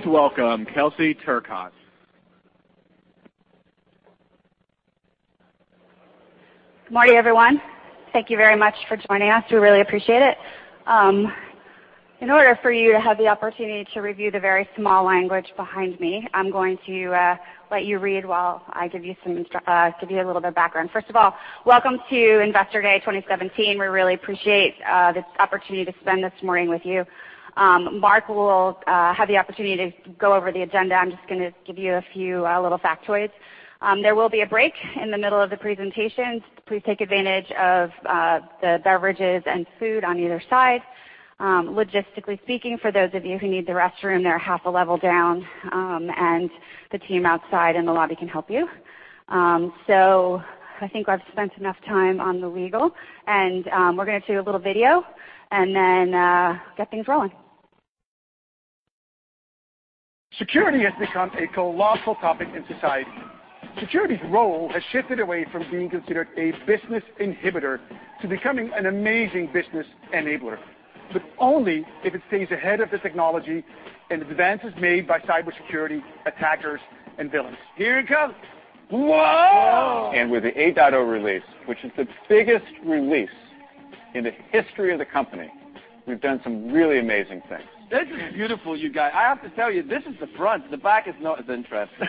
Please welcome Kelsey Turcotte. Good morning, everyone. Thank you very much for joining us. We really appreciate it. In order for you to have the opportunity to review the very small language behind me, I'm going to let you read while I give you a little bit of background. First of all, welcome to Investor Day 2017. We really appreciate this opportunity to spend this morning with you. Mark will have the opportunity to go over the agenda. I'm just going to give you a few little factoids. There will be a break in the middle of the presentation. Please take advantage of the beverages and food on either side. Logistically speaking, for those of you who need the restroom, they're half a level down, and the team outside in the lobby can help you. I think I've spent enough time on the legal, and we're going to show you a little video and then get things rolling. Security has become a colossal topic in society. Security's role has shifted away from being considered a business inhibitor to becoming an amazing business enabler, but only if it stays ahead of the technology and advances made by cybersecurity attackers and villains. Here it comes. Whoa. Whoa! With the 8.0 release, which is the biggest release in the history of the company, we've done some really amazing things. This is beautiful, you guys. I have to tell you, this is the front. The back is not as interesting.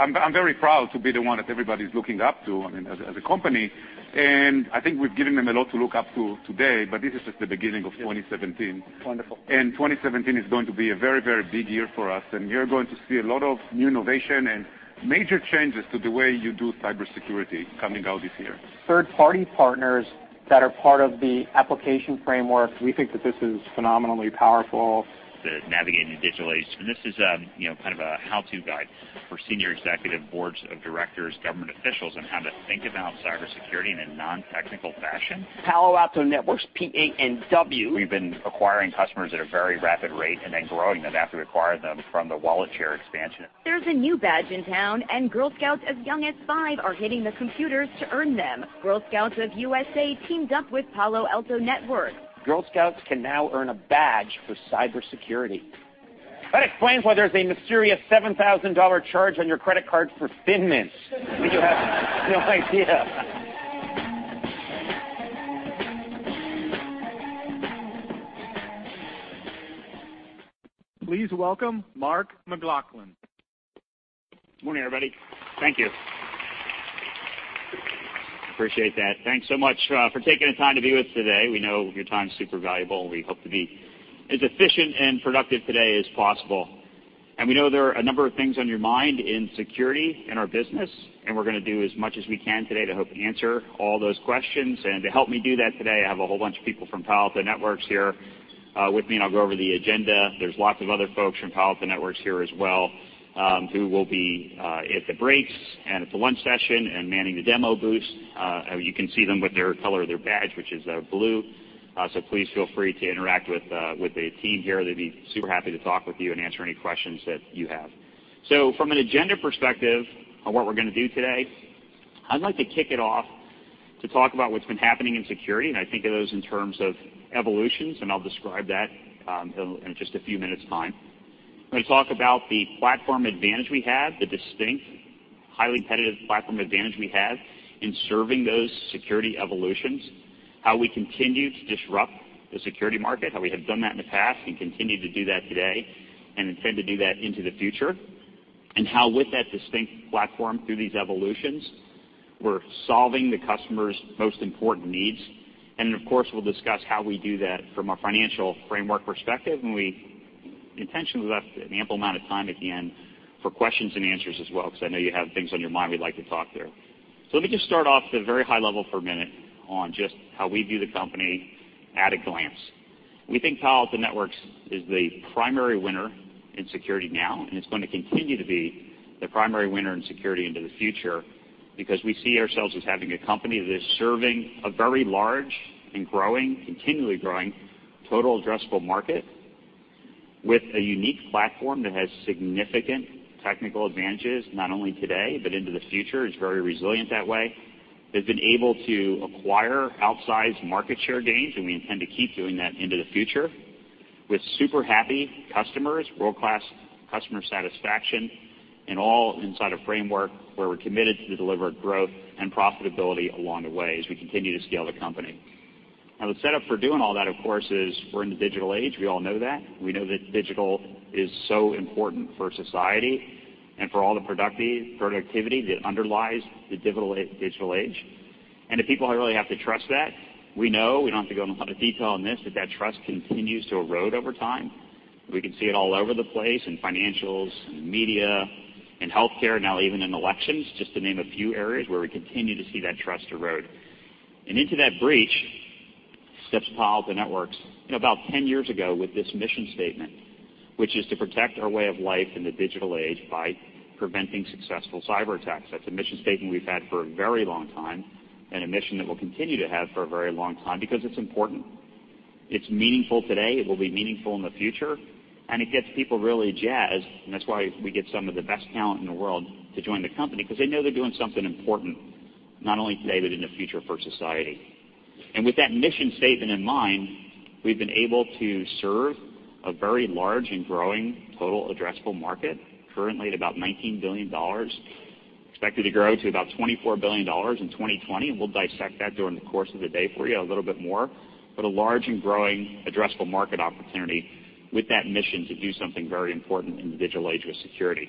I'm very proud to be the one that everybody's looking up to, I mean, as a company, and I think we've given them a lot to look up to today, but this is just the beginning of 2017. Wonderful. 2017 is going to be a very, very big year for us, and you're going to see a lot of new innovation and major changes to the way you do cybersecurity coming out this year. Third-party partners that are part of the application framework, we think that this is phenomenally powerful. To navigate in the digital age. This is kind of a how-to guide for senior executive boards of directors, government officials, on how to think about cybersecurity in a non-technical fashion. Palo Alto Networks, PANW. We've been acquiring customers at a very rapid rate and then growing them after acquiring them from the wallet share expansion. There's a new badge in town, and Girl Scouts as young as five are hitting the computers to earn them. Girl Scouts of USA teamed up with Palo Alto Networks. Girl Scouts can now earn a badge for cybersecurity. That explains why there's a mysterious $7,000 charge on your credit card for Thin Mints. We had no idea. Please welcome Mark McLaughlin. Morning, everybody. Thank you. Appreciate that. Thanks so much for taking the time to be with us today. We know your time is super valuable, and we hope to be as efficient and productive today as possible. We know there are a number of things on your mind in security, in our business, and we're going to do as much as we can today to hope to answer all those questions. To help me do that today, I have a whole bunch of people from Palo Alto Networks here with me, and I'll go over the agenda. There's lots of other folks from Palo Alto Networks here as well, who will be at the breaks and at the lunch session and manning the demo booth. You can see them with their color of their badge, which is blue. Please feel free to interact with the team here. They'd be super happy to talk with you and answer any questions that you have. From an agenda perspective on what we're going to do today, I'd like to kick it off to talk about what's been happening in security, and I think of those in terms of evolutions, and I'll describe that in just a few minutes' time. I'm going to talk about the platform advantage we have, the distinct, highly competitive platform advantage we have in serving those security evolutions, how we continue to disrupt the security market, how we have done that in the past and continue to do that today and intend to do that into the future, and how with that distinct platform through these evolutions, we're solving the customer's most important needs. Then, of course, we'll discuss how we do that from a financial framework perspective, and we intentionally left an ample amount of time at the end for questions and answers as well because I know you have things on your mind we'd like to talk through. Let me just start off at a very high level for a minute on just how we view the company at a glance. We think Palo Alto Networks is the primary winner in security now, and it's going to continue to be the primary winner in security into the future because we see ourselves as having a company that is serving a very large and continually growing total addressable market with a unique platform that has significant technical advantages, not only today but into the future. It's very resilient that way. That's been able to acquire outsized market share gains, and we intend to keep doing that into the future with super happy customers, world-class customer satisfaction, and all inside a framework where we're committed to deliver growth and profitability along the way as we continue to scale the company. Now, the setup for doing all that, of course, is we're in the digital age. We all know that. We know that digital is so important for society and for all the productivity that underlies the digital age. The people really have to trust that. We know, we don't have to go into a lot of detail on this, that that trust continues to erode over time. We can see it all over the place, in financials, in media, in healthcare, now even in elections, just to name a few areas where we continue to see that trust erode. Into that breach steps Palo Alto Networks about 10 years ago with this mission statement, which is to protect our way of life in the digital age by preventing successful cyber attacks. That's a mission statement we've had for a very long time and a mission that we'll continue to have for a very long time because it's important. It's meaningful today, it will be meaningful in the future, and it gets people really jazzed, and that's why we get some of the best talent in the world to join the company because they know they're doing something important, not only today but in the future for society. With that mission statement in mind, we've been able to serve a very large and growing total addressable market, currently at about $19 billion, expected to grow to about $24 billion in 2020. We'll dissect that during the course of the day for you a little bit more. A large and growing addressable market opportunity with that mission to do something very important in the digital age with security.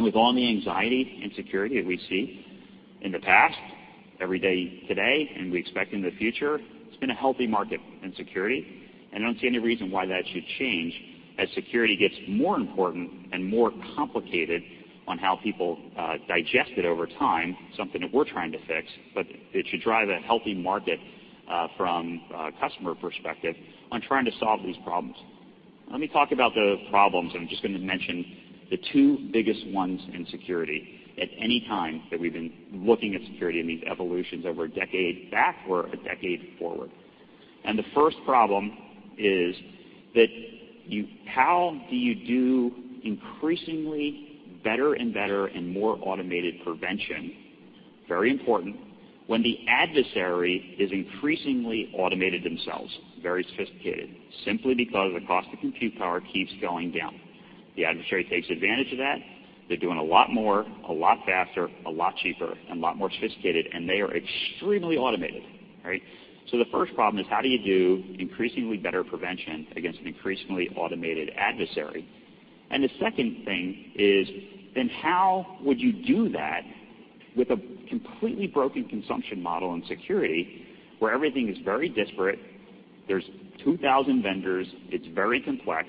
With all the anxiety and security that we see in the past, every day today, and we expect in the future, it's been a healthy market in security, and I don't see any reason why that should change as security gets more important and more complicated on how people digest it over time, something that we're trying to fix. It should drive a healthy market, from a customer perspective, on trying to solve these problems. Let me talk about the problems. I'm just going to mention the two biggest ones in security at any time that we've been looking at security in these evolutions over a decade back or a decade forward. The first problem is that how do you do increasingly better and better and more automated prevention, very important, when the adversary has increasingly automated themselves, very sophisticated, simply because the cost of compute power keeps going down. The adversary takes advantage of that. They're doing a lot more, a lot faster, a lot cheaper, and a lot more sophisticated, and they are extremely automated. Right? The first problem is how do you do increasingly better prevention against an increasingly automated adversary? The second thing is, how would you do that with a completely broken consumption model in security where everything is very disparate, there's 2,000 vendors, it's very complex,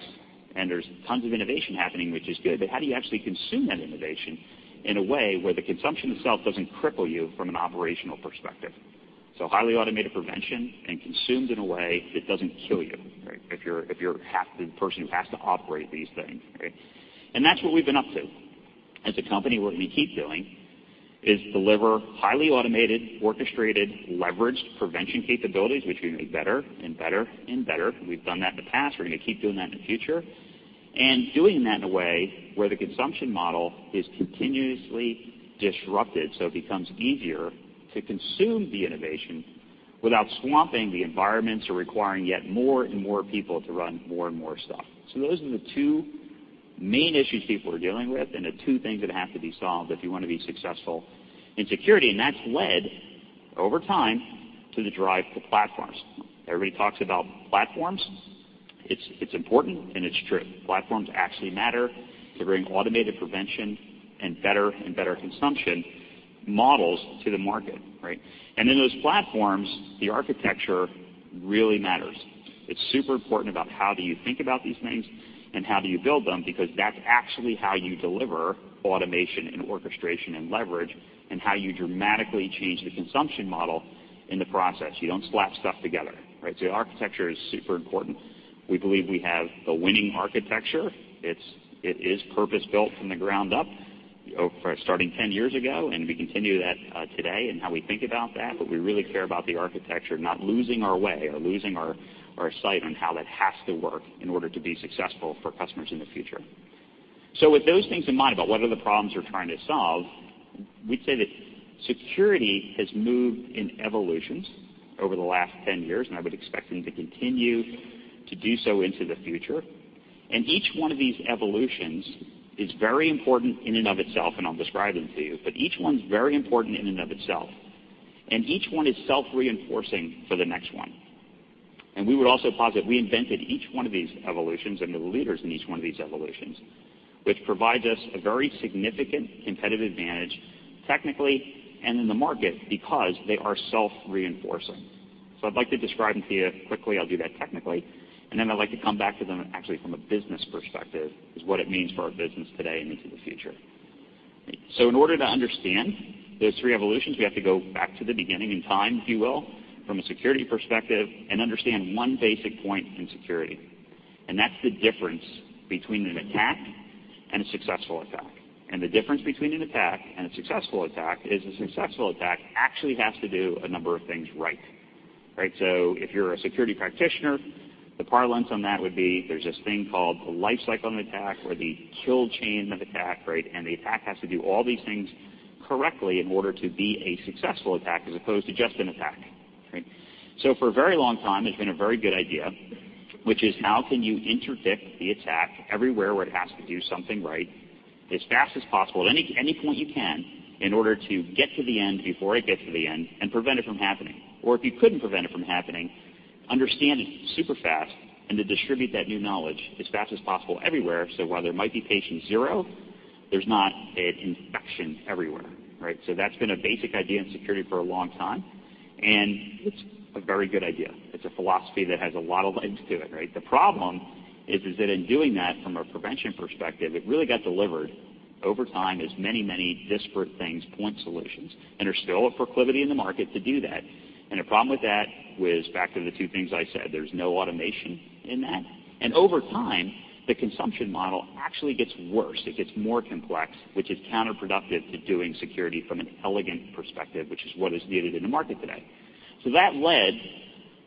and there's tons of innovation happening, which is good, but how do you actually consume that innovation in a way where the consumption itself doesn't cripple you from an operational perspective? Highly automated prevention and consumed in a way that doesn't kill you, right? If you're the person who has to operate these things, right? That's what we've been up to. As a company, what we keep doing is deliver highly automated, orchestrated, leveraged prevention capabilities, which we make better and better and better. We've done that in the past. We're going to keep doing that in the future. Doing that in a way where the consumption model is continuously disrupted, it becomes easier to consume the innovation without swamping the environments or requiring yet more and more people to run more and more stuff. Those are the two main issues people are dealing with and the two things that have to be solved if you want to be successful in security. That's led, over time, to the drive for platforms. Everybody talks about platforms. It's important, it's true. Platforms actually matter. They're bringing automated prevention and better and better consumption models to the market, right? In those platforms, the architecture really matters. It's super important about how do you think about these things, and how do you build them, because that's actually how you deliver automation and orchestration and leverage, and how you dramatically change the consumption model in the process. You don't slap stuff together. Right? The architecture is super important. We believe we have the winning architecture. It is purpose-built from the ground up, starting 10 years ago, and we continue that today in how we think about that. We really care about the architecture, not losing our way or losing our sight on how that has to work in order to be successful for customers in the future. With those things in mind about what are the problems we're trying to solve, we'd say that security has moved in evolutions over the last 10 years, and I would expect them to continue to do so into the future. Each one of these evolutions is very important in and of itself, and I'll describe them to you, but each one's very important in and of itself. Each one is self-reinforcing for the next one. We would also posit we invented each one of these evolutions and were the leaders in each one of these evolutions, which provides us a very significant competitive advantage, technically and in the market, because they are self-reinforcing. I'd like to describe them to you quickly. I'll do that technically. Then I'd like to come back to them actually from a business perspective, is what it means for our business today and into the future. In order to understand those three evolutions, we have to go back to the beginning in time, if you will, from a security perspective, and understand one basic point in security, and that's the difference between an attack and a successful attack. The difference between an attack and a successful attack is a successful attack actually has to do a number of things right. Right? If you're a security practitioner, the parlance on that would be there's this thing called the lifecycle of attack or the kill chain of attack, right? The attack has to do all these things correctly in order to be a successful attack, as opposed to just an attack. Right? For a very long time, it's been a very good idea, which is how can you interdict the attack everywhere where it has to do something right, as fast as possible, at any point you can, in order to get to the end before it gets to the end and prevent it from happening? Or if you couldn't prevent it from happening, understand it super fast and to distribute that new knowledge as fast as possible everywhere, so while there might be patient zero, there's not an infection everywhere. Right? That's been a basic idea in security for a long time, and it's a very good idea. It's a philosophy that has a lot of legs to it, right? The problem is that in doing that from a prevention perspective, it really got delivered over time as many, many disparate things, point solutions. There's still a proclivity in the market to do that. The problem with that was back to the two things I said, there's no automation in that. Over time, the consumption model actually gets worse. It gets more complex, which is counterproductive to doing security from an elegant perspective, which is what is needed in the market today. That led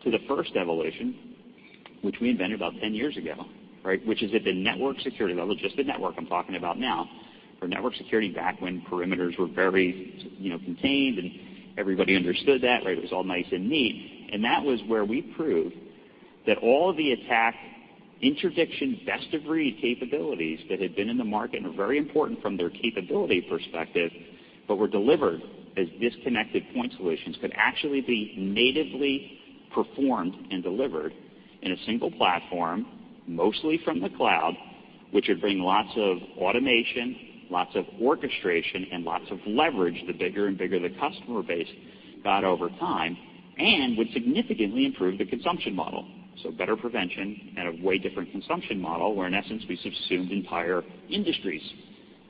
to the first evolution Which we invented about 10 years ago, right? Which is at the network security level, just the network I'm talking about now, for network security back when perimeters were very contained and everybody understood that, right? It was all nice and neat. That was where we proved that all the attack interdiction best-of-breed capabilities that had been in the market and are very important from their capability perspective, but were delivered as disconnected point solutions, could actually be natively performed and delivered in a single platform, mostly from the cloud, which would bring lots of automation, lots of orchestration, and lots of leverage the bigger and bigger the customer base got over time, and would significantly improve the consumption model. Better prevention and a way different consumption model, where, in essence, we subsumed entire industries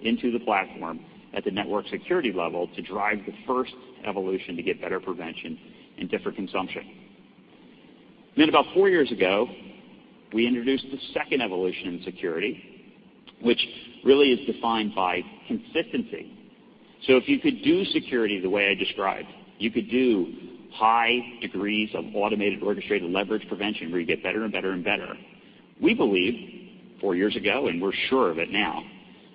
into the platform at the network security level to drive the first evolution to get better prevention and different consumption. About four years ago, we introduced the second evolution in security, which really is defined by consistency. If you could do security the way I described, you could do high degrees of automated, orchestrated leverage prevention, where you get better and better and better. We believed four years ago, and we're surer of it now,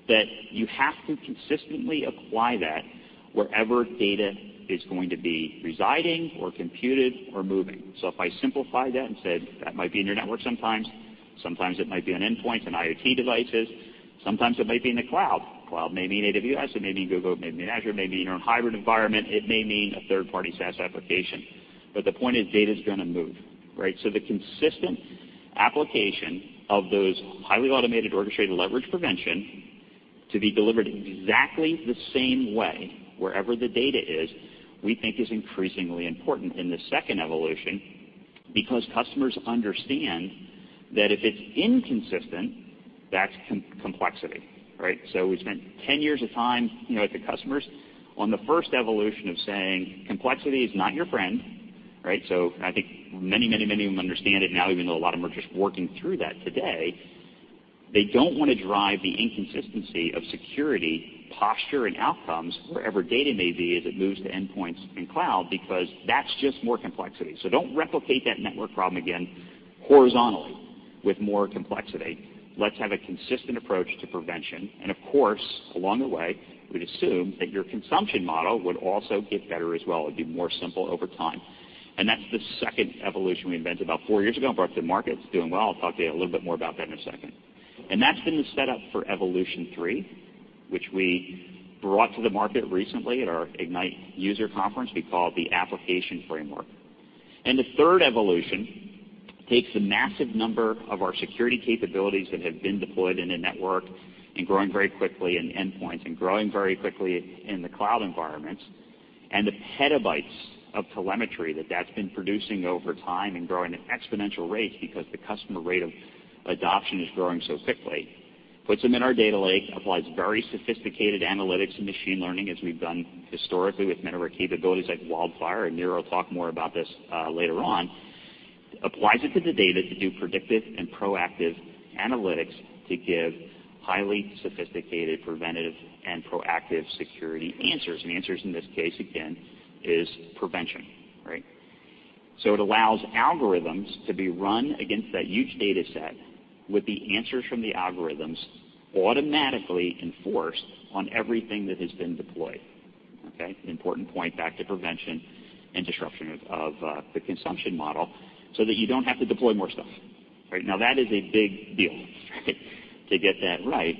that you have to consistently apply that wherever data is going to be residing or computed or moving. If I simplify that and said, "That might be in your network sometimes it might be on endpoint, on IoT devices, sometimes it might be in the cloud." Cloud may mean AWS, it may mean Google, it may mean Azure, it may mean your own hybrid environment. It may mean a third-party SaaS application. The point is, data's going to move, right? The consistent application of those highly automated, orchestrated leverage prevention to be delivered exactly the same way wherever the data is, we think is increasingly important in the second evolution because customers understand that if it's inconsistent, that's complexity, right? We spent 10 years of time with the customers on the first evolution of saying, "Complexity is not your friend." Right? I think many of them understand it now, even though a lot of them are just working through that today. They don't want to drive the inconsistency of security posture and outcomes wherever data may be as it moves to endpoints and cloud, because that's just more complexity. Don't replicate that network problem again horizontally with more complexity. Let's have a consistent approach to prevention. Of course, along the way, we'd assume that your consumption model would also get better as well. It'd be more simple over time. That's the second evolution we invented about four years ago and brought to the market. It's doing well. I'll talk to you a little bit more about that in a second. That's been the setup for evolution three, which we brought to the market recently at our Ignite user conference. We call it the application framework. The third evolution takes the massive number of our security capabilities that have been deployed in a network and growing very quickly in endpoints and growing very quickly in the cloud environments, and the petabytes of telemetry that that's been producing over time and growing at exponential rates because the customer rate of adoption is growing so quickly, puts them in our data lake, applies very sophisticated analytics and machine learning as we've done historically with many of our capabilities like WildFire, and Nir will talk more about this later on, applies it to the data to do predictive and proactive analytics to give highly sophisticated, preventative, and proactive security answers. Answers, in this case, again, is prevention, right? It allows algorithms to be run against that huge dataset with the answers from the algorithms automatically enforced on everything that has been deployed. Okay. An important point back to prevention and disruption of the consumption model so that you don't have to deploy more stuff, right. Now, that is a big deal to get that right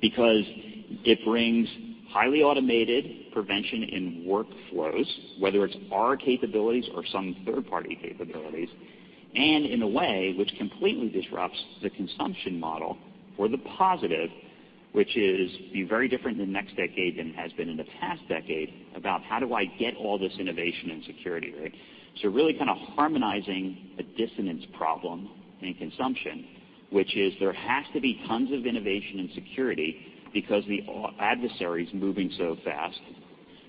because it brings highly automated prevention in workflows, whether it's our capabilities or some third-party capabilities, and in a way which completely disrupts the consumption model for the positive, which is be very different in the next decade than it has been in the past decade about how do I get all this innovation and security, right. Really kind of harmonizing a dissonance problem in consumption, which is there has to be tons of innovation in security because the adversary's moving so fast.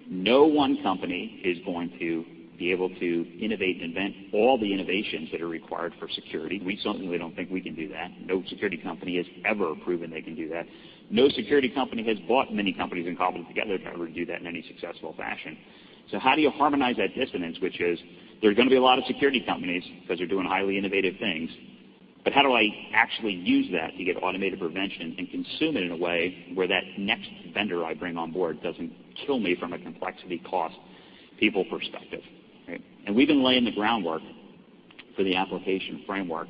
No one company is going to be able to innovate and invent all the innovations that are required for security. We certainly don't think we can do that. No security company has ever proven they can do that. No security company has bought many companies and cobbled them together to ever do that in any successful fashion. So how do you harmonize that dissonance, which is there are going to be a lot of security companies because they're doing highly innovative things, but how do I actually use that to get automated prevention and consume it in a way where that next vendor I bring on board doesn't kill me from a complexity cost people perspective, right. We've been laying the groundwork for the application framework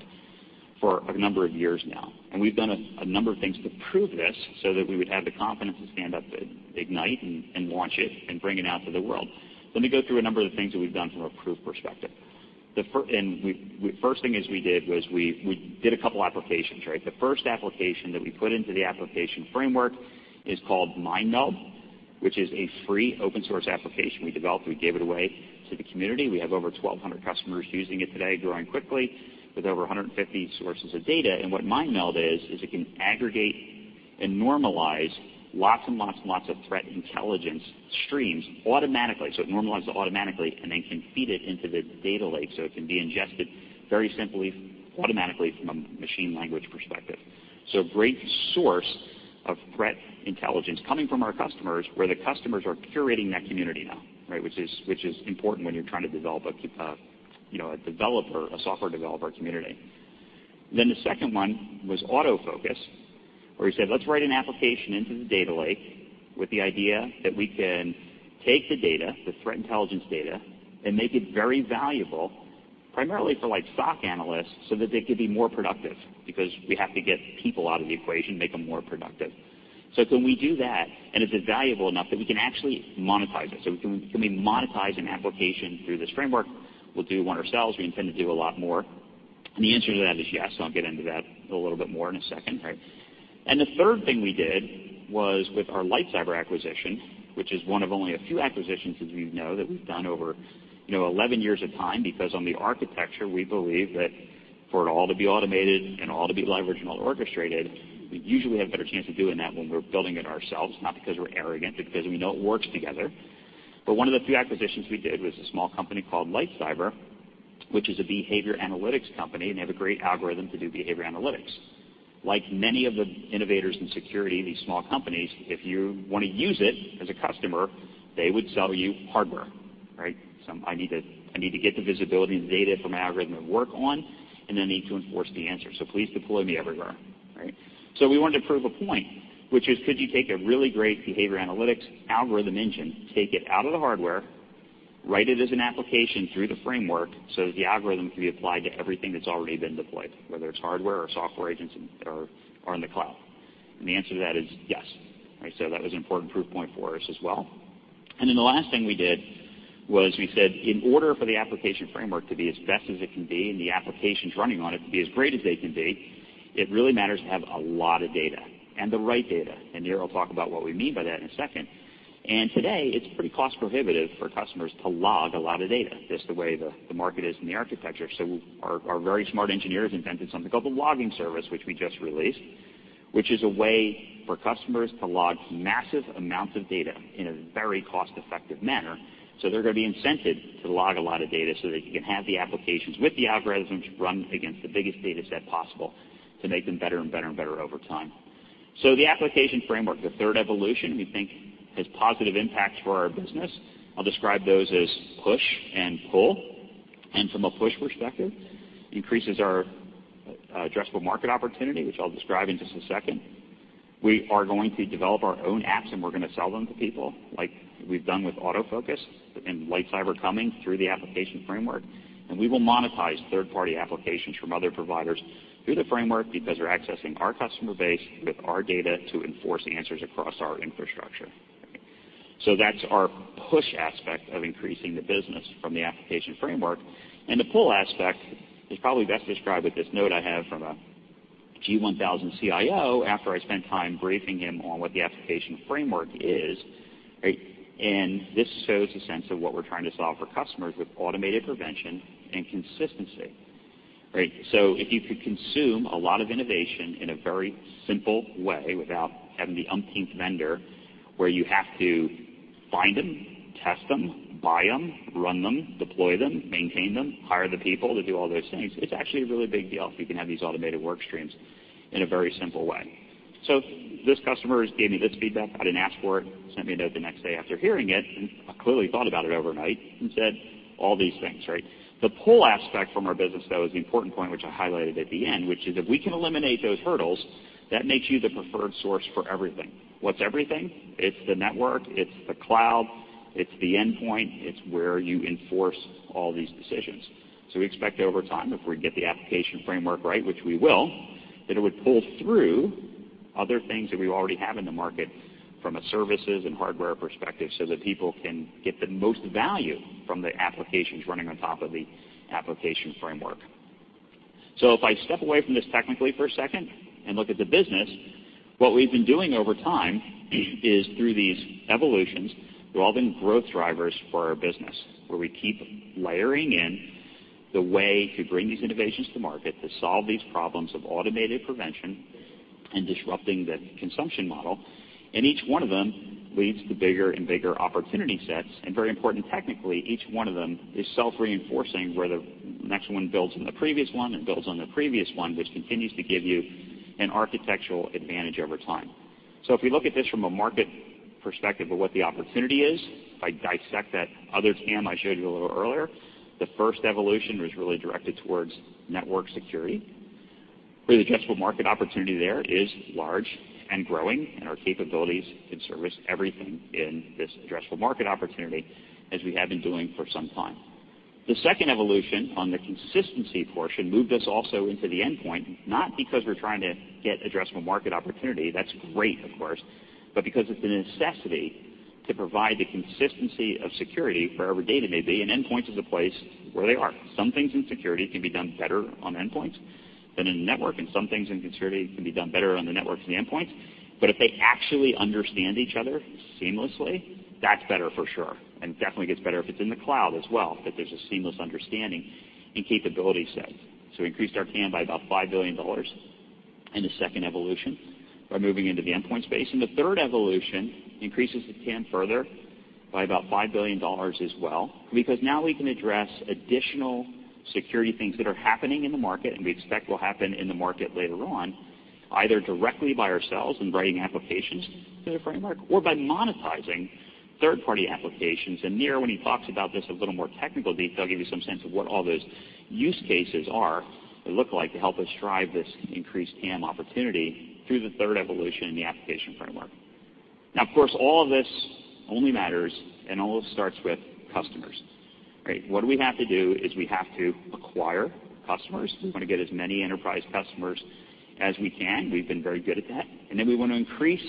for a number of years now, and we've done a number of things to prove this so that we would have the confidence to stand up at Ignite and launch it and bring it out to the world. Let me go through a number of the things that we've done from a proof perspective. First thing is we did was we did a couple applications, right. The first application that we put into the application framework is called MineMeld, which is a free open source application we developed. We gave it away to the community. We have over 1,200 customers using it today, growing quickly with over 150 sources of data. What MineMeld is it can aggregate and normalize lots and lots and lots of threat intelligence streams automatically. It normalizes it automatically and then can feed it into the data lake so it can be ingested very simply automatically from a machine language perspective. A great source of threat intelligence coming from our customers, where the customers are curating that community now. Which is important when you're trying to develop a software developer community. The second one was AutoFocus, where we said, let's write an application into the data lake with the idea that we can take the data, the threat intelligence data, and make it very valuable, primarily for SOC analysts, so that they could be more productive, because we have to get people out of the equation, make them more productive. Can we do that, and is it valuable enough that we can actually monetize it? Can we monetize an application through this framework? We'll do one ourselves. We intend to do a lot more. The answer to that is yes. I'll get into that a little bit more in a second. The third thing we did was with our LightCyber acquisition, which is one of only a few acquisitions, as you know, that we've done over 11 years of time. On the architecture, we believe that for it all to be automated and all to be leveraged and all orchestrated, we usually have a better chance of doing that when we're building it ourselves. Not because we're arrogant, but because we know it works together. One of the few acquisitions we did was a small company called LightCyber, which is a behavior analytics company, and they have a great algorithm to do behavior analytics. Like many of the innovators in security, these small companies, if you want to use it as a customer, they would sell you hardware. I need to get the visibility and the data for my algorithm to work on, and I need to enforce the answer. Please deploy me everywhere. We wanted to prove a point, which is, could you take a really great behavior analytics algorithm engine, take it out of the hardware, write it as an application through the framework so that the algorithm can be applied to everything that's already been deployed, whether it's hardware or software agents or in the cloud? The answer to that is yes. That was an important proof point for us as well. The last thing we did was we said, in order for the application framework to be as best as it can be, and the applications running on it to be as great as they can be, it really matters to have a lot of data and the right data. Nir will talk about what we mean by that in a second. Today, it's pretty cost prohibitive for customers to log a lot of data, just the way the market is and the architecture. Our very smart engineers invented something called the Logging Service, which we just released, which is a way for customers to log massive amounts of data in a very cost-effective manner. They're going to be incented to log a lot of data so that you can have the applications with the algorithms run against the biggest data set possible to make them better and better and better over time. The application framework, the third evolution, we think, has positive impacts for our business. I'll describe those as push and pull. From a push perspective, increases our addressable market opportunity, which I'll describe in just a second. We are going to develop our own apps, and we're going to sell them to people like we've done with AutoFocus and LightCyber coming through the application framework. We will monetize third-party applications from other providers through the framework because they're accessing our customer base with our data to enforce the answers across our infrastructure. That's our push aspect of increasing the business from the application framework. The pull aspect is probably best described with this note I have from a Global 1000 CIO after I spent time briefing him on what the application framework is. This shows a sense of what we're trying to solve for customers with automated prevention and consistency. If you could consume a lot of innovation in a very simple way without having the umpteenth vendor where you have to find them, test them, buy them, run them, deploy them, maintain them, hire the people to do all those things, it's actually a really big deal if you can have these automated work streams in a very simple way. This customer has gave me this feedback. I didn't ask for it. Sent me a note the next day after hearing it. Clearly thought about it overnight and said all these things. The pull aspect from our business, though, is the important point which I highlighted at the end, which is if we can eliminate those hurdles, that makes you the preferred source for everything. What's everything? It's the network, it's the cloud, it's the endpoint. It's where you enforce all these decisions. We expect over time, if we get the application framework right, which we will, that it would pull through other things that we already have in the market from a services and hardware perspective, so that people can get the most value from the applications running on top of the application framework. If I step away from this technically for a second and look at the business, what we've been doing over time is through these evolutions, they've all been growth drivers for our business, where we keep layering in the way to bring these innovations to market to solve these problems of automated prevention and disrupting the consumption model. Each one of them leads to bigger and bigger opportunity sets. Very important technically, each one of them is self-reinforcing, where the next one builds on the previous one and builds on the previous one, which continues to give you an architectural advantage over time. If you look at this from a market perspective of what the opportunity is, if I dissect that other TAM I showed you a little earlier, the first evolution was really directed towards network security, where the addressable market opportunity there is large and growing, and our capabilities can service everything in this addressable market opportunity as we have been doing for some time. The second evolution on the consistency portion moved us also into the endpoint, not because we're trying to get addressable market opportunity. That's great, of course, but because it's a necessity to provide the consistency of security for wherever data may be, and endpoints is a place where they are. Some things in security can be done better on endpoints than in network, and some things in security can be done better on the network than the endpoints. If they actually understand each other seamlessly, that's better for sure, and definitely gets better if it's in the cloud as well, that there's a seamless understanding and capability set. We increased our TAM by about $5 billion in the second evolution by moving into the endpoint space. The third evolution increases the TAM further by about $5 billion as well, because now we can address additional security things that are happening in the market, and we expect will happen in the market later on, either directly by ourselves and writing applications to the framework or by monetizing third-party applications. Nir, when he talks about this in a little more technical detail, will give you some sense of what all those use cases are or look like to help us drive this increased TAM opportunity through the third evolution in the application framework. Of course, all of this only matters and all this starts with customers, right? What do we have to do is we have to acquire customers. We want to get as many enterprise customers as we can. We've been very good at that. Then we want to increase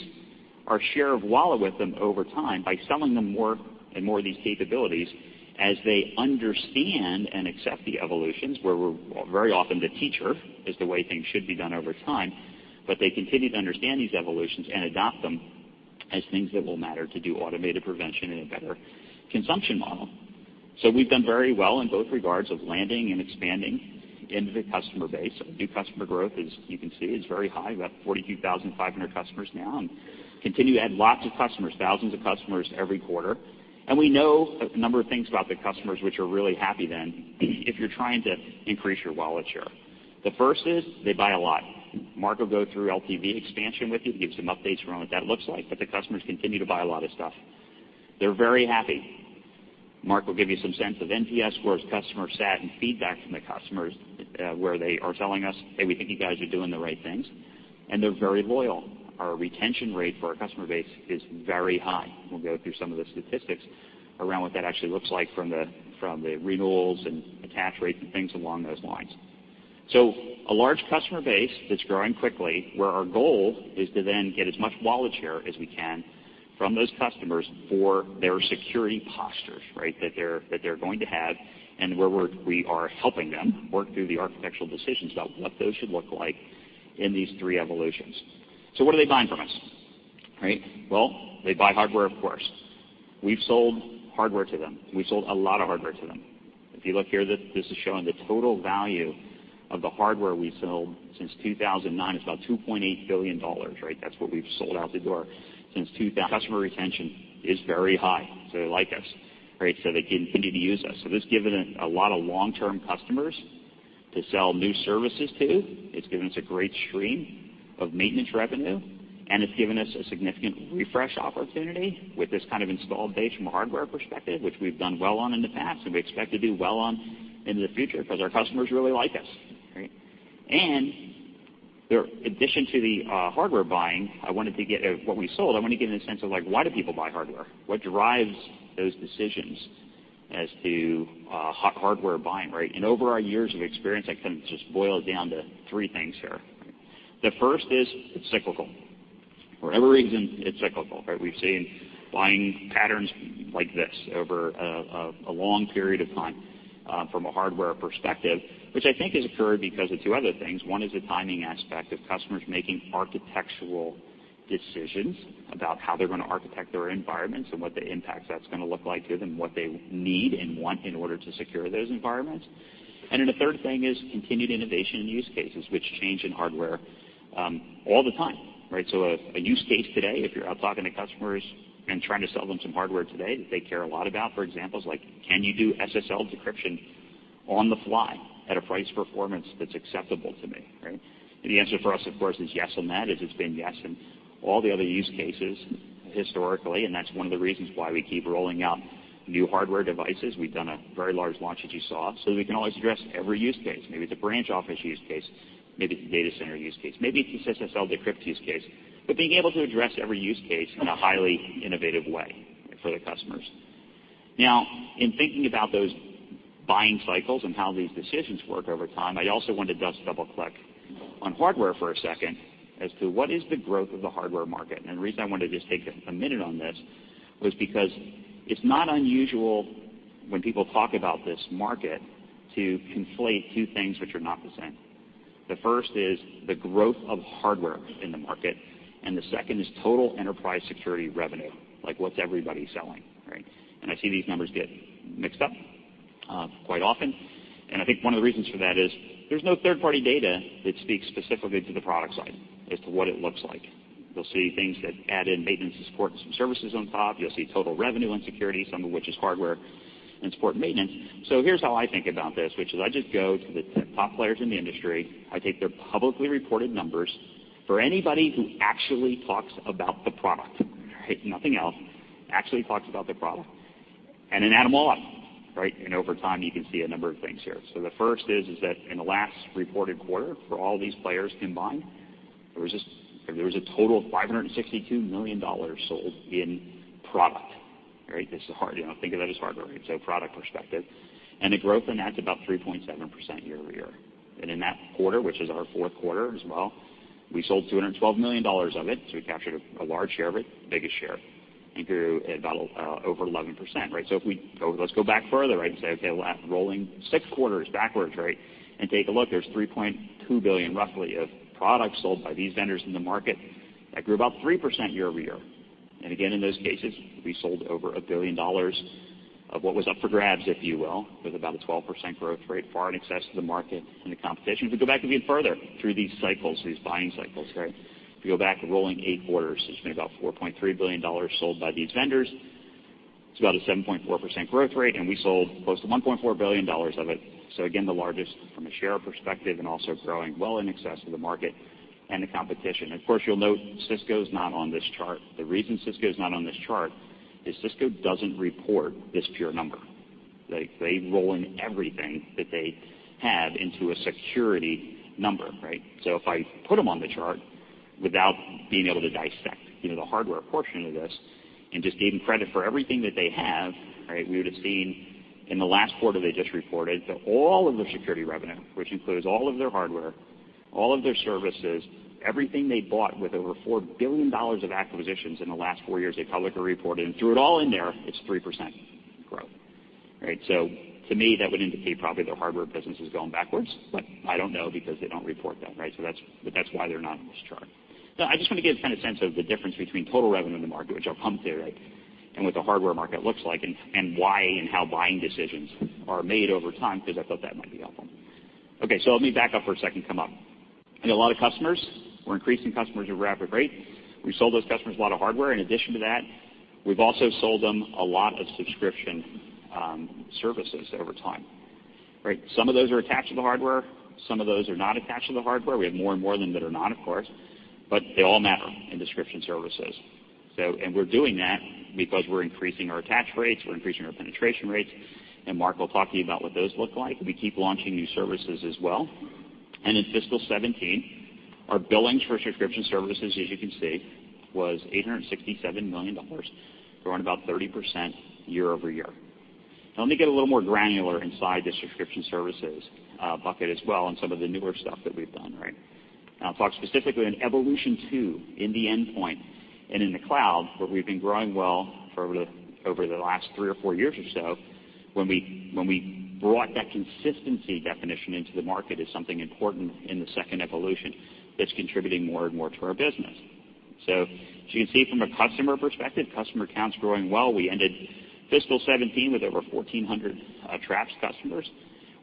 our share of wallet with them over time by selling them more and more of these capabilities as they understand and accept the evolutions, where we're very often the teacher, is the way things should be done over time. They continue to understand these evolutions and adopt them as things that will matter to do automated prevention in a better consumption model. We've done very well in both regards of landing and expanding into the customer base. New customer growth, as you can see, is very high, about 42,500 customers now, and continue to add lots of customers, thousands of customers every quarter. We know a number of things about the customers which are really happy then, if you're trying to increase your wallet share. The first is they buy a lot. Mark will go through LTV expansion with you, give some updates around what that looks like, but the customers continue to buy a lot of stuff. They're very happy. Mark will give you some sense of NPS scores, customer sat, and feedback from the customers, where they are telling us, "Hey, we think you guys are doing the right things." They're very loyal. Our retention rate for our customer base is very high. We'll go through some of the statistics around what that actually looks like from the renewals and attach rate, and things along those lines. A large customer base that's growing quickly, where our goal is to then get as much wallet share as we can from those customers for their security postures, right, that they're going to have, and where we are helping them work through the architectural decisions about what those should look like in these three evolutions. What are they buying from us, right? Well, they buy hardware, of course. We've sold hardware to them. We've sold a lot of hardware to them. If you look here, this is showing the total value of the hardware we've sold since 2009. It's about $2.8 billion, right? That's what we've sold out the door since 2000. Customer retention is very high, they like us, right? They continue to use us. It's given a lot of long-term customers to sell new services to. It's given us a great stream of maintenance revenue, and it's given us a significant refresh opportunity with this kind of installed base from a hardware perspective, which we've done well on in the past and we expect to do well on into the future because our customers really like us, right? In addition to the hardware buying, what we sold, I want to give you a sense of why do people buy hardware? What drives those decisions as to hardware buying, right? Over our years of experience, I kind of just boil it down to three things here. The first is it's cyclical. For whatever reason, it's cyclical, right? We've seen buying patterns like this over a long period of time, from a hardware perspective, which I think has occurred because of two other things. One is the timing aspect of customers making architectural decisions about how they're going to architect their environments and what the impact that's going to look like to them, what they need and want in order to secure those environments. Then a third thing is continued innovation in use cases, which change in hardware all the time, right? A use case today, if you're out talking to customers and trying to sell them some hardware today that they care a lot about, for example, is like, can you do SSL decryption on the fly at a price performance that's acceptable to me, right? The answer for us, of course, is yes on that, as it's been yes on all the other use cases historically, and that's one of the reasons why we keep rolling out new hardware devices. We've done a very large launch, as you saw, that we can always address every use case. Maybe it's a branch office use case, maybe it's a data center use case. Maybe it's the SSL decrypt use case. Being able to address every use case in a highly innovative way for the customers. Now, in thinking about those buying cycles and how these decisions work over time, I also want to just double-click on hardware for a second as to what is the growth of the hardware market. The reason I want to just take a minute on this was because it's not unusual when people talk about this market to conflate two things which are not the same. The first is the growth of hardware in the market, and the second is total enterprise security revenue, like what's everybody selling, right? I see these numbers get mixed up quite often. I think one of the reasons for that is there's no third-party data that speaks specifically to the product side as to what it looks like. You'll see things that add in maintenance and support and some services on top. You'll see total revenue and security, some of which is hardware and support and maintenance. Here's how I think about this, which is I just go to the top players in the industry. I take their publicly reported numbers for anybody who actually talks about the product, right, nothing else, actually talks about the product, then add them all up, right? Over time, you can see a number of things here. The first is that in the last reported quarter for all these players combined, there was a total of $562 million sold in product, right? Think of that as hardware, so product perspective. The growth in that's about 3.7% year-over-year. In that quarter, which is our fourth quarter as well, we sold $212 million of it, so we captured a large share of it, biggest share, and grew at about over 11%, right? Let's go back further and say, okay, rolling 6 quarters backwards and take a look. There's $3.2 billion, roughly, of product sold by these vendors in the market. That grew about 3% year-over-year. Again, in those cases, we sold over $1 billion of what was up for grabs, if you will, with about a 12% growth rate, far in excess to the market and the competition. If we go back even further through these cycles, these buying cycles. If you go back a rolling 8 quarters, there's been about $4.3 billion sold by these vendors. It's about a 7.4% growth rate, and we sold close to $1.4 billion of it. Again, the largest from a share perspective and also growing well in excess of the market and the competition. Of course, you'll note Cisco's not on this chart. The reason Cisco's not on this chart is Cisco doesn't report this pure number. They roll in everything that they have into a security number. If I put them on the chart without being able to dissect the hardware portion of this and just gave them credit for everything that they have, we would've seen in the last quarter they just reported that all of their security revenue, which includes all of their hardware, all of their services, everything they bought with over $4 billion of acquisitions in the last 4 years, they publicly reported and threw it all in there, it's 3% growth. To me, that would indicate probably their hardware business is going backwards, but I don't know because they don't report that. That's why they're not on this chart. I just want to give a sense of the difference between total revenue in the market, which I'll come to, and what the hardware market looks like, and why and how buying decisions are made over time, because I thought that might be helpful. Let me back up for a second, come up. I got a lot of customers. We're increasing customers at a rapid rate. We've sold those customers a lot of hardware. In addition to that, we've also sold them a lot of subscription services over time. Some of those are attached to the hardware, some of those are not attached to the hardware. We have more and more of them that are not, of course, but they all matter in subscription services. We're doing that because we're increasing our attach rates, we're increasing our penetration rates, and Mark will talk to you about what those look like. We keep launching new services as well. In fiscal 2017, our billings for subscription services, as you can see, was $867 million, growing about 30% year-over-year. Let me get a little more granular inside the subscription services bucket as well and some of the newer stuff that we've done. I'll talk specifically on Evolution 2 in the endpoint and in the cloud, where we've been growing well for over the last three or four years or so, when we brought that consistency definition into the market as something important in the second evolution that's contributing more and more to our business. As you can see from a customer perspective, customer count's growing well. We ended fiscal 2017 with over 1,400 Traps customers.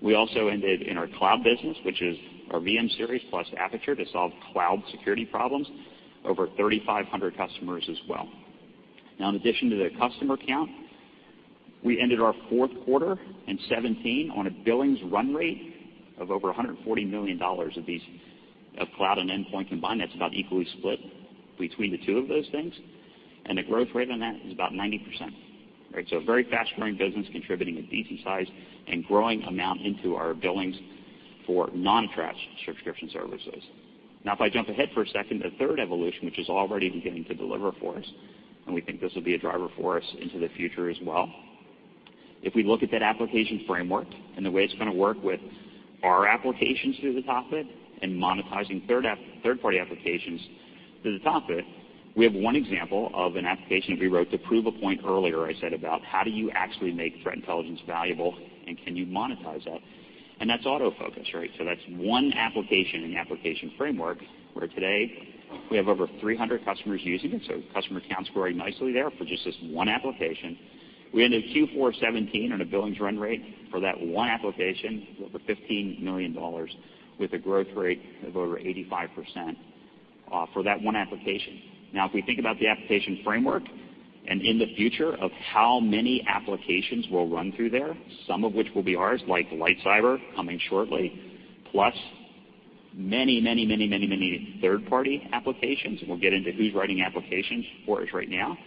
We also ended in our cloud business, which is our VM-Series plus Aperture to solve cloud security problems, over 3,500 customers as well. In addition to the customer count, we ended our fourth quarter in 2017 on a billings run rate of over $140 million of cloud and endpoint combined. That's about equally split between the two of those things. The growth rate on that is about 90%. A very fast-growing business contributing a decent size and growing amount into our billings for non-Traps subscription services. If I jump ahead for a second, the third evolution, which is already beginning to deliver for us, and we think this will be a driver for us into the future as well. If we look at that application framework and the way it's going to work with our applications through the and monetizing third-party applications through the, we have one example of an application that we wrote to prove a point earlier I said about how do you actually make threat intelligence valuable and can you monetize that? That's AutoFocus. That's one application in the application framework where today we have over 300 customers using it, so customer count's growing nicely there for just this one application. We ended Q4 2017 on a billings run rate for that one application of over $15 million with a growth rate of over 85% for that one application. If we think about the application framework and in the future of how many applications will run through there, some of which will be ours, like LightCyber, coming shortly, plus many, many, many, many, many third-party applications. We'll get into who's writing applications for us right now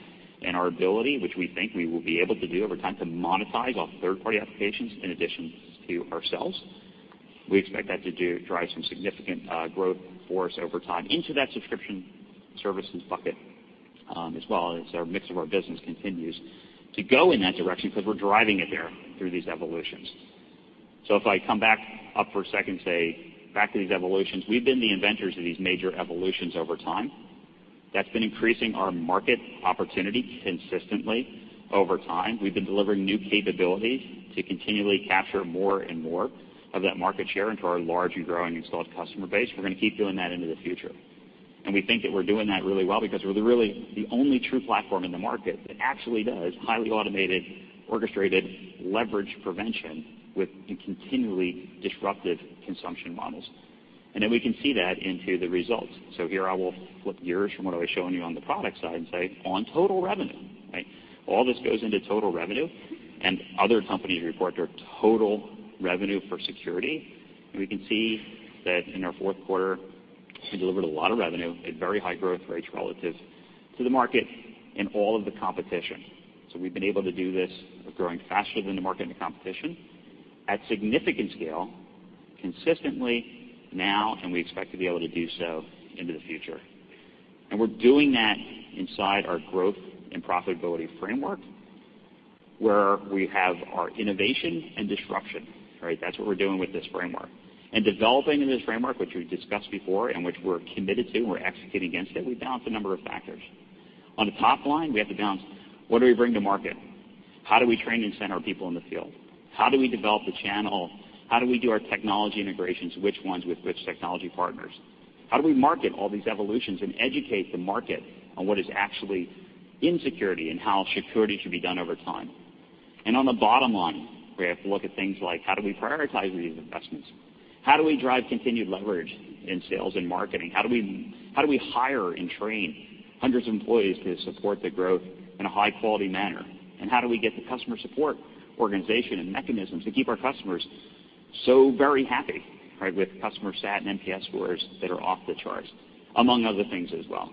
and our ability, which we think we will be able to do over time, to monetize off third-party applications in addition to ourselves. We expect that to drive some significant growth for us over time into that subscription services bucket as well, as our mix of our business continues to go in that direction because we're driving it there through these evolutions. If I come back up for a second, say, back to these evolutions, we've been the inventors of these major evolutions over time. That's been increasing our market opportunity consistently over time. We've been delivering new capabilities to continually capture more and more of that market share into our large and growing installed customer base. We're going to keep doing that into the future. We think that we're doing that really well because we're really the only true platform in the market that actually does highly automated, orchestrated leverage prevention with the continually disruptive consumption models. We can see that into the results. Here I will flip gears from what I was showing you on the product side and say on total revenue. All this goes into total revenue and other companies report their total revenue for security. We can see that in our fourth quarter, we delivered a lot of revenue at very high growth rates relative to the market and all of the competition. We've been able to do this. We're growing faster than the market and the competition at significant scale consistently now, and we expect to be able to do so into the future. We're doing that inside our growth and profitability framework, where we have our innovation and disruption. That's what we're doing with this framework. Developing in this framework, which we've discussed before and which we're committed to and we're executing against it, we balance a number of factors. On the top line, we have to balance what do we bring to market? How do we train and send our people in the field? How do we develop the channel? How do we do our technology integrations, which ones with which technology partners? How do we market all these evolutions and educate the market on what is actually in security and how security should be done over time? On the bottom line, we have to look at things like, how do we prioritize these investments? How do we drive continued leverage in sales and marketing? How do we hire and train hundreds of employees to support the growth in a high-quality manner? How do we get the customer support organization and mechanisms to keep our customers so very happy, with customer sat and NPS scores that are off the charts, among other things as well?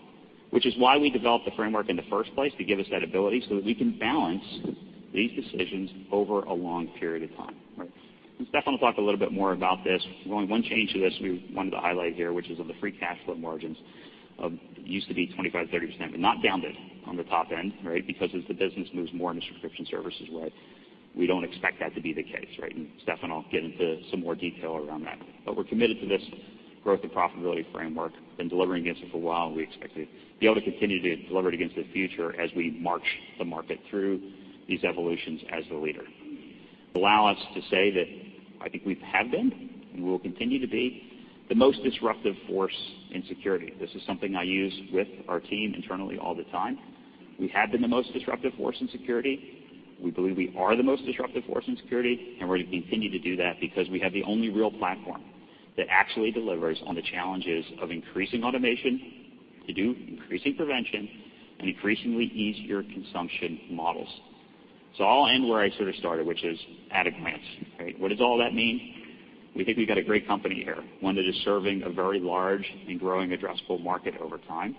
Which is why we developed the framework in the first place, to give us that ability, so that we can balance these decisions over a long period of time. Right? Steffan will talk a little bit more about this. There's only one change to this we wanted to highlight here, which is on the free cash flow margins. Used to be 25%-30%, but not bounded on the top end. Because as the business moves more into subscription services, we don't expect that to be the case. Steffan will get into some more detail around that. We're committed to this growth and profitability framework, been delivering against it for a while, and we expect to be able to continue to deliver it against the future as we march the market through these evolutions as the leader. Allow us to say that I think we have been, and we will continue to be, the most disruptive force in security. This is something I use with our team internally all the time. We have been the most disruptive force in security. We believe we are the most disruptive force in security, and we're going to continue to do that because we have the only real platform that actually delivers on the challenges of increasing automation to do increasing prevention and increasingly easier consumption models. I'll end where I sort of started, which is at a glance. What does all that mean? We think we've got a great company here, one that is serving a very large and growing addressable market over time,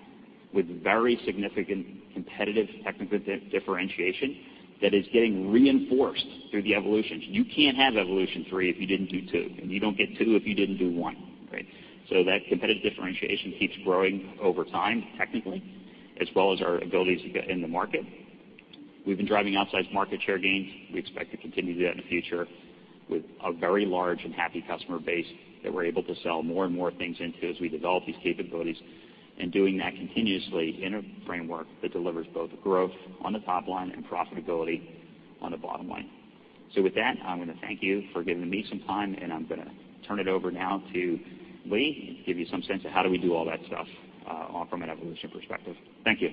with very significant competitive technical differentiation that is getting reinforced through the evolutions. You can't have evolution three if you didn't do two, and you don't get two if you didn't do one. Right? That competitive differentiation keeps growing over time, technically, as well as our abilities in the market. We've been driving outsized market share gains. We expect to continue to do that in the future with a very large and happy customer base that we're able to sell more and more things into as we develop these capabilities. Doing that continuously in a framework that delivers both growth on the top line and profitability on the bottom line. With that, I'm going to thank you for giving me some time, and I'm going to turn it over now to Lee to give you some sense of how do we do all that stuff from an evolution perspective. Thank you.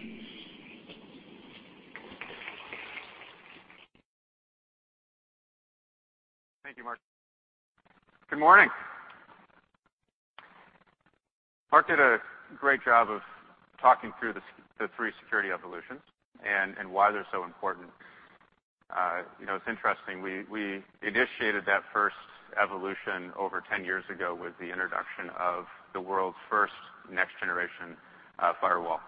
Thank you, Mark. Good morning. Mark did a great job of talking through the three security evolutions and why they're so important. It's interesting, we initiated that first evolution over 10 years ago with the introduction of the world's first next generation firewall.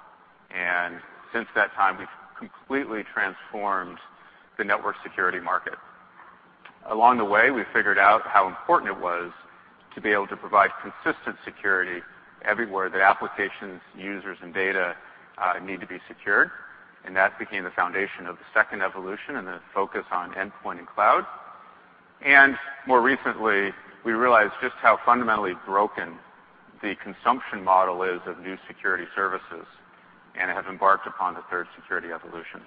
Since that time, we've completely transformed the network security market. Along the way, we figured out how important it was to be able to provide consistent security everywhere that applications, users, and data need to be secured, and that became the foundation of the second evolution and the focus on endpoint and cloud. More recently, we realized just how fundamentally broken the consumption model is of new security services and have embarked upon the third security evolution.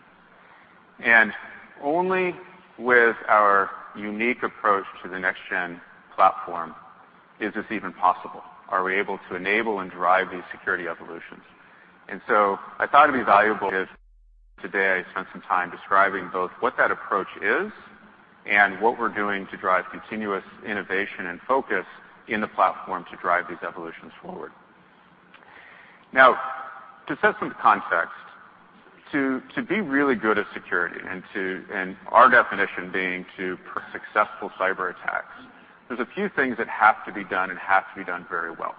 Only with our unique approach to the next gen platform is this even possible, are we able to enable and drive these security evolutions. I thought it'd be valuable if today I spent some time describing both what that approach is and what we're doing to drive continuous innovation and focus in the platform to drive these evolutions forward. To set some context, to be really good at security, and our definition being successful cyber attacks, there's a few things that have to be done and have to be done very well.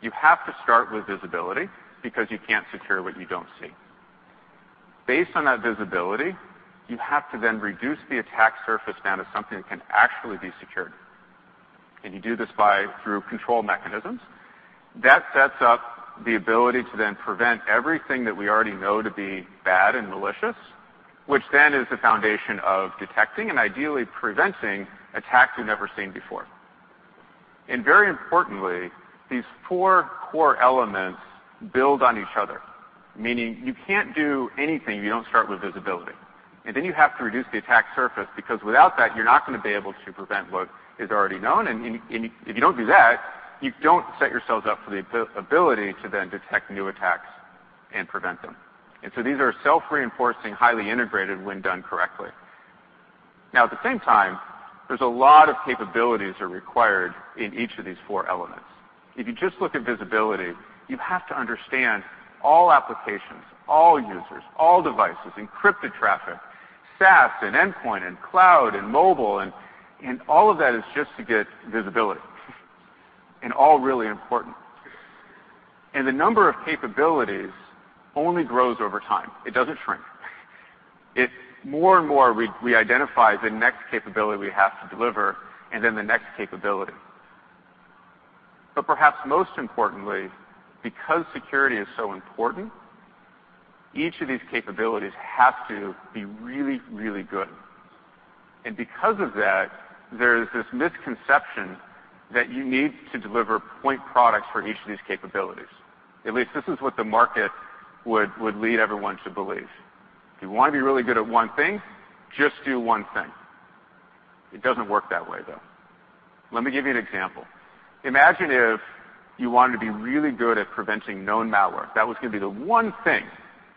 You have to start with visibility because you can't secure what you don't see. Based on that visibility, you have to then reduce the attack surface down to something that can actually be secured, and you do this through control mechanisms. That sets up the ability to then prevent everything that we already know to be bad and malicious, which then is the foundation of detecting and ideally preventing attacks we've never seen before. Very importantly, these four core elements build on each other, meaning you can't do anything if you don't start with visibility. Then you have to reduce the attack surface, because without that, you're not going to be able to prevent what is already known. If you don't do that, you don't set yourselves up for the ability to then detect new attacks and prevent them. So these are self-reinforcing, highly integrated when done correctly. At the same time, there's a lot of capabilities are required in each of these four elements. If you just look at visibility, you have to understand all applications, all users, all devices, encrypted traffic, SaaS, and endpoint, and cloud, and mobile, and all of that is just to get visibility, and all really important. The number of capabilities only grows over time. It doesn't shrink. More and more, we identify the next capability we have to deliver and then the next capability. Perhaps most importantly, because security is so important, each of these capabilities have to be really, really good. Because of that, there's this misconception that you need to deliver point products for each of these capabilities. At least this is what the market would lead everyone to believe. If you want to be really good at one thing, just do one thing. It doesn't work that way, though. Let me give you an example. Imagine if you wanted to be really good at preventing known malware. That was going to be the one thing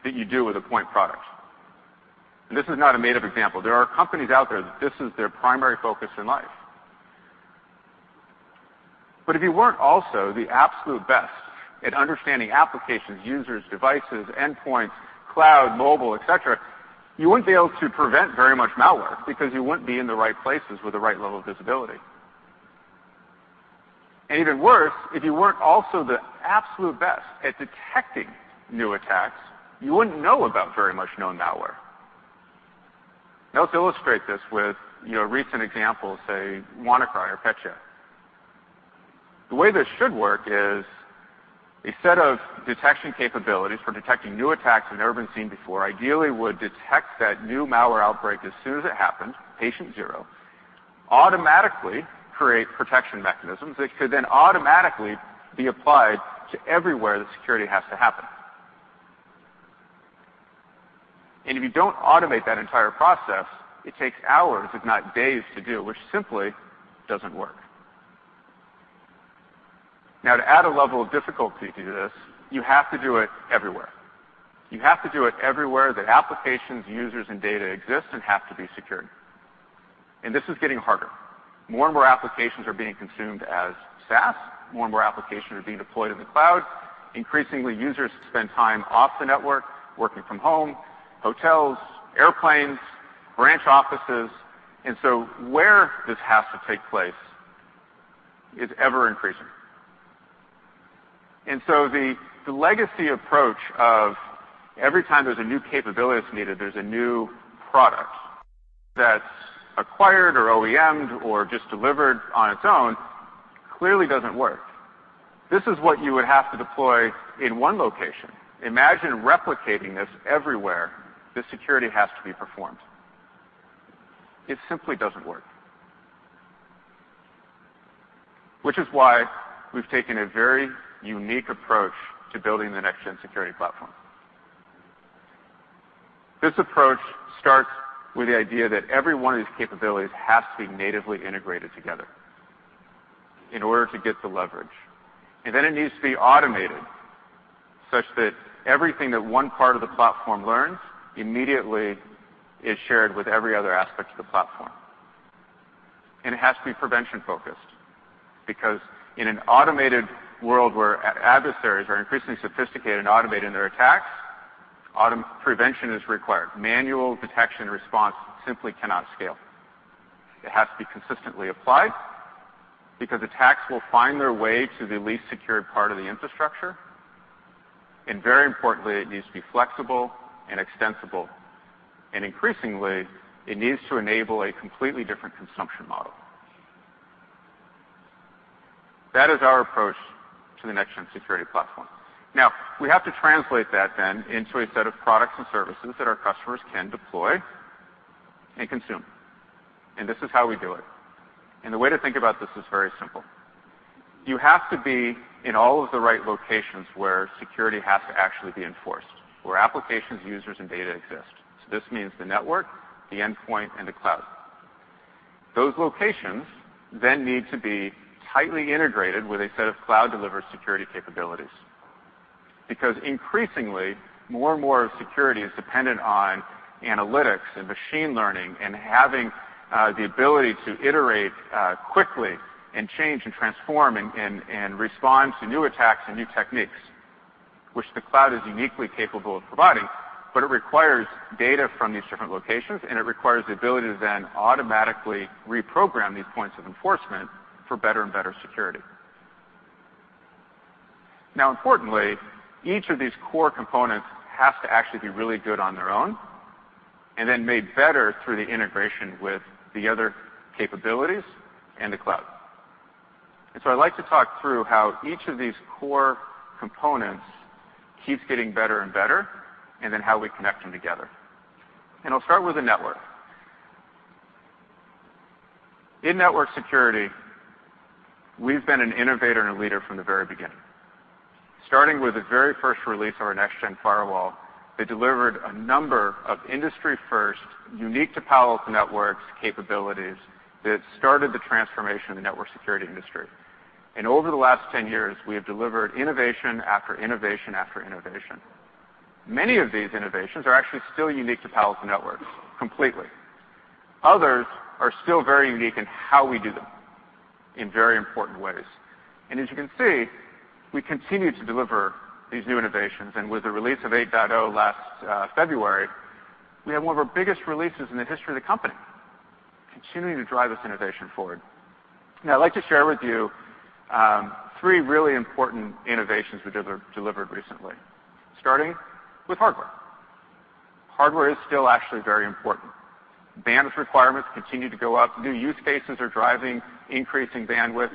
that you do with a point product. This is not a made-up example. There are companies out there that this is their primary focus in life. If you weren't also the absolute best at understanding applications, users, devices, endpoints, cloud, mobile, et cetera, you wouldn't be able to prevent very much malware because you wouldn't be in the right places with the right level of visibility. Even worse, if you weren't also the absolute best at detecting new attacks, you wouldn't know about very much known malware. Let's illustrate this with recent examples, say WannaCry or Petya. The way this should work is a set of detection capabilities for detecting new attacks we've never seen before ideally would detect that new malware outbreak as soon as it happens, patient zero, automatically create protection mechanisms that could then automatically be applied to everywhere that security has to happen. If you don't automate that entire process, it takes hours, if not days, to do, which simply doesn't work. To add a level of difficulty to this, you have to do it everywhere. You have to do it everywhere that applications, users, and data exist and have to be secured. This is getting harder. More and more applications are being consumed as SaaS. More and more applications are being deployed in the cloud. Increasingly, users spend time off the network, working from home, hotels, airplanes, branch offices. Where this has to take place is ever-increasing. The legacy approach of every time there's a new capability that's needed, there's a new product that's acquired or OEMed or just delivered on its own, clearly doesn't work. This is what you would have to deploy in one location. Imagine replicating this everywhere the security has to be performed. It simply doesn't work. Which is why we've taken a very unique approach to building the next-gen security platform. This approach starts with the idea that every one of these capabilities has to be natively integrated together in order to get the leverage. It needs to be automated such that everything that one part of the platform learns immediately is shared with every other aspect of the platform. It has to be prevention-focused, because in an automated world where adversaries are increasingly sophisticated and automating their attacks, prevention is required. Manual detection response simply cannot scale. It has to be consistently applied because attacks will find their way to the least secured part of the infrastructure. Very importantly, it needs to be flexible and extensible. Increasingly, it needs to enable a completely different consumption model. That is our approach to the next-gen security platform. We have to translate that then into a set of products and services that our customers can deploy and consume. This is how we do it. The way to think about this is very simple. You have to be in all of the right locations where security has to actually be enforced, where applications, users, and data exist. This means the network, the endpoint, and the cloud. Those locations then need to be tightly integrated with a set of cloud-delivered security capabilities. Because increasingly, more and more of security is dependent on analytics and machine learning and having the ability to iterate quickly and change and transform and respond to new attacks and new techniques, which the cloud is uniquely capable of providing. It requires data from these different locations, it requires the ability to then automatically reprogram these points of enforcement for better and better security. Importantly, each of these core components has to actually be really good on their own and then made better through the integration with the other capabilities and the cloud. I'd like to talk through how each of these core components keeps getting better and better and then how we connect them together. I'll start with the network. In network security, we've been an innovator and a leader from the very beginning. Starting with the very first release of our next-gen firewall, it delivered a number of industry-first, unique to Palo Alto Networks capabilities that started the transformation of the network security industry. Over the last 10 years, we have delivered innovation after innovation after innovation. Many of these innovations are actually still unique to Palo Alto Networks, completely. Others are still very unique in how we do them in very important ways. As you can see, we continue to deliver these new innovations, and with the release of 8.0 last February, we had one of our biggest releases in the history of the company, continuing to drive this innovation forward. I'd like to share with you three really important innovations we delivered recently, starting with hardware. Hardware is still actually very important. Bandwidth requirements continue to go up. New use cases are driving increasing bandwidth.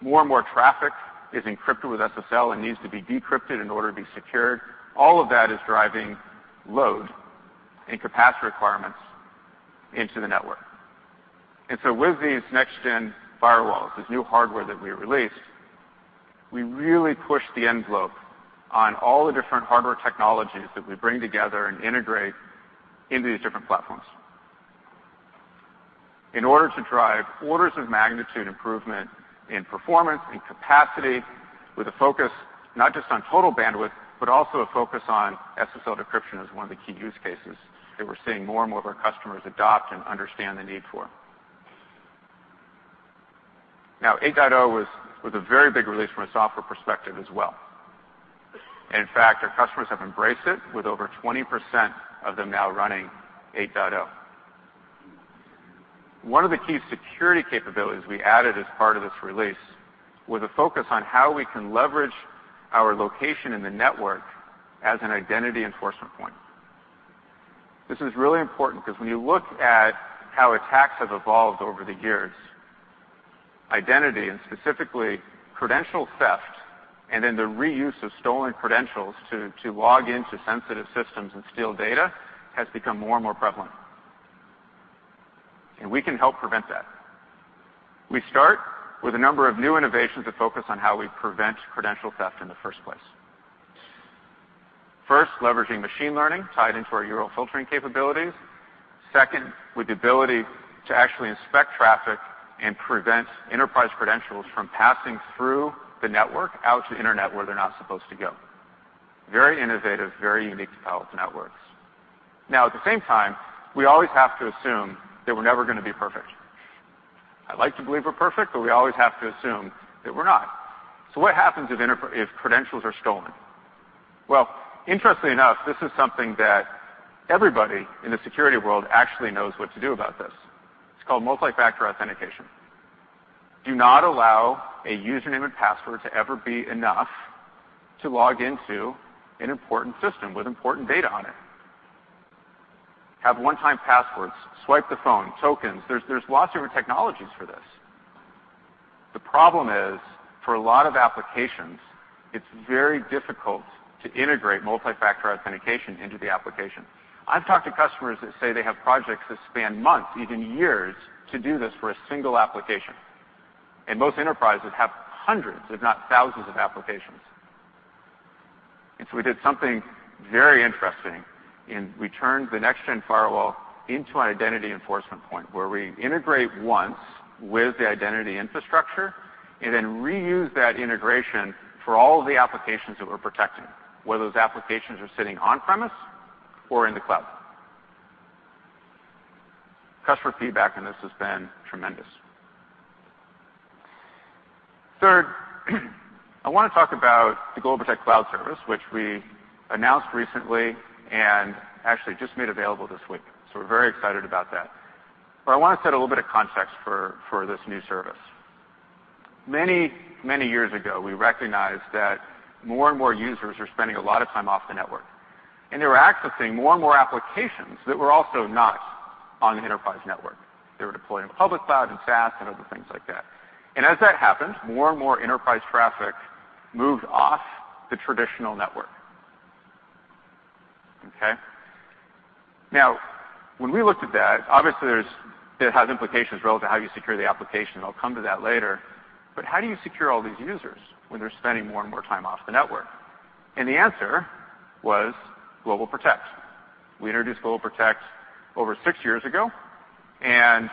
More and more traffic is encrypted with SSL and needs to be decrypted in order to be secured. All of that is driving load and capacity requirements into the network. With these next-gen firewalls, this new hardware that we released, we really pushed the envelope on all the different hardware technologies that we bring together and integrate into these different platforms in order to drive orders of magnitude improvement in performance, in capacity, with a focus not just on total bandwidth, but also a focus on SSL decryption as one of the key use cases that we're seeing more and more of our customers adopt and understand the need for. 8.0 was a very big release from a software perspective as well. In fact, our customers have embraced it, with over 20% of them now running 8.0. One of the key security capabilities we added as part of this release was a focus on how we can leverage our location in the network as an identity enforcement point. This is really important because when you look at how attacks have evolved over the years, identity and specifically credential theft and then the reuse of stolen credentials to log into sensitive systems and steal data has become more and more prevalent. We can help prevent that. We start with a number of new innovations that focus on how we prevent credential theft in the first place. First, leveraging machine learning tied into our URL Filtering capabilities. Second, with the ability to actually inspect traffic and prevent enterprise credentials from passing through the network out to the internet, where they're not supposed to go. Very innovative, very unique to Palo Alto Networks. At the same time, we always have to assume that we're never going to be perfect. I'd like to believe we're perfect, but we always have to assume that we're not. What happens if credentials are stolen? Well, interestingly enough, this is something that everybody in the security world actually knows what to do about this. It's called multi-factor authentication. Do not allow a username and password to ever be enough to log into an important system with important data on it. Have one-time passwords, swipe the phone, tokens. There's lots of different technologies for this. The problem is, for a lot of applications, it's very difficult to integrate multi-factor authentication into the application. I've talked to customers that say they have projects that span months, even years, to do this for a single application, and most enterprises have hundreds, if not thousands, of applications. We did something very interesting, and we turned the next-gen firewall into an identity enforcement point, where we integrate once with the identity infrastructure and then reuse that integration for all of the applications that we're protecting, whether those applications are sitting on-premise or in the cloud. Customer feedback on this has been tremendous. Third, I want to talk about the GlobalProtect cloud service, which we announced recently and actually just made available this week, so we're very excited about that. I want to set a little bit of context for this new service. Many, many years ago, we recognized that more and more users are spending a lot of time off the network, and they were accessing more and more applications that were also not on the enterprise network. They were deployed in the public cloud and SaaS and other things like that. As that happened, more and more enterprise traffic moved off the traditional network. Okay? When we looked at that, obviously, it has implications relative to how you secure the application. I'll come to that later. How do you secure all these users when they're spending more and more time off the network? The answer was GlobalProtect. We introduced GlobalProtect over six years ago, and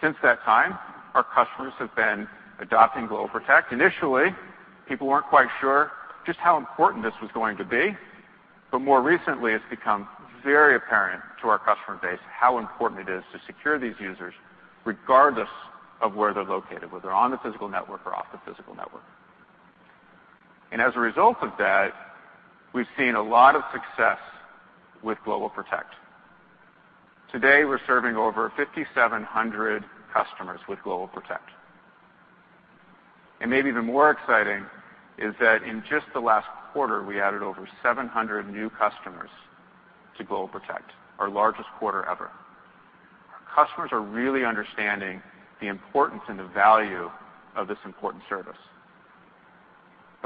since that time, our customers have been adopting GlobalProtect. Initially, people weren't quite sure just how important this was going to be. More recently, it's become very apparent to our customer base how important it is to secure these users, regardless of where they're located, whether they're on the physical network or off the physical network. As a result of that, we've seen a lot of success with GlobalProtect. Today, we're serving over 5,700 customers with GlobalProtect. Maybe even more exciting is that in just the last quarter, we added over 700 new customers to GlobalProtect, our largest quarter ever. Our customers are really understanding the importance and the value of this important service.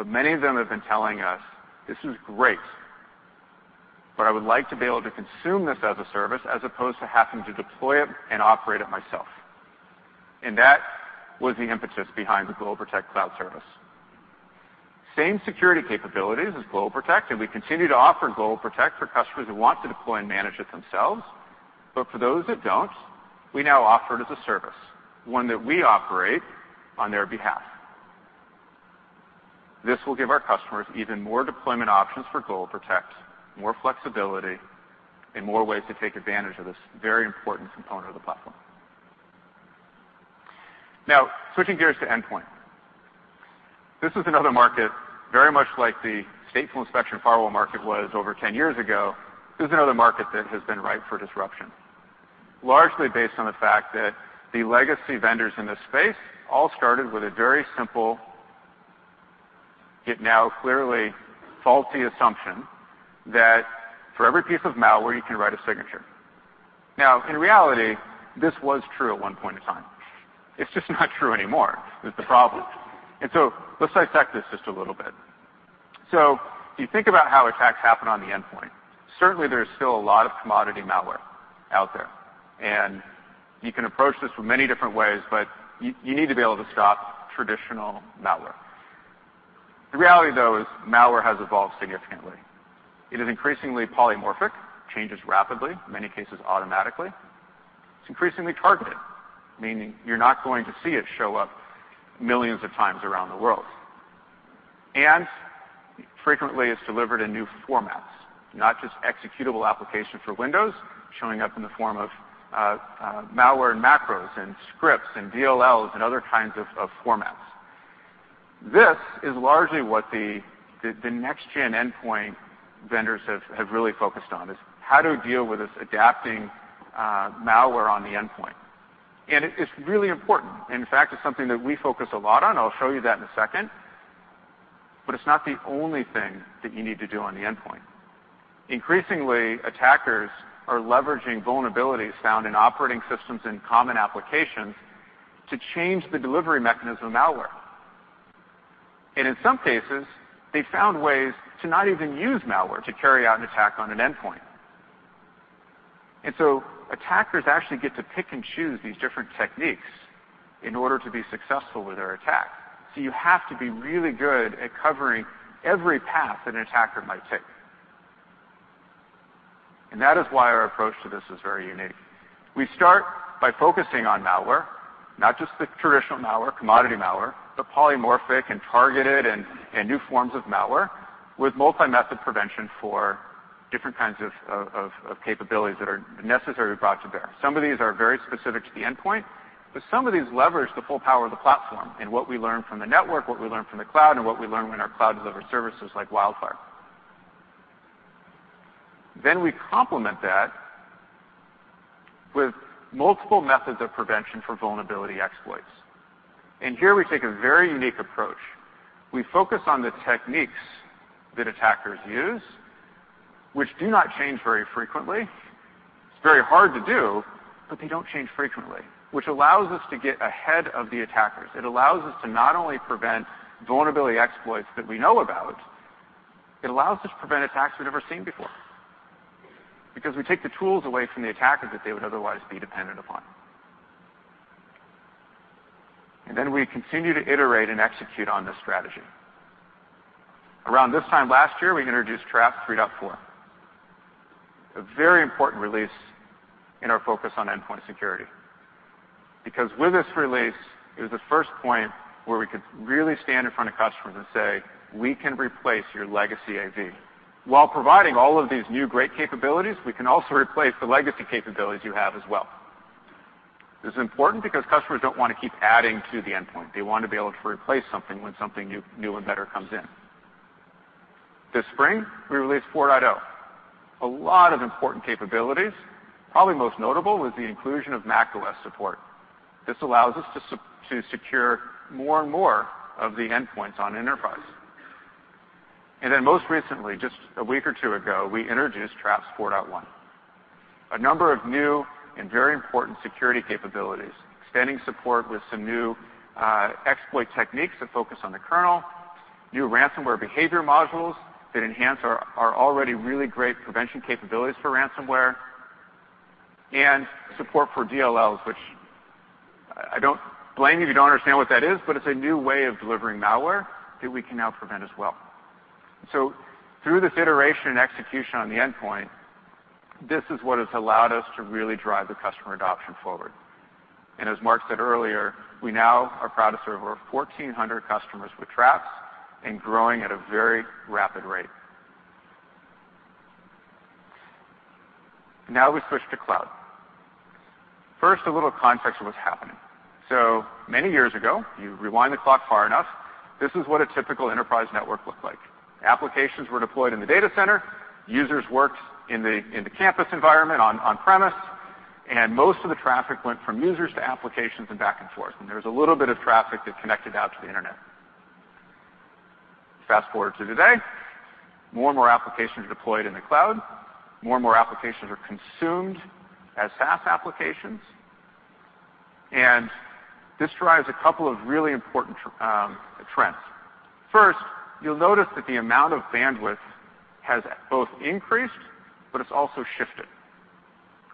Many of them have been telling us, "This is great, but I would like to be able to consume this as a service as opposed to having to deploy it and operate it myself." That was the impetus behind the GlobalProtect cloud service. Same security capabilities as GlobalProtect, and we continue to offer GlobalProtect for customers who want to deploy and manage it themselves. For those that don't, we now offer it as a service, one that we operate on their behalf. This will give our customers even more deployment options for GlobalProtect, more flexibility, and more ways to take advantage of this very important component of the platform. Switching gears to endpoint. This is another market, very much like the stateful inspection firewall market was over 10 years ago. This is another market that has been ripe for disruption, largely based on the fact that the legacy vendors in this space all started with a very simple, yet now clearly faulty assumption, that for every piece of malware, you can write a signature. In reality, this was true at one point in time. It's just not true anymore is the problem. Let's dissect this just a little bit. If you think about how attacks happen on the endpoint, certainly there's still a lot of commodity malware out there, and you can approach this from many different ways, but you need to be able to stop traditional malware. The reality, though, is malware has evolved significantly. It is increasingly polymorphic, changes rapidly, in many cases automatically. It's increasingly targeted, meaning you're not going to see it show up millions of times around the world. Frequently, it's delivered in new formats, not just executable application for Windows, showing up in the form of malware and macros and scripts and DLLs and other kinds of formats. This is largely what the next-gen endpoint vendors have really focused on is how do we deal with this adapting malware on the endpoint? It is really important, and in fact, it's something that we focus a lot on. I'll show you that in a second. It's not the only thing that you need to do on the endpoint. Increasingly, attackers are leveraging vulnerabilities found in operating systems in common applications to change the delivery mechanism of malware. In some cases, they've found ways to not even use malware to carry out an attack on an endpoint. Attackers actually get to pick and choose these different techniques in order to be successful with their attack. You have to be really good at covering every path an attacker might take. That is why our approach to this is very unique. We start by focusing on malware, not just the traditional malware, commodity malware, the polymorphic and targeted and new forms of malware with multi-method prevention for different kinds of capabilities that are necessary brought to bear. Some of these are very specific to the endpoint, but some of these leverage the full power of the platform and what we learn from the network, what we learn from the cloud, and what we learn when our cloud-delivered services like WildFire. We complement that with multiple methods of prevention for vulnerability exploits. Here we take a very unique approach. We focus on the techniques that attackers use, which do not change very frequently. It's very hard to do, but they don't change frequently, which allows us to get ahead of the attackers. It allows us to not only prevent vulnerability exploits that we know about, it allows us to prevent attacks we've never seen before because we take the tools away from the attacker that they would otherwise be dependent upon. Then we continue to iterate and execute on this strategy. Around this time last year, we introduced Traps 3.4, a very important release in our focus on endpoint security. Because with this release, it was the first point where we could really stand in front of customers and say, "We can replace your legacy AV. While providing all of these new great capabilities, we can also replace the legacy capabilities you have as well." This is important because customers don't want to keep adding to the endpoint. They want to be able to replace something when something new and better comes in. This spring, we released 4.0. A lot of important capabilities, probably most notable was the inclusion of macOS support. This allows us to secure more and more of the endpoints on enterprise. Most recently, just a week or two ago, we introduced Traps 4.1. A number of new and very important security capabilities, extending support with some new exploit techniques that focus on the kernel, new ransomware behavior modules that enhance our already really great prevention capabilities for ransomware, and support for DLLs, which I don't blame you if you don't understand what that is, but it's a new way of delivering malware that we can now prevent as well. Through this iteration and execution on the endpoint, this is what has allowed us to really drive the customer adoption forward. As Mark said earlier, we now are proud to serve over 1,400 customers with Traps and growing at a very rapid rate. Now we switch to cloud. First, a little context of what's happening. Many years ago, you rewind the clock far enough, this is what a typical enterprise network looked like. Applications were deployed in the data center. Users worked in the campus environment on-premise, most of the traffic went from users to applications and back and forth, there was a little bit of traffic that connected out to the internet. Fast-forward to today, more and more applications are deployed in the cloud. More and more applications are consumed as SaaS applications. This drives a couple of really important trends. First, you'll notice that the amount of bandwidth has both increased, but it's also shifted.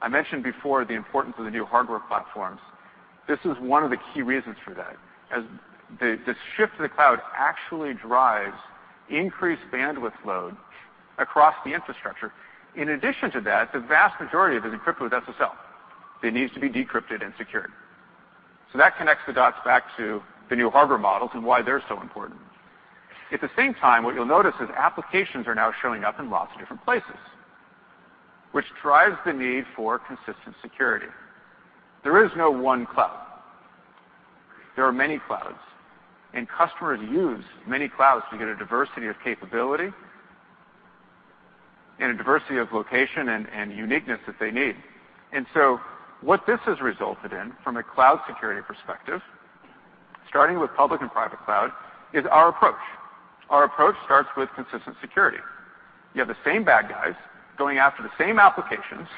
I mentioned before the importance of the new hardware platforms. This is one of the key reasons for that, as the shift to the cloud actually drives increased bandwidth load across the infrastructure. In addition to that, the vast majority of it is encrypted with SSL that needs to be decrypted and secured. That connects the dots back to the new hardware models and why they're so important. At the same time, what you'll notice is applications are now showing up in lots of different places, which drives the need for consistent security. There is no one cloud. There are many clouds, customers use many clouds to get a diversity of capability and a diversity of location and uniqueness that they need. What this has resulted in from a cloud security perspective, starting with public and private cloud, is our approach. Our approach starts with consistent security. You have the same bad guys going after the same applications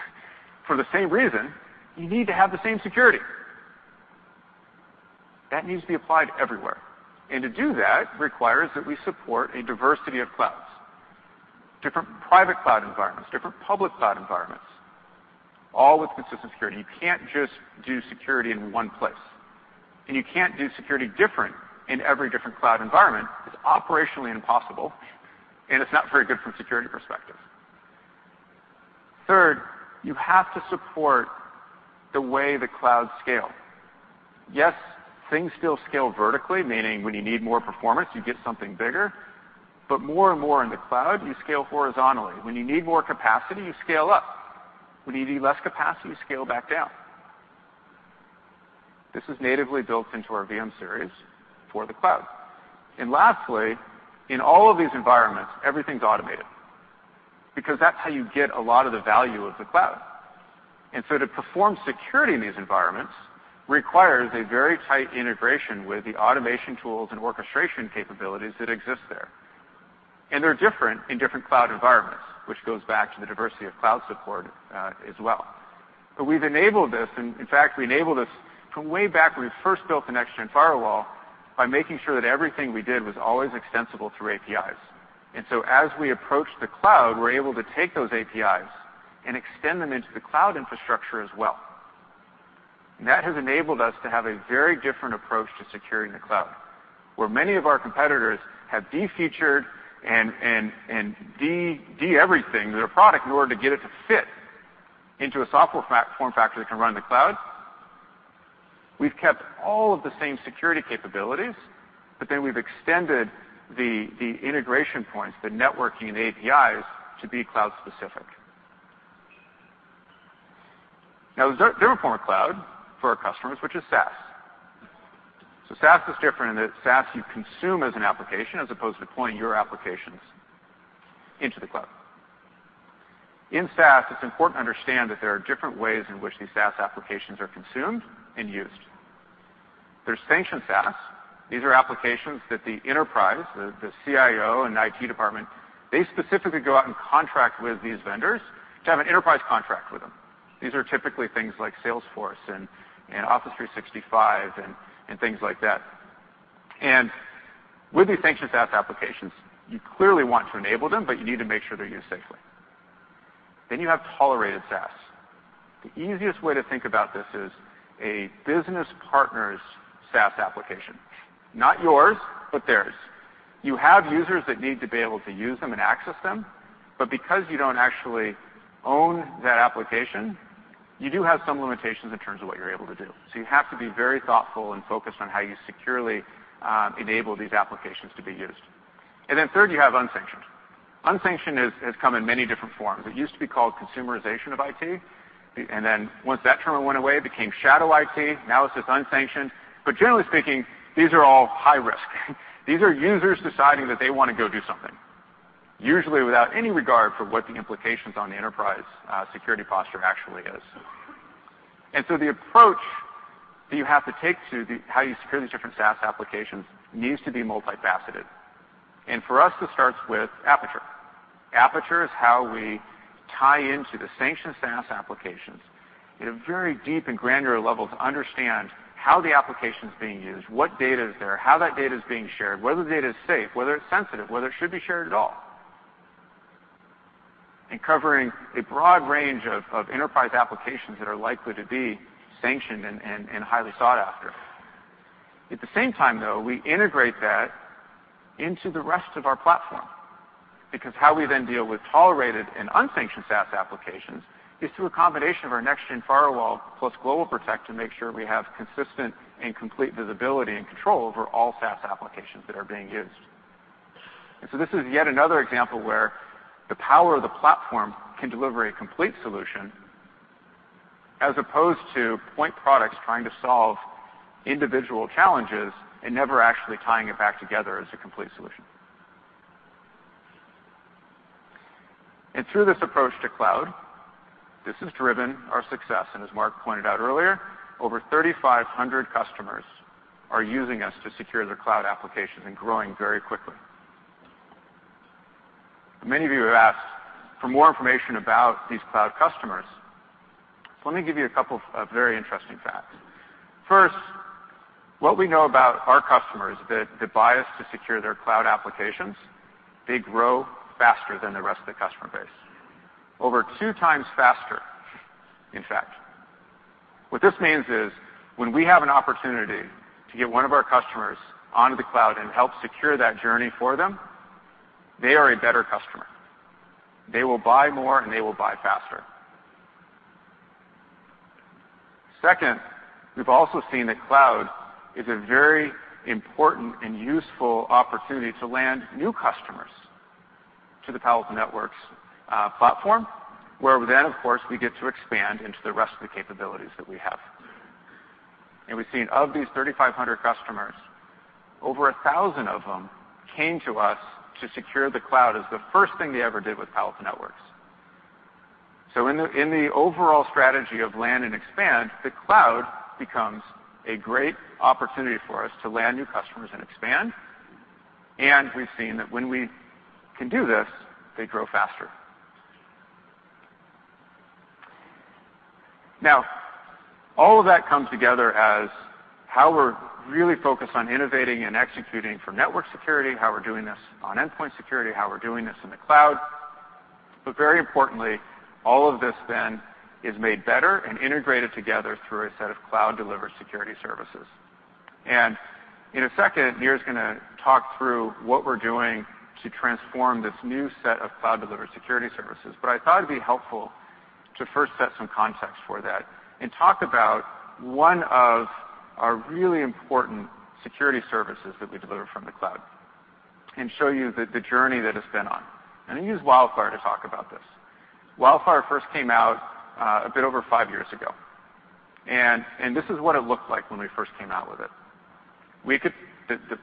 for the same reason. You need to have the same security. That needs to be applied everywhere. To do that requires that we support a diversity of clouds, different private cloud environments, different public cloud environments, all with consistent security. You can't just do security in one place, you can't do security different in every different cloud environment. It's operationally impossible, it's not very good from a security perspective. Third, you have to support the way the clouds scale. Yes, things still scale vertically, meaning when you need more performance, you get something bigger. More and more in the cloud, you scale horizontally. When you need more capacity, you scale up. When you need less capacity, you scale back down. This is natively built into our VM-Series for the cloud. Lastly, in all of these environments, everything's automated, because that's how you get a lot of the value of the cloud. To perform security in these environments requires a very tight integration with the automation tools and orchestration capabilities that exist there. They're different in different cloud environments, which goes back to the diversity of cloud support as well. We've enabled this, in fact, we enabled this from way back when we first built the Next-Gen Firewall, by making sure that everything we did was always extensible through APIs. As we approach the cloud, we're able to take those APIs and extend them into the cloud infrastructure as well. That has enabled us to have a very different approach to securing the cloud. Where many of our competitors have de-featured and de-everythinged their product in order to get it to fit into a software form factor that can run in the cloud, we've kept all of the same security capabilities, we've extended the integration points, the networking and APIs, to be cloud specific. Now, there is a different form of cloud for our customers, which is SaaS. SaaS is different in that SaaS you consume as an application as opposed to deploying your applications into the cloud. In SaaS, it's important to understand that there are different ways in which these SaaS applications are consumed and used. There's sanctioned SaaS. These are applications that the enterprise, the CIO, and the IT department, they specifically go out and contract with these vendors to have an enterprise contract with them. These are typically things like Salesforce and Office 365 and things like that. With these sanctioned SaaS applications, you clearly want to enable them, you need to make sure they're used safely. You have tolerated SaaS. The easiest way to think about this is a business partner's SaaS application. Not yours, but theirs. You have users that need to be able to use them and access them, because you don't actually own that application, you do have some limitations in terms of what you're able to do. You have to be very thoughtful and focused on how you securely enable these applications to be used. Third, you have unsanctioned. Unsanctioned has come in many different forms. It used to be called consumerization of IT, once that term went away, it became shadow IT. Now it's just unsanctioned. Generally speaking, these are all high risk. These are users deciding that they want to go do something, usually without any regard for what the implications on the enterprise security posture actually is. The approach that you have to take to how you secure these different SaaS applications needs to be multifaceted. For us, this starts with Aperture. Aperture is how we tie into the sanctioned SaaS applications at a very deep and granular level to understand how the application's being used, what data is there, how that data is being shared, whether the data is safe, whether it's sensitive, whether it should be shared at all. At the same time, though, we integrate that into the rest of our platform, because how we then deal with tolerated and unsanctioned SaaS applications is through a combination of our Next-Gen Firewall plus GlobalProtect to make sure we have consistent and complete visibility and control over all SaaS applications that are being used. This is yet another example where the power of the platform can deliver a complete solution as opposed to point products trying to solve individual challenges and never actually tying it back together as a complete solution. Through this approach to cloud, this has driven our success. As Mark pointed out earlier, over 3,500 customers are using us to secure their cloud applications and growing very quickly. Many of you have asked for more information about these cloud customers, let me give you a couple of very interesting facts. First, what we know about our customers that buy us to secure their cloud applications, they grow faster than the rest of the customer base. Over two times faster, in fact. What this means is, when we have an opportunity to get one of our customers onto the cloud and help secure that journey for them, they are a better customer. They will buy more, and they will buy faster. Second, we've also seen that cloud is a very important and useful opportunity to land new customers to the Palo Alto Networks platform, where then, of course, we get to expand into the rest of the capabilities that we have. We've seen of these 3,500 customers, over 1,000 of them came to us to secure the cloud as the first thing they ever did with Palo Alto Networks. In the overall strategy of land and expand, the cloud becomes a great opportunity for us to land new customers and expand, and we've seen that when we can do this, they grow faster. All of that comes together as how we're really focused on innovating and executing for network security, how we're doing this on endpoint security, how we're doing this in the cloud. Very importantly, all of this then is made better and integrated together through a set of cloud-delivered security services. In a second, Nir is going to talk through what we're doing to transform this new set of cloud-delivered security services. I thought it'd be helpful to first set some context for that and talk about one of our really important security services that we deliver from the cloud and show you the journey that it's been on. I'm going to use WildFire to talk about this. WildFire first came out a bit over five years ago, and this is what it looked like when we first came out with it.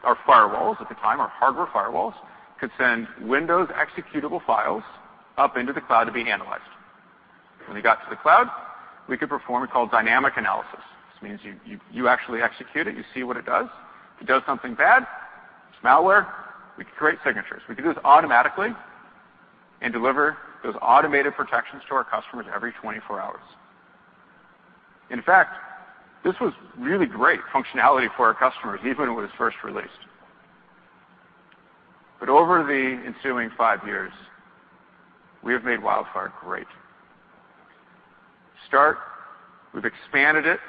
Our firewalls at the time, our hardware firewalls, could send Windows executable files up into the cloud to be analyzed. When they got to the cloud, we could perform what we call dynamic analysis. This means you actually execute it, you see what it does. If it does something bad, it's malware, we could create signatures. We could do this automatically and deliver those automated protections to our customers every 24 hours. In fact, this was really great functionality for our customers, even when it was first released. Over the ensuing five years, we have made WildFire great. To start, we've expanded it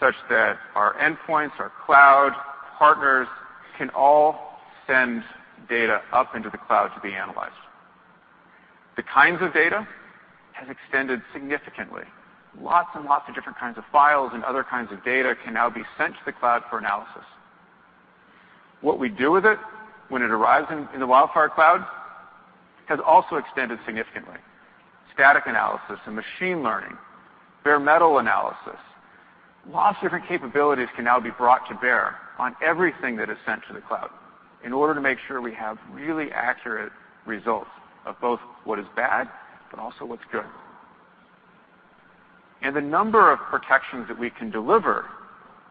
such that our endpoints, our cloud partners, can all send data up into the cloud to be analyzed. The kinds of data has extended significantly. Lots and lots of different kinds of files and other kinds of data can now be sent to the cloud for analysis. What we do with it when it arrives in the WildFire cloud has also extended significantly. Static analysis and machine learning, bare metal analysis, lots of different capabilities can now be brought to bear on everything that is sent to the cloud in order to make sure we have really accurate results of both what is bad but also what's good. The number of protections that we can deliver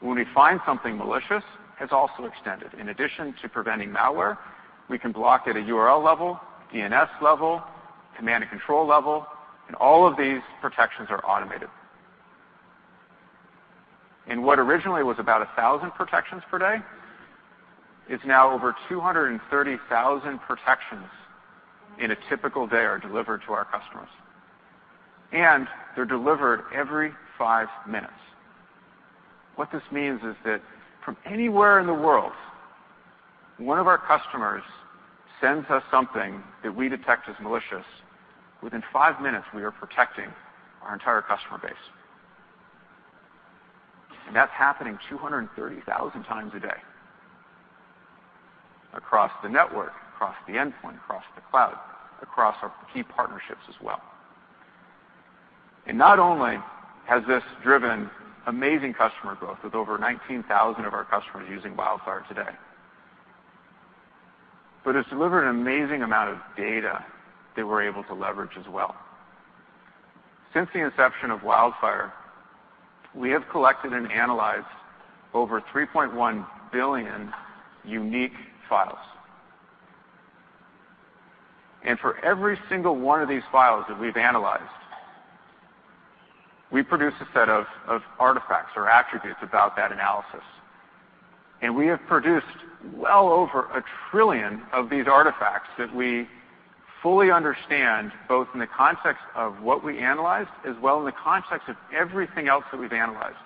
when we find something malicious has also extended. In addition to preventing malware, we can block at a URL level, DNS level, command and control level, and all of these protections are automated. What originally was about 1,000 protections per day is now over 230,000 protections in a typical day are delivered to our customers, and they're delivered every five minutes. What this means is that from anywhere in the world, one of our customers sends us something that we detect as malicious, within five minutes, we are protecting our entire customer base. That's happening 230,000 times a day across the network, across the endpoint, across the cloud, across our key partnerships as well. Not only has this driven amazing customer growth with over 19,000 of our customers using WildFire today, but it's delivered an amazing amount of data that we're able to leverage as well. Since the inception of WildFire, we have collected and analyzed over 3.1 billion unique files. For every single one of these files that we've analyzed, we produce a set of artifacts or attributes about that analysis. We have produced well over a trillion of these artifacts that we fully understand, both in the context of what we analyzed, as well in the context of everything else that we've analyzed.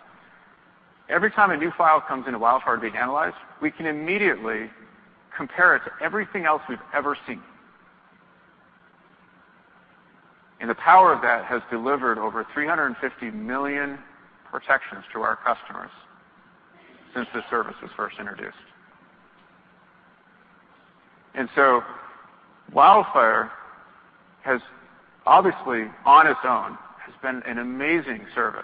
Every time a new file comes into WildFire to be analyzed, we can immediately compare it to everything else we've ever seen. The power of that has delivered over 350 million protections to our customers since this service was first introduced. WildFire has obviously, on its own, has been an amazing service,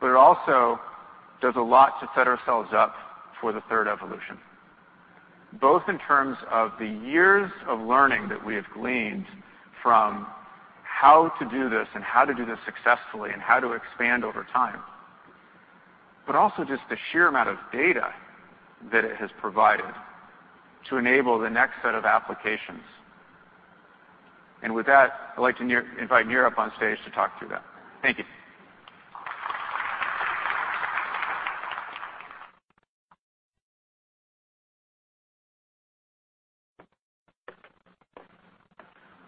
but it also does a lot to set ourselves up for the third evolution, both in terms of the years of learning that we have gleaned from how to do this and how to do this successfully and how to expand over time, but also just the sheer amount of data that it has provided to enable the next set of applications. With that, I'd like to invite Nir up on stage to talk through that. Thank you.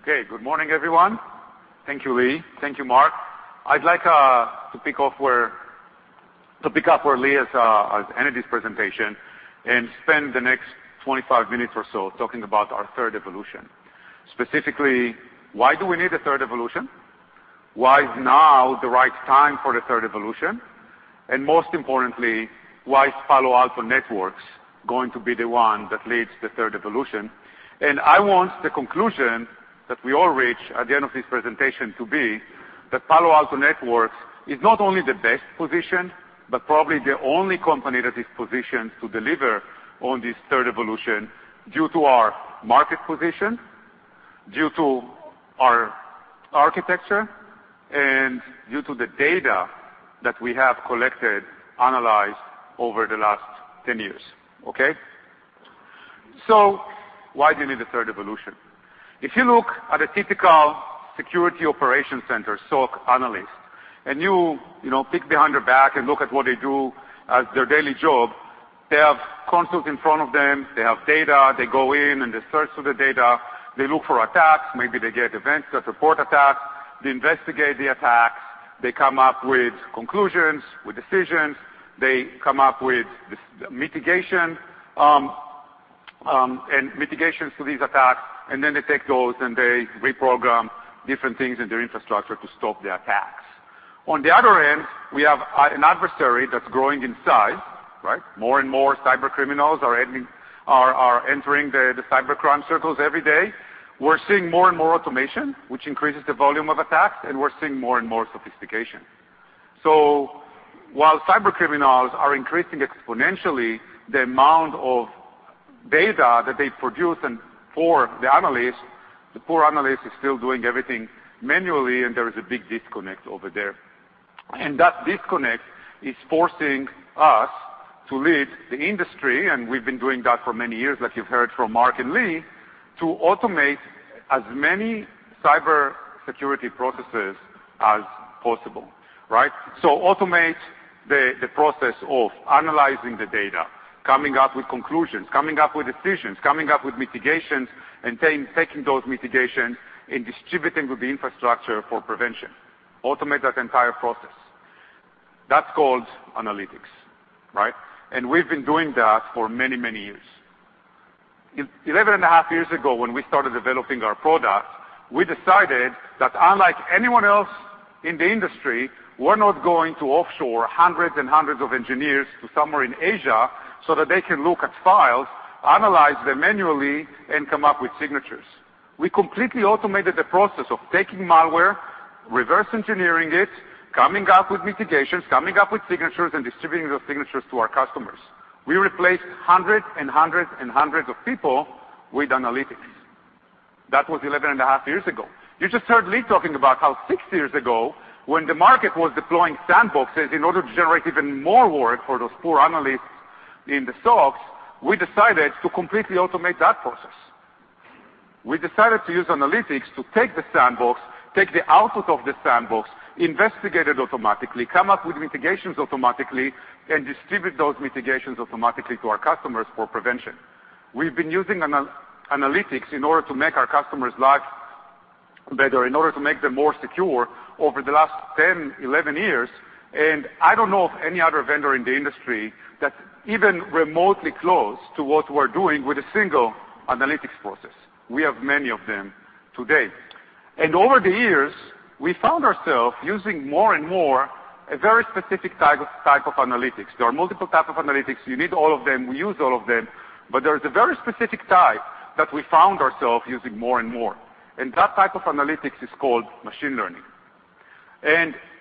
Okay, good morning, everyone. Thank you, Lee. Thank you, Mark. I'd like to pick up where Lee has ended his presentation and spend the next 25 minutes or so talking about our third evolution. Specifically, why do we need a third evolution? Why is now the right time for the third evolution? Most importantly, why is Palo Alto Networks going to be the one that leads the third evolution? I want the conclusion that we all reach at the end of this presentation to be that Palo Alto Networks is not only the best positioned, but probably the only company that is positioned to deliver on this third evolution due to our market position, due to our architecture, and due to the data that we have collected, analyzed over the last 10 years. Okay? Why do you need a third evolution? If you look at a typical Security Operations Center, SOC analyst, you peek behind their back and look at what they do as their daily job, they have consoles in front of them. They have data. They go in and they search through the data. They look for attacks. Maybe they get events that support attacks. They investigate the attacks. They come up with conclusions, with decisions. They come up with mitigation to these attacks, they take those, and they reprogram different things in their infrastructure to stop the attacks. On the other end, we have an adversary that's growing in size, right? More and more cybercriminals are entering the cybercrime circles every day. We're seeing more and more automation, which increases the volume of attacks, and we're seeing more and more sophistication. While cybercriminals are increasing exponentially the amount of data that they produce, and poor the analyst, the poor analyst is still doing everything manually, and there is a big disconnect over there. That disconnect is forcing us to lead the industry, and we've been doing that for many years, like you've heard from Mark and Lee, to automate as many cybersecurity processes as possible, right? Automate the process of analyzing the data, coming up with conclusions, coming up with decisions, coming up with mitigations, and taking those mitigations and distributing to the infrastructure for prevention. Automate that entire process. That's called analytics, right? We've been doing that for many, many years. Eleven and a half years ago, when we started developing our product, we decided that unlike anyone else in the industry, we're not going to offshore hundreds and hundreds of engineers to somewhere in Asia, so that they can look at files, analyze them manually, and come up with signatures. We completely automated the process of taking malware, reverse engineering it, coming up with mitigations, coming up with signatures, and distributing those signatures to our customers. We replaced hundreds of people with analytics. That was 11 and a half years ago. You just heard Lee talking about how six years ago, when the market was deploying sandboxes in order to generate even more work for those poor analysts in the SOCs, we decided to completely automate that process. We decided to use analytics to take the sandbox, take the output of the sandbox, investigate it automatically, come up with mitigations automatically, and distribute those mitigations automatically to our customers for prevention. We've been using analytics in order to make our customers' lives better, in order to make them more secure over the last 10, 11 years, and I don't know of any other vendor in the industry that's even remotely close to what we're doing with a single analytics process. We have many of them today. Over the years, we found ourselves using more and more a very specific type of analytics. There are multiple types of analytics. You need all of them. We use all of them, but there is a very specific type that we found ourselves using more and more, and that type of analytics is called machine learning.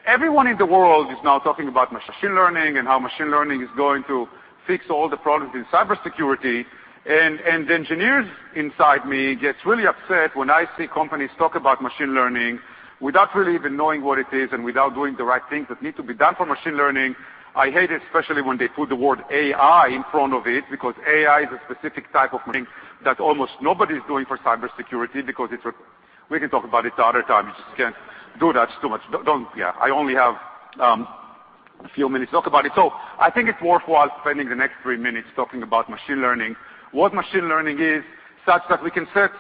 Everyone in the world is now talking about machine learning and how machine learning is going to fix all the problems in cybersecurity, and the engineer inside me gets really upset when I see companies talk about machine learning without really even knowing what it is and without doing the right things that need to be done for machine learning. I hate it, especially when they put the word AI in front of it, because AI is a specific type of thing that almost nobody is doing for cybersecurity because We can talk about it another time. You just can't do that. It's too much. I only have a few minutes to talk about it. I think it's worthwhile spending the next three minutes talking about machine learning, what machine learning is, such that we can set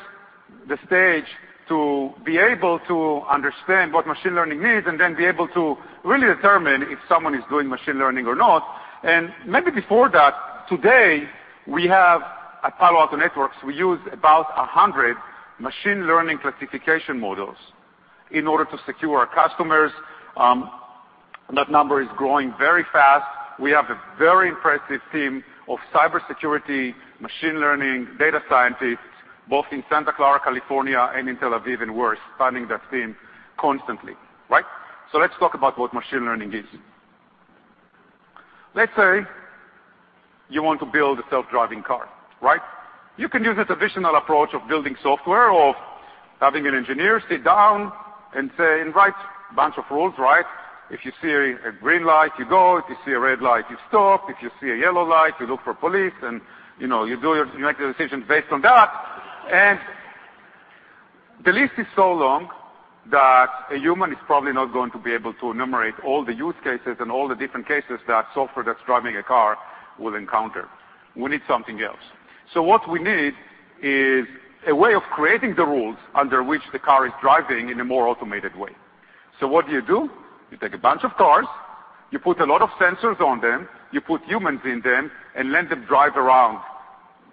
the stage to be able to understand what machine learning is, and then be able to really determine if someone is doing machine learning or not. Maybe before that, today, we have, at Palo Alto Networks, we use about 100 machine learning classification models in order to secure our customers. That number is growing very fast. We have a very impressive team of cybersecurity, machine learning, data scientists, both in Santa Clara, California, and in Tel Aviv, and we're expanding that team constantly. Right? Let's talk about what machine learning is. Let's say you want to build a self-driving car. Right? You can use a traditional approach of building software or having an engineer sit down and say, "Write a bunch of rules." Right? If you see a green light, you go. If you see a red light, you stop. If you see a yellow light, you look for police, and you make your decisions based on that. The list is so long that a human is probably not going to be able to enumerate all the use cases and all the different cases that software that's driving a car will encounter. We need something else. What we need is a way of creating the rules under which the car is driving in a more automated way. What do you do? You take a bunch of cars, you put a lot of sensors on them, you put humans in them, and let them drive around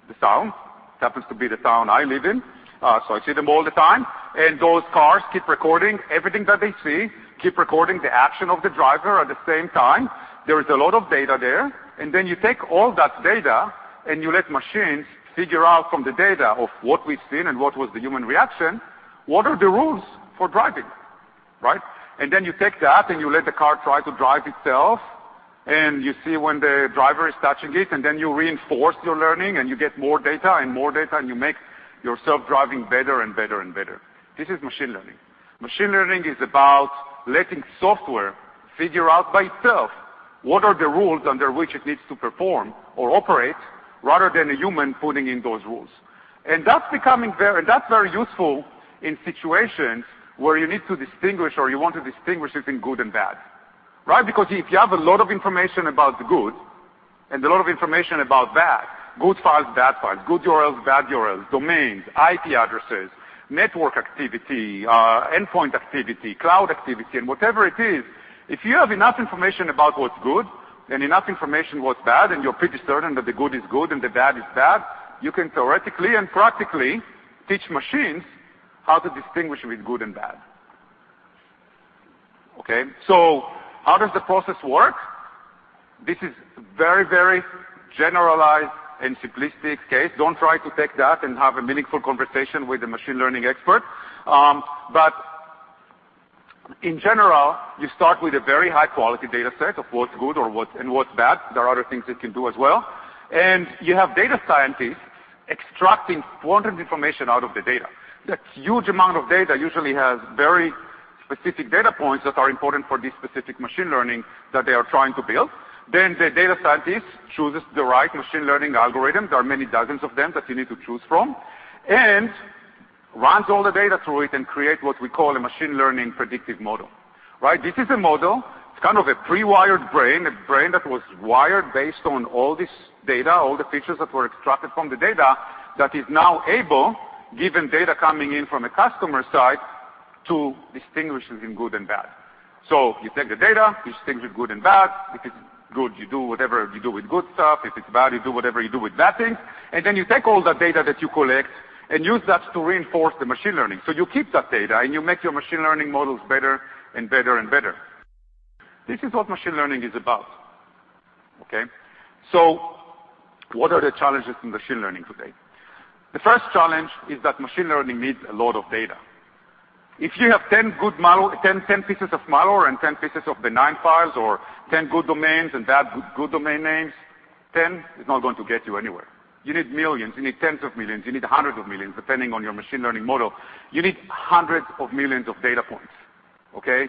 the town. It happens to be the town I live in. I see them all the time. Those cars keep recording everything that they see, keep recording the action of the driver at the same time. There is a lot of data there. You take all that data. You let machines figure out from the data of what we've seen and what was the human reaction, what are the rules for driving, right? You take that. You let the car try to drive itself. You see when the driver is touching it. You reinforce your learning. You get more data and more data. You make your self-driving better and better and better. This is machine learning. Machine learning is about letting software figure out by itself what are the rules under which it needs to perform or operate rather than a human putting in those rules? That's very useful in situations where you need to distinguish or you want to distinguish between good and bad. Right? If you have a lot of information about the good and a lot of information about bad, good files, bad files, good URLs, bad URLs, domains, IP addresses, network activity, endpoint activity, cloud activity, whatever it is, if you have enough information about what's good and enough information what's bad, and you're pretty certain that the good is good and the bad is bad, you can theoretically and practically teach machines how to distinguish between good and bad. Okay? How does the process work? This is very, very generalized and simplistic case. Don't try to take that and have a meaningful conversation with a machine learning expert. In general, you start with a very high-quality data set of what's good and what's bad. There are other things it can do as well. You have data scientists extracting important information out of the data. That huge amount of data usually has very specific data points that are important for this specific machine learning that they are trying to build. The data scientist chooses the right machine learning algorithm, there are many dozens of them that you need to choose from, runs all the data through it, and create what we call a machine learning predictive model. Right? This is a model. It's kind of a pre-wired brain, a brain that was wired based on all this data, all the features that were extracted from the data, that is now able, given data coming in from a customer side, to distinguish between good and bad. You take the data, you distinguish good and bad. If it's good, you do whatever you do with good stuff. If it's bad, you do whatever you do with bad things. You take all the data that you collect and use that to reinforce the machine learning. You keep that data. You make your machine learning models better and better and better. This is what machine learning is about. Okay? What are the challenges in machine learning today? The first challenge is that machine learning needs a lot of data. If you have 10 pieces of malware and 10 pieces of benign files, or 10 good domains and good domain names, 10 is not going to get you anywhere. You need millions. You need tens of millions. You need hundreds of millions, depending on your machine learning model. You need hundreds of millions of data points, okay?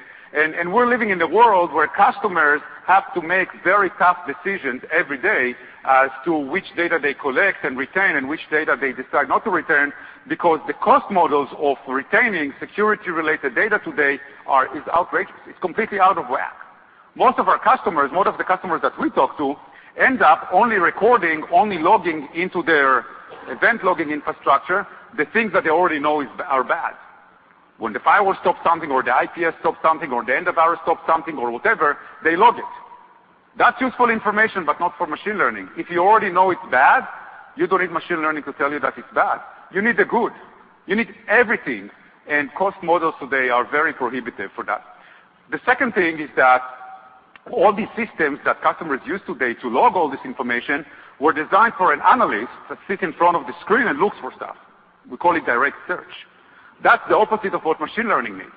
We're living in a world where customers have to make very tough decisions every day as to which data they collect and retain, and which data they decide not to retain, because the cost models of retaining security-related data today is outrageous. It's completely out of whack. Most of our customers, most of the customers that we talk to, end up only recording, only logging into their event logging infrastructure, the things that they already know are bad. When the firewall stops something, or the IPS stops something, or the EDR stops something, or whatever, they log it. That's useful information, but not for machine learning. If you already know it's bad, you don't need machine learning to tell you that it's bad. You need the good. You need everything. Cost models today are very prohibitive for that. The second thing is that all these systems that customers use today to log all this information were designed for an analyst that sits in front of the screen and looks for stuff. We call it direct search. That's the opposite of what machine learning needs.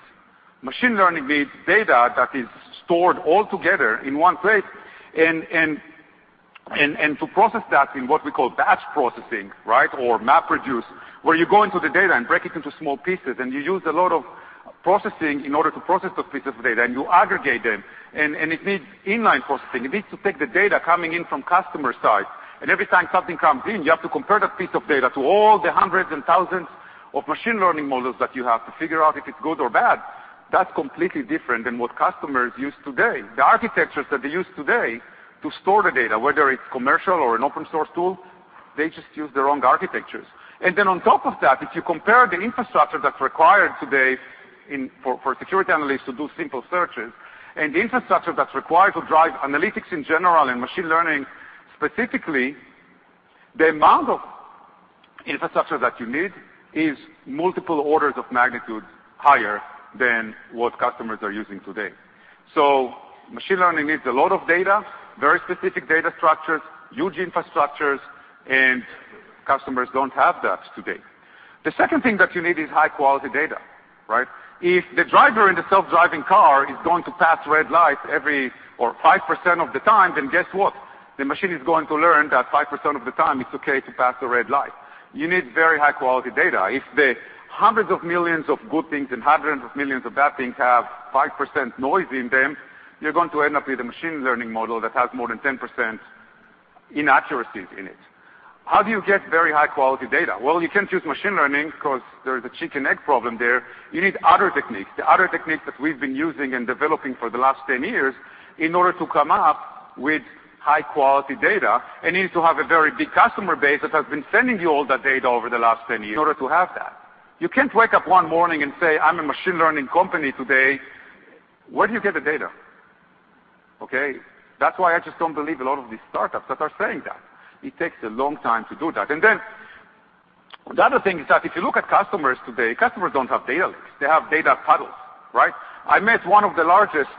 Machine learning needs data that is stored all together in one place, to process that in what we call batch processing, right, or MapReduce, where you go into the data and break it into small pieces, you use a lot of processing in order to process those pieces of data, you aggregate them. It needs inline processing. It needs to take the data coming in from customer side, every time something comes in, you have to compare that piece of data to all the hundreds and thousands of machine learning models that you have to figure out if it's good or bad. That's completely different than what customers use today. The architectures that they use today to store the data, whether it's commercial or an open source tool, they just use the wrong architectures. On top of that, if you compare the infrastructure that's required today for security analysts to do simple searches, and the infrastructure that's required to drive analytics in general and machine learning specifically, the amount of infrastructure that you need is multiple orders of magnitude higher than what customers are using today. Machine learning needs a lot of data, very specific data structures, huge infrastructures, customers don't have that today. The second thing that you need is high-quality data, right? If the driver in the self-driving car is going to pass a red light or 5% of the time, guess what? The machine is going to learn that 5% of the time, it's okay to pass a red light. You need very high-quality data. If the hundreds of millions of good things and hundreds of millions of bad things have 5% noise in them, you're going to end up with a machine learning model that has more than 10% inaccuracies in it. How do you get very high-quality data? Well, you can't use machine learning because there's a chicken, egg problem there. You need other techniques, the other techniques that we've been using and developing for the last ten years in order to come up with high-quality data, and you need to have a very big customer base that has been sending you all that data over the last ten years in order to have that. You can't wake up one morning and say, "I'm a machine learning company today." Where do you get the data? Okay? That's why I just don't believe a lot of these startups that are saying that. It takes a long time to do that. The other thing is that if you look at customers today, customers don't have data lakes. They have data puddles, right? I met one of the largest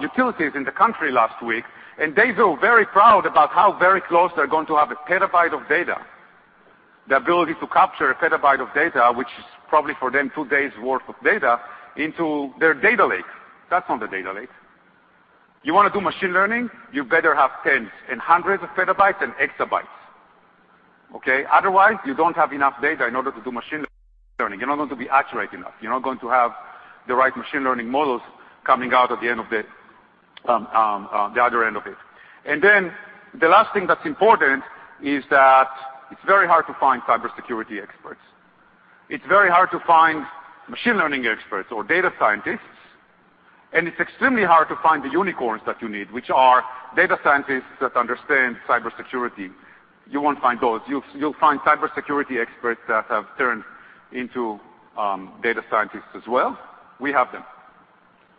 utilities in the country last week, and they feel very proud about how very close they're going to have a petabyte of data. The ability to capture a petabyte of data, which is probably for them, two days' worth of data, into their data lake. That's not a data lake. You want to do machine learning, you better have tens and hundreds of petabytes and exabytes. Okay? Otherwise, you don't have enough data in order to do machine learning. You're not going to be accurate enough. You're not going to have the right machine learning models coming out at the other end of it. The last thing that's important is that it's very hard to find cybersecurity experts. It's very hard to find machine learning experts or data scientists, and it's extremely hard to find the unicorns that you need, which are data scientists that understand cybersecurity. You won't find those. You'll find cybersecurity experts that have turned into data scientists as well. We have them.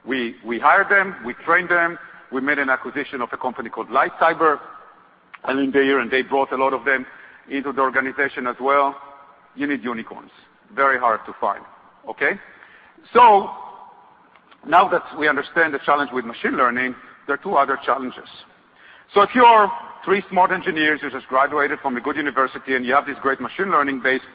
We hire them. We train them. We made an acquisition of a company called LightCyber, and they brought a lot of them into the organization as well. You need unicorns. Very hard to find. Okay? Now that we understand the challenge with machine learning, there are two other challenges. If you are three smart engineers who just graduated from a good university, and you have this great machine learning-based,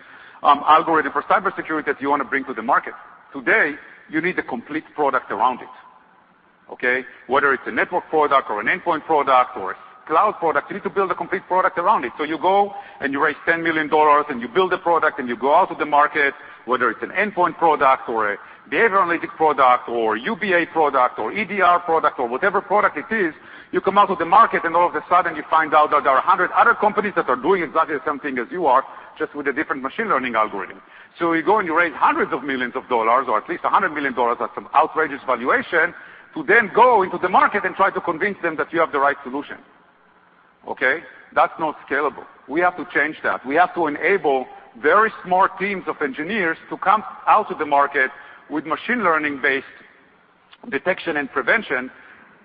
algorithm for cybersecurity that you want to bring to the market, today, you need a complete product around it. Okay? Whether it's a network product or an endpoint product or a cloud product, you need to build a complete product around it. You go and you raise $10 million, and you build a product, and you go out to the market, whether it's an endpoint product or a behavioral analytics product or a UBA product or EDR product or whatever product it is. You come out to the market, and all of a sudden, you find out that there are 100 other companies that are doing exactly the same thing as you are, just with a different machine learning algorithm. You go and you raise hundreds of millions of dollars, or at least $100 million at some outrageous valuation, to then go into the market and try to convince them that you have the right solution. Okay? That's not scalable. We have to change that. We have to enable very small teams of engineers to come out to the market with machine learning-based detection and prevention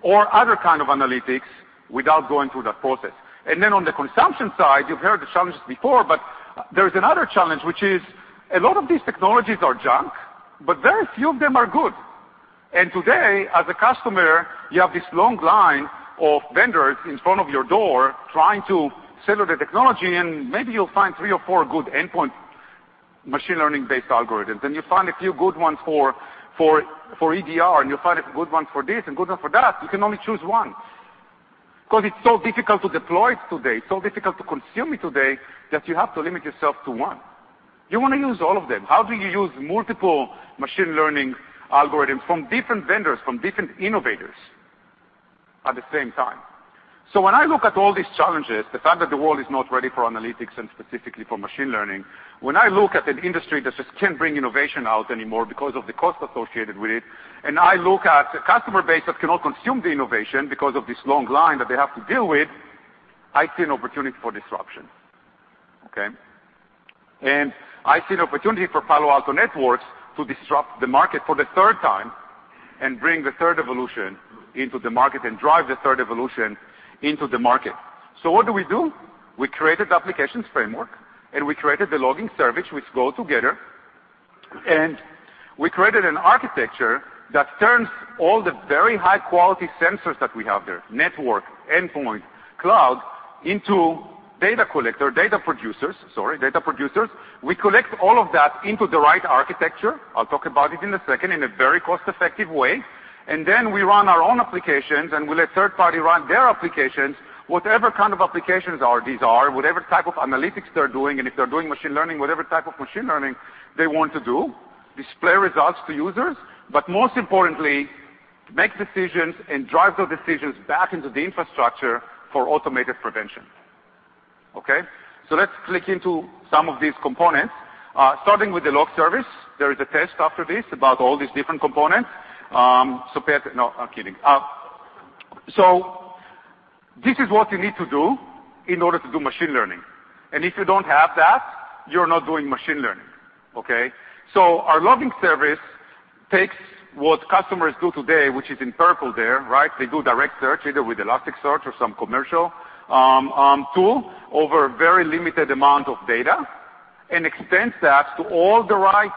or other kind of analytics without going through that process. Then on the consumption side, you've heard the challenges before, but there is another challenge, which is a lot of these technologies are junk, but very few of them are good. Today, as a customer, you have this long line of vendors in front of your door trying to sell you the technology, and maybe you'll find three or four good endpoint machine learning-based algorithms. You find a few good ones for EDR, and you find a good one for this and good one for that. You can only choose one because it's so difficult to deploy it today, it's so difficult to consume it today, that you have to limit yourself to one. You want to use all of them. How do you use multiple machine learning algorithms from different vendors, from different innovators at the same time? When I look at all these challenges, the fact that the world is not ready for analytics and specifically for machine learning, when I look at an industry that just can't bring innovation out anymore because of the cost associated with it, and I look at a customer base that cannot consume the innovation because of this long line that they have to deal with, I see an opportunity for disruption. Okay? I see an opportunity for Palo Alto Networks to disrupt the market for the third time and bring the third evolution into the market and drive the third evolution into the market. What do we do? We created the applications framework, and we created the logging service, which go together. We created an architecture that turns all the very high-quality sensors that we have there, network, endpoint, cloud, into data producers. We collect all of that into the right architecture, I'll talk about it in a second, in a very cost-effective way. Then we run our own applications, and we let third party run their applications, whatever kind of applications these are, whatever type of analytics they're doing, and if they're doing machine learning, whatever type of machine learning they want to do, display results to users, but most importantly, make decisions and drive those decisions back into the infrastructure for automated prevention. Okay? Let's click into some of these components, starting with the log service. There is a test after this about all these different components. No, I'm kidding. This is what you need to do in order to do machine learning. If you don't have that, you're not doing machine learning. Okay? Our logging service takes what customers do today, which is in purple there. They do direct search, either with Elasticsearch or some commercial tool over a very limited amount of data, and extends that to all the right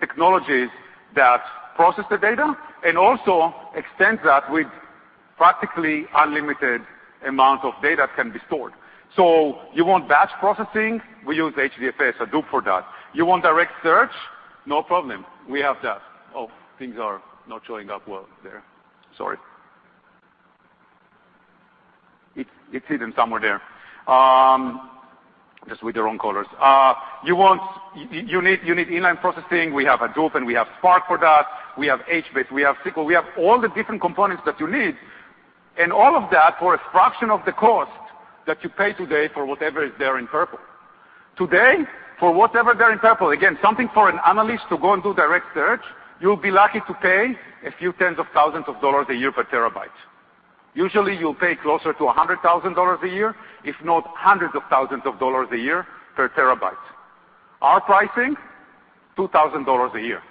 technologies that process the data and also extends that with practically unlimited amount of data can be stored. You want batch processing? We use HDFS, Hadoop for that. You want direct search? No problem. We have that. Things are not showing up well there. Sorry. It's hidden somewhere there. Just with the wrong colors. You need inline processing? We have Hadoop, and we have Spark for that. We have HBase. We have SQL. We have all the different components that you need, and all of that for a fraction of the cost that you pay today for whatever is there in purple. Today, for whatever there in purple, again, something for an analyst to go and do direct search, you'll be lucky to pay a few tens of thousands of dollars a year per terabyte. Usually, you'll pay closer to $100,000 a year, if not hundreds of thousands of dollars a year per terabyte. Our pricing, $2,000 a year.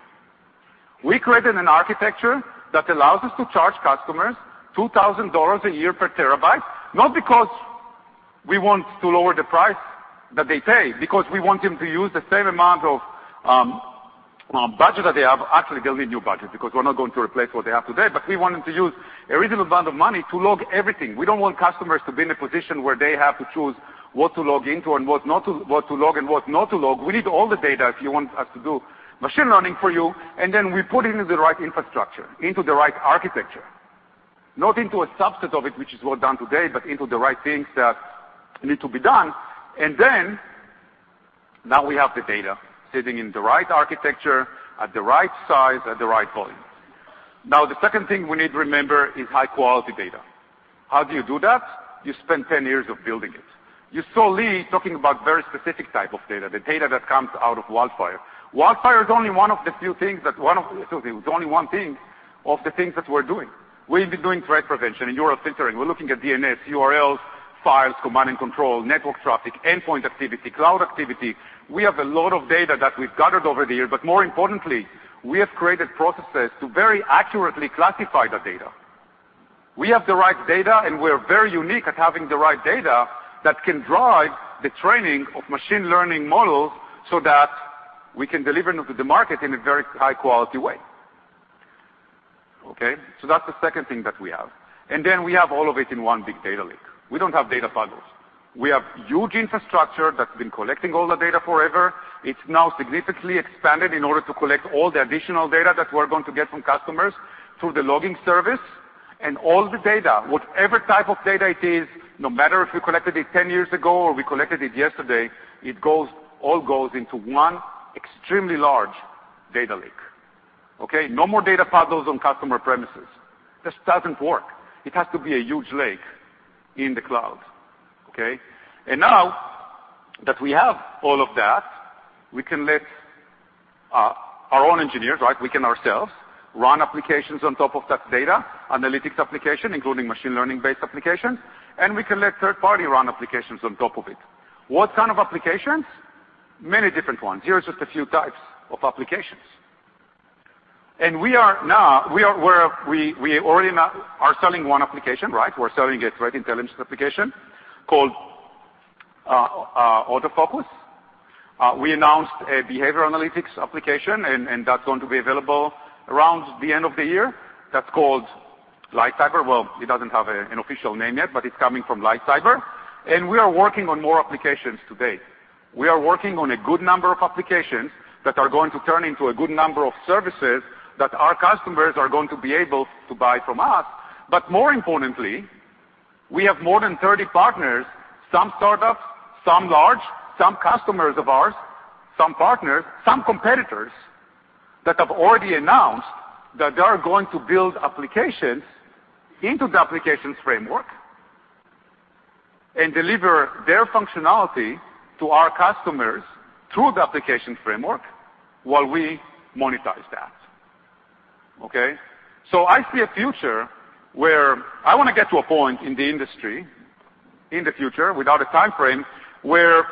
We created an architecture that allows us to charge customers $2,000 a year per terabyte, not because we want to lower the price that they pay, because we want them to use the same amount of budget that they have. Actually, they'll need new budget because we're not going to replace what they have today, but we want them to use a reasonable amount of money to log everything. We don't want customers to be in a position where they have to choose what to log into and what not to log. We need all the data if you want us to do machine learning for you. We put it into the right infrastructure, into the right architecture. Not into a subset of it, which is well done today, but into the right things that need to be done. We have the data sitting in the right architecture, at the right size, at the right volume. The second thing we need to remember is high-quality data. How do you do that? You spend 10 years building it. You saw Lee talking about very specific type of data, the data that comes out of WildFire. WildFire is only one thing of the things that we're doing. We've been doing threat prevention and URL Filtering. We're looking at DNS, URLs, files, command and control, network traffic, endpoint activity, cloud activity. We have a lot of data that we've gathered over the years, but more importantly, we have created processes to very accurately classify that data. We have the right data, and we're very unique at having the right data that can drive the training of machine learning models so that we can deliver to the market in a very high-quality way. Okay? That's the second thing that we have. We have all of it in one big data lake. We don't have data puddles. We have huge infrastructure that's been collecting all the data forever. It's now significantly expanded in order to collect all the additional data that we're going to get from customers through the logging service and all the data, whatever type of data it is, no matter if we collected it 10 years ago or we collected it yesterday, it all goes into one extremely large data lake. Okay. No more data puddles on customer premises. Just doesn't work. It has to be a huge lake in the cloud. Okay. Now that we have all of that, we can let our own engineers, we can ourselves, run applications on top of that data, analytics application, including machine learning-based applications, and we can let third party run applications on top of it. What kind of applications? Many different ones. Here are just a few types of applications. We already are selling one application. We're selling a threat intelligence application called AutoFocus. We announced a behavioral analytics application, that's going to be available around the end of the year. That's called LightCyber. Well, it doesn't have an official name yet, but it's coming from LightCyber. We are working on more applications today. We are working on a good number of applications that are going to turn into a good number of services that our customers are going to be able to buy from us. More importantly, we have more than 30 partners, some startups, some large, some customers of ours, some partners, some competitors, that have already announced that they are going to build applications into the applications framework and deliver their functionality to our customers through the application framework while we monetize that. Okay. I see a future where I want to get to a point in the industry, in the future, without a timeframe, where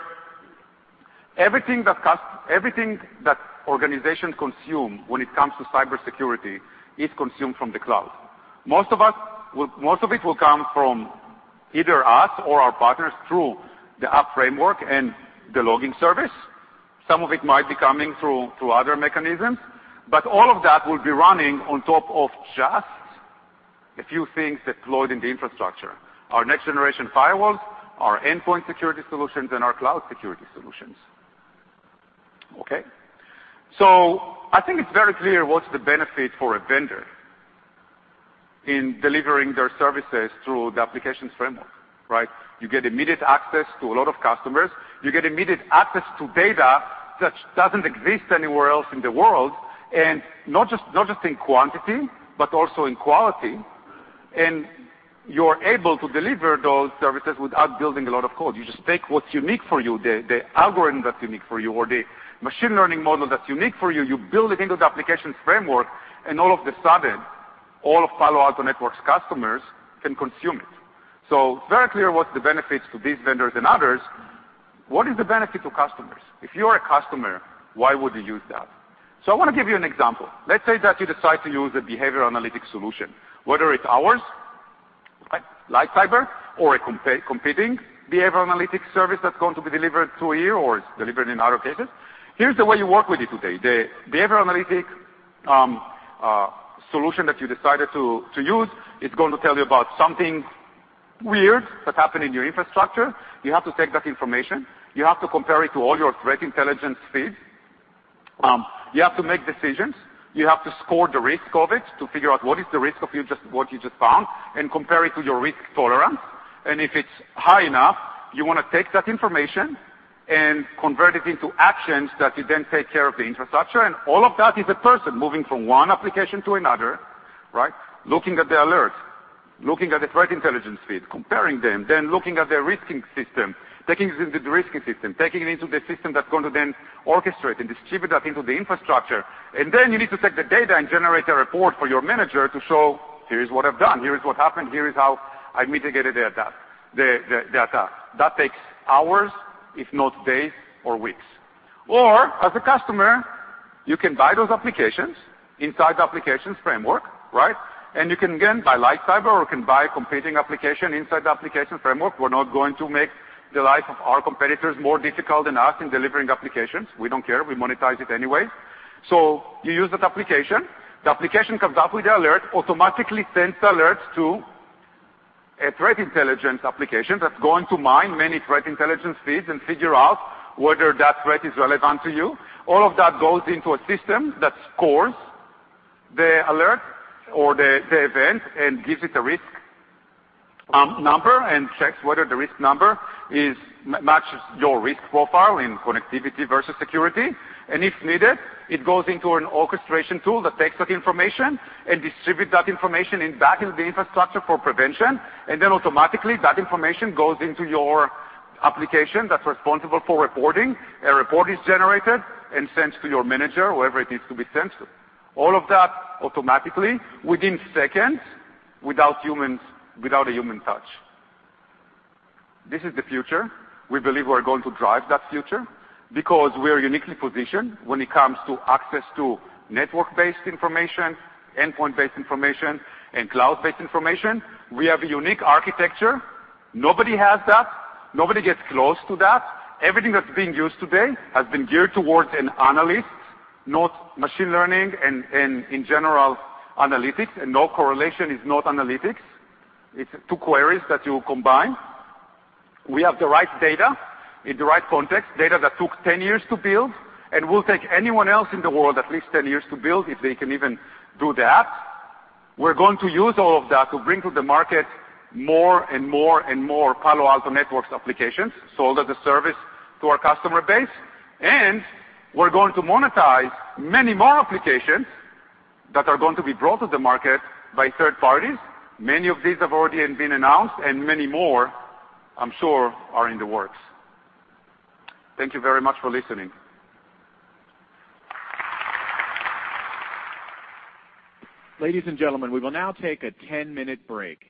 everything that organization consume when it comes to cybersecurity is consumed from the cloud. Most of it will come from either us or our partners through the app framework and the logging service. Some of it might be coming through other mechanisms, but all of that will be running on top of just a few things that float in the infrastructure. Our next generation firewalls, our endpoint security solutions, and our cloud security solutions. Okay. I think it's very clear what's the benefit for a vendor in delivering their services through the applications framework. You get immediate access to a lot of customers. You get immediate access to data that doesn't exist anywhere else in the world, and not just in quantity, but also in quality. You're able to deliver those services without building a lot of code. You just take what's unique for you, the algorithm that's unique for you, or the machine learning model that's unique for you. You build it into the applications framework, and all of a sudden, all of Palo Alto Networks customers can consume it. Very clear what's the benefits to these vendors and others. What is the benefit to customers? If you're a customer, why would you use that? I want to give you an example. Let's say that you decide to use a behavioral analytics solution, whether it's ours, LightCyber, or a competing behavioral analytics service that's going to be delivered through here or it's delivered in other cases. Here's the way you work with it today. The behavioral analytics solution that you decided to use is going to tell you about something weird that happened in your infrastructure. You have to take that information. You have to compare it to all your threat intelligence feeds. You have to make decisions. You have to score the risk of it to figure out what is the risk of what you just found and compare it to your risk tolerance. If it's high enough, you want to take that information and convert it into actions that you then take care of the infrastructure. All of that is a person moving from one application to another, looking at the alerts, looking at the threat intelligence feed, comparing them, then looking at their risking system, taking it into the risking system, taking it into the system that's going to then orchestrate and distribute that into the infrastructure. Then you need to take the data and generate a report for your manager to show, here's what I've done. Here is what happened. Here is how I mitigated the attack. That takes hours, if not days or weeks. As a customer, you can buy those applications inside the applications framework. You can, again, buy LightCyber or can buy competing application inside the application framework. We're not going to make the life of our competitors more difficult than us in delivering applications. We don't care. We monetize it anyway. You use that application. The application comes up with the alert, automatically sends alerts to a threat intelligence application that's going to mine many threat intelligence feeds and figure out whether that threat is relevant to you. All of that goes into a system that scores the alert or the event and gives it a risk number and checks whether the risk number matches your risk profile in connectivity versus security. If needed, it goes into an orchestration tool that takes that information and distributes that information back in the infrastructure for prevention. Then automatically, that information goes into your application that's responsible for reporting. A report is generated and sent to your manager, wherever it needs to be sent. All of that automatically within seconds, without a human touch. This is the future. We believe we're going to drive that future because we are uniquely positioned when it comes to access to network-based information, endpoint-based information, and cloud-based information. We have a unique architecture. Nobody has that. Nobody gets close to that. Everything that's being used today has been geared towards an analyst, not machine learning and, in general, analytics. No correlation is not analytics. It's two queries that you combine. We have the right data in the right context, data that took 10 years to build and will take anyone else in the world at least 10 years to build, if they can even do that. We're going to use all of that to bring to the market more and more and more Palo Alto Networks applications sold as a service to our customer base. We're going to monetize many more applications that are going to be brought to the market by third parties. Many of these have already been announced and many more, I'm sure, are in the works. Thank you very much for listening. Ladies and gentlemen, we will now take a 10-minute break.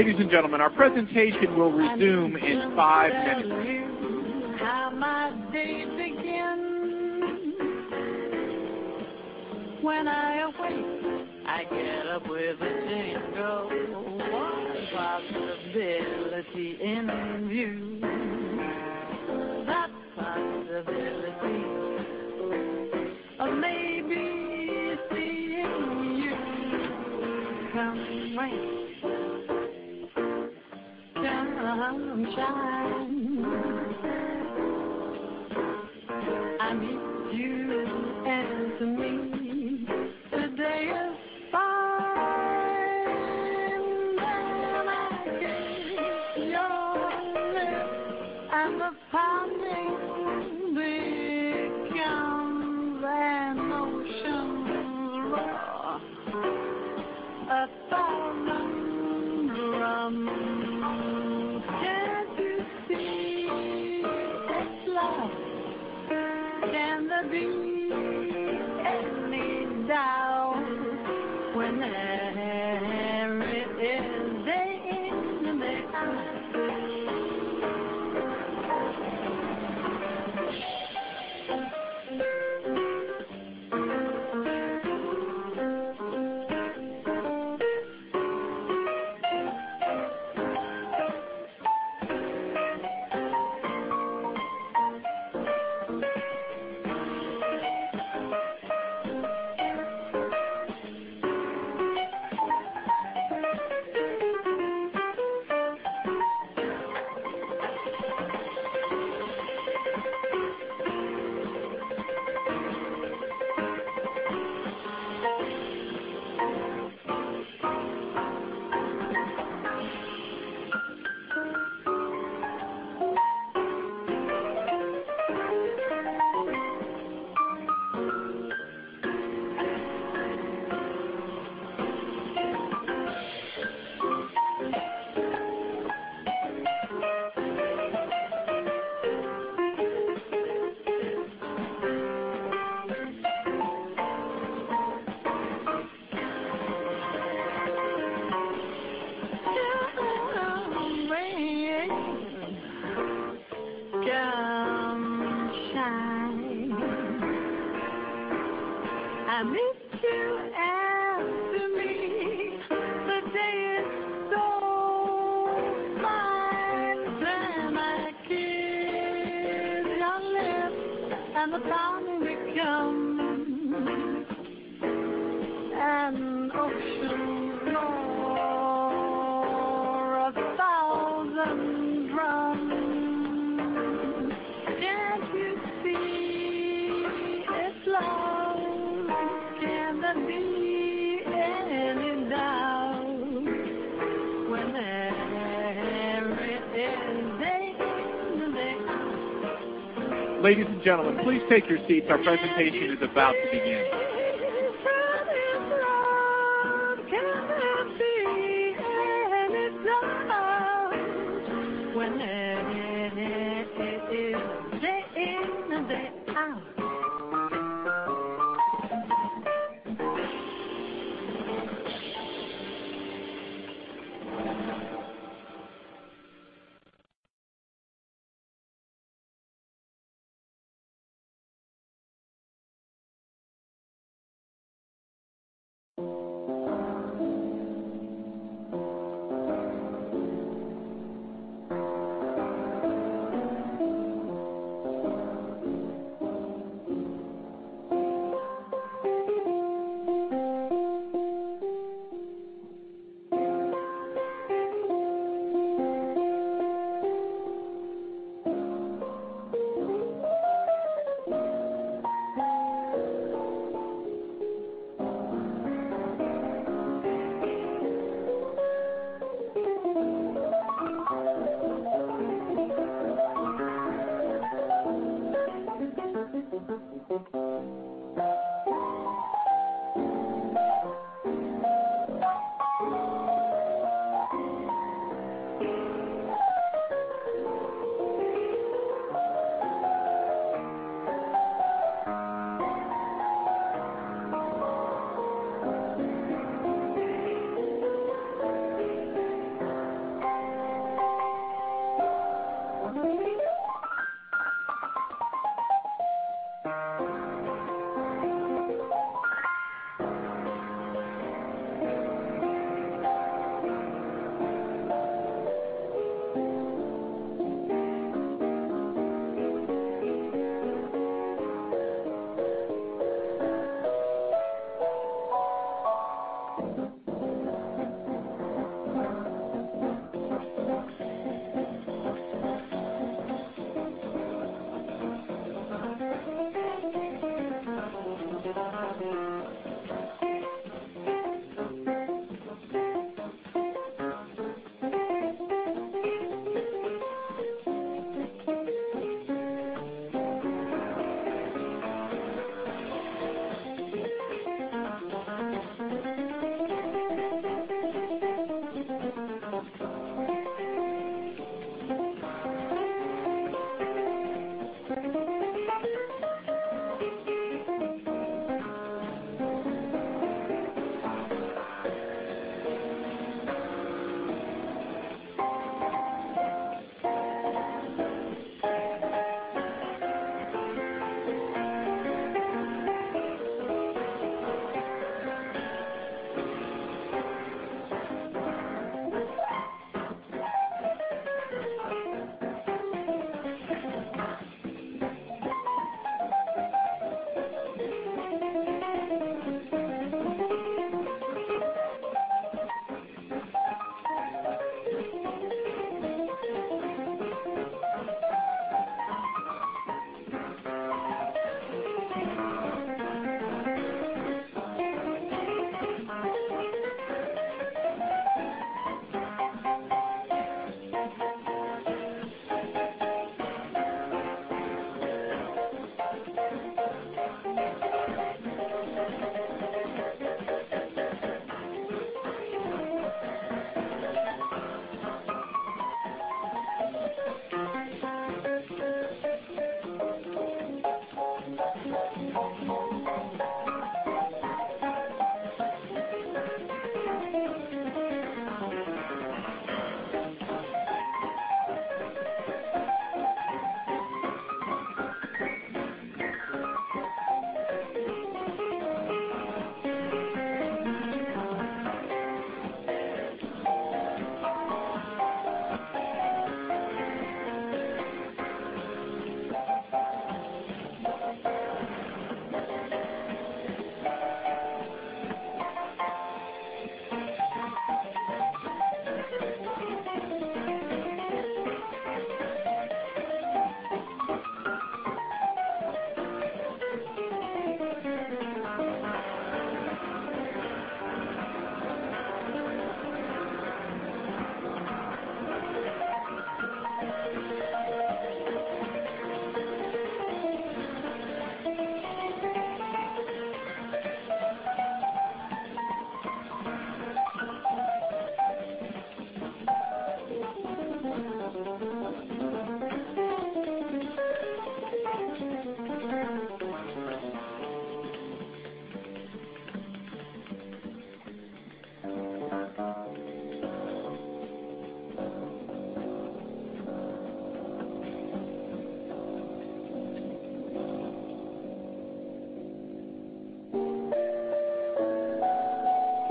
Day in, day out. That same old blues follows me about. The same old pounding in my heart whenever I think of you. Baby, I think of you. Day in and day out, day out. Day in. Ladies and gentlemen, our presentation will resume in five minutes. How my days begin When I awake, I get up with a jingle. One possibility in view. That possibility of maybe seeing you. Come rain, come shine. I meet you after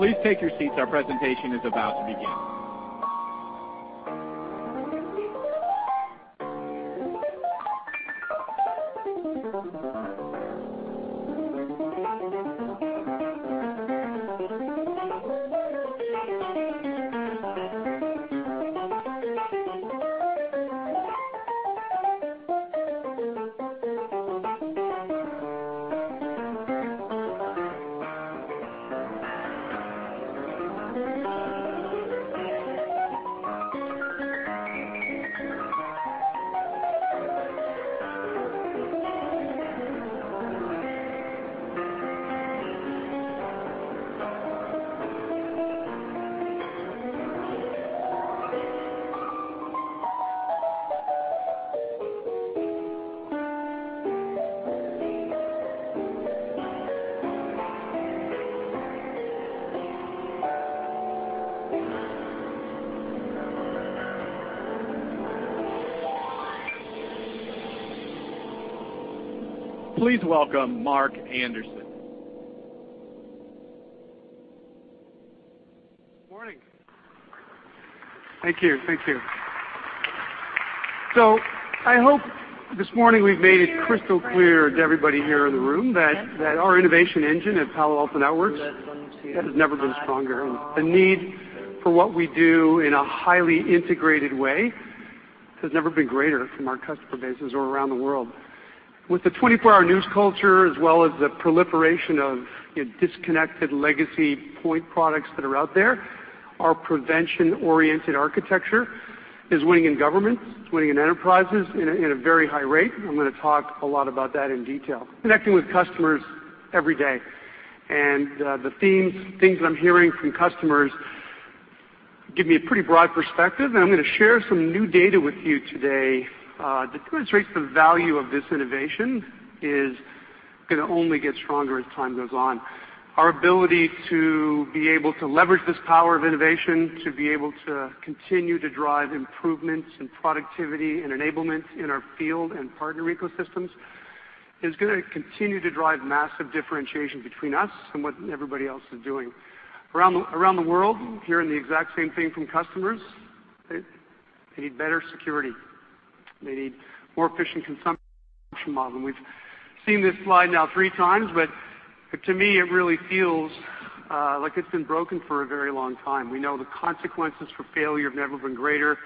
Can't you see it's love? Can there be any doubt? When everything is in its place. Please take your seats. Our presentation is about to begin. Please welcome Mark Anderson. Morning. Thank you. I hope this morning we've made it crystal clear to everybody here in the room that our innovation engine at Palo Alto Networks has never been stronger, and the need for what we do in a highly integrated way has never been greater from our customer bases or around the world. With the 24-hour news culture, as well as the proliferation of disconnected legacy point products that are out there, our prevention-oriented architecture is winning in governments, it's winning in enterprises in a very high rate, and I'm going to talk a lot about that in detail. Connecting with customers every day, and the themes, things that I'm hearing from customers give me a pretty broad perspective, and I'm going to share some new data with you today that demonstrates the value of this innovation is going to only get stronger as time goes on. Our ability to be able to leverage this power of innovation, to be able to continue to drive improvements in productivity and enablement in our field and partner ecosystems, is going to continue to drive massive differentiation between us and what everybody else is doing. Around the world, hearing the exact same thing from customers. They need better security. They need more efficient consumption model. We've seen this slide now three times, but to me it really feels like it's been broken for a very long time. We know the consequences for failure have never been greater.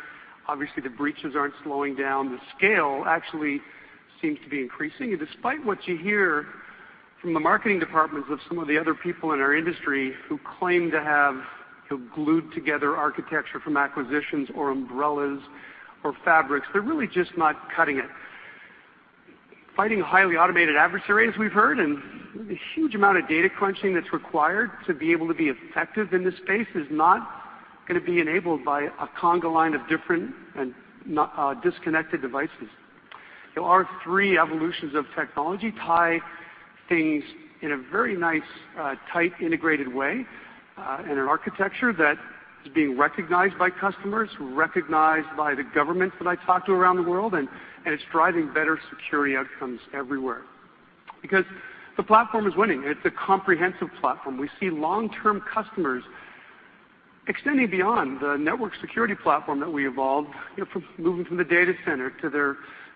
Obviously, the breaches aren't slowing down. The scale actually seems to be increasing. Despite what you hear from the marketing departments of some of the other people in our industry who claim to have glued together architecture from acquisitions or umbrellas or fabrics, they're really just not cutting it. Fighting highly automated adversaries, as we've heard, and the huge amount of data crunching that's required to be able to be effective in this space is not going to be enabled by a conga line of different and disconnected devices. Our three evolutions of technology tie things in a very nice, tight, integrated way, and an architecture that is being recognized by customers, recognized by the governments that I talk to around the world, and it's driving better security outcomes everywhere. The platform is winning, and it's a comprehensive platform. We see long-term customers extending beyond the network security platform that we evolved, from moving from the data center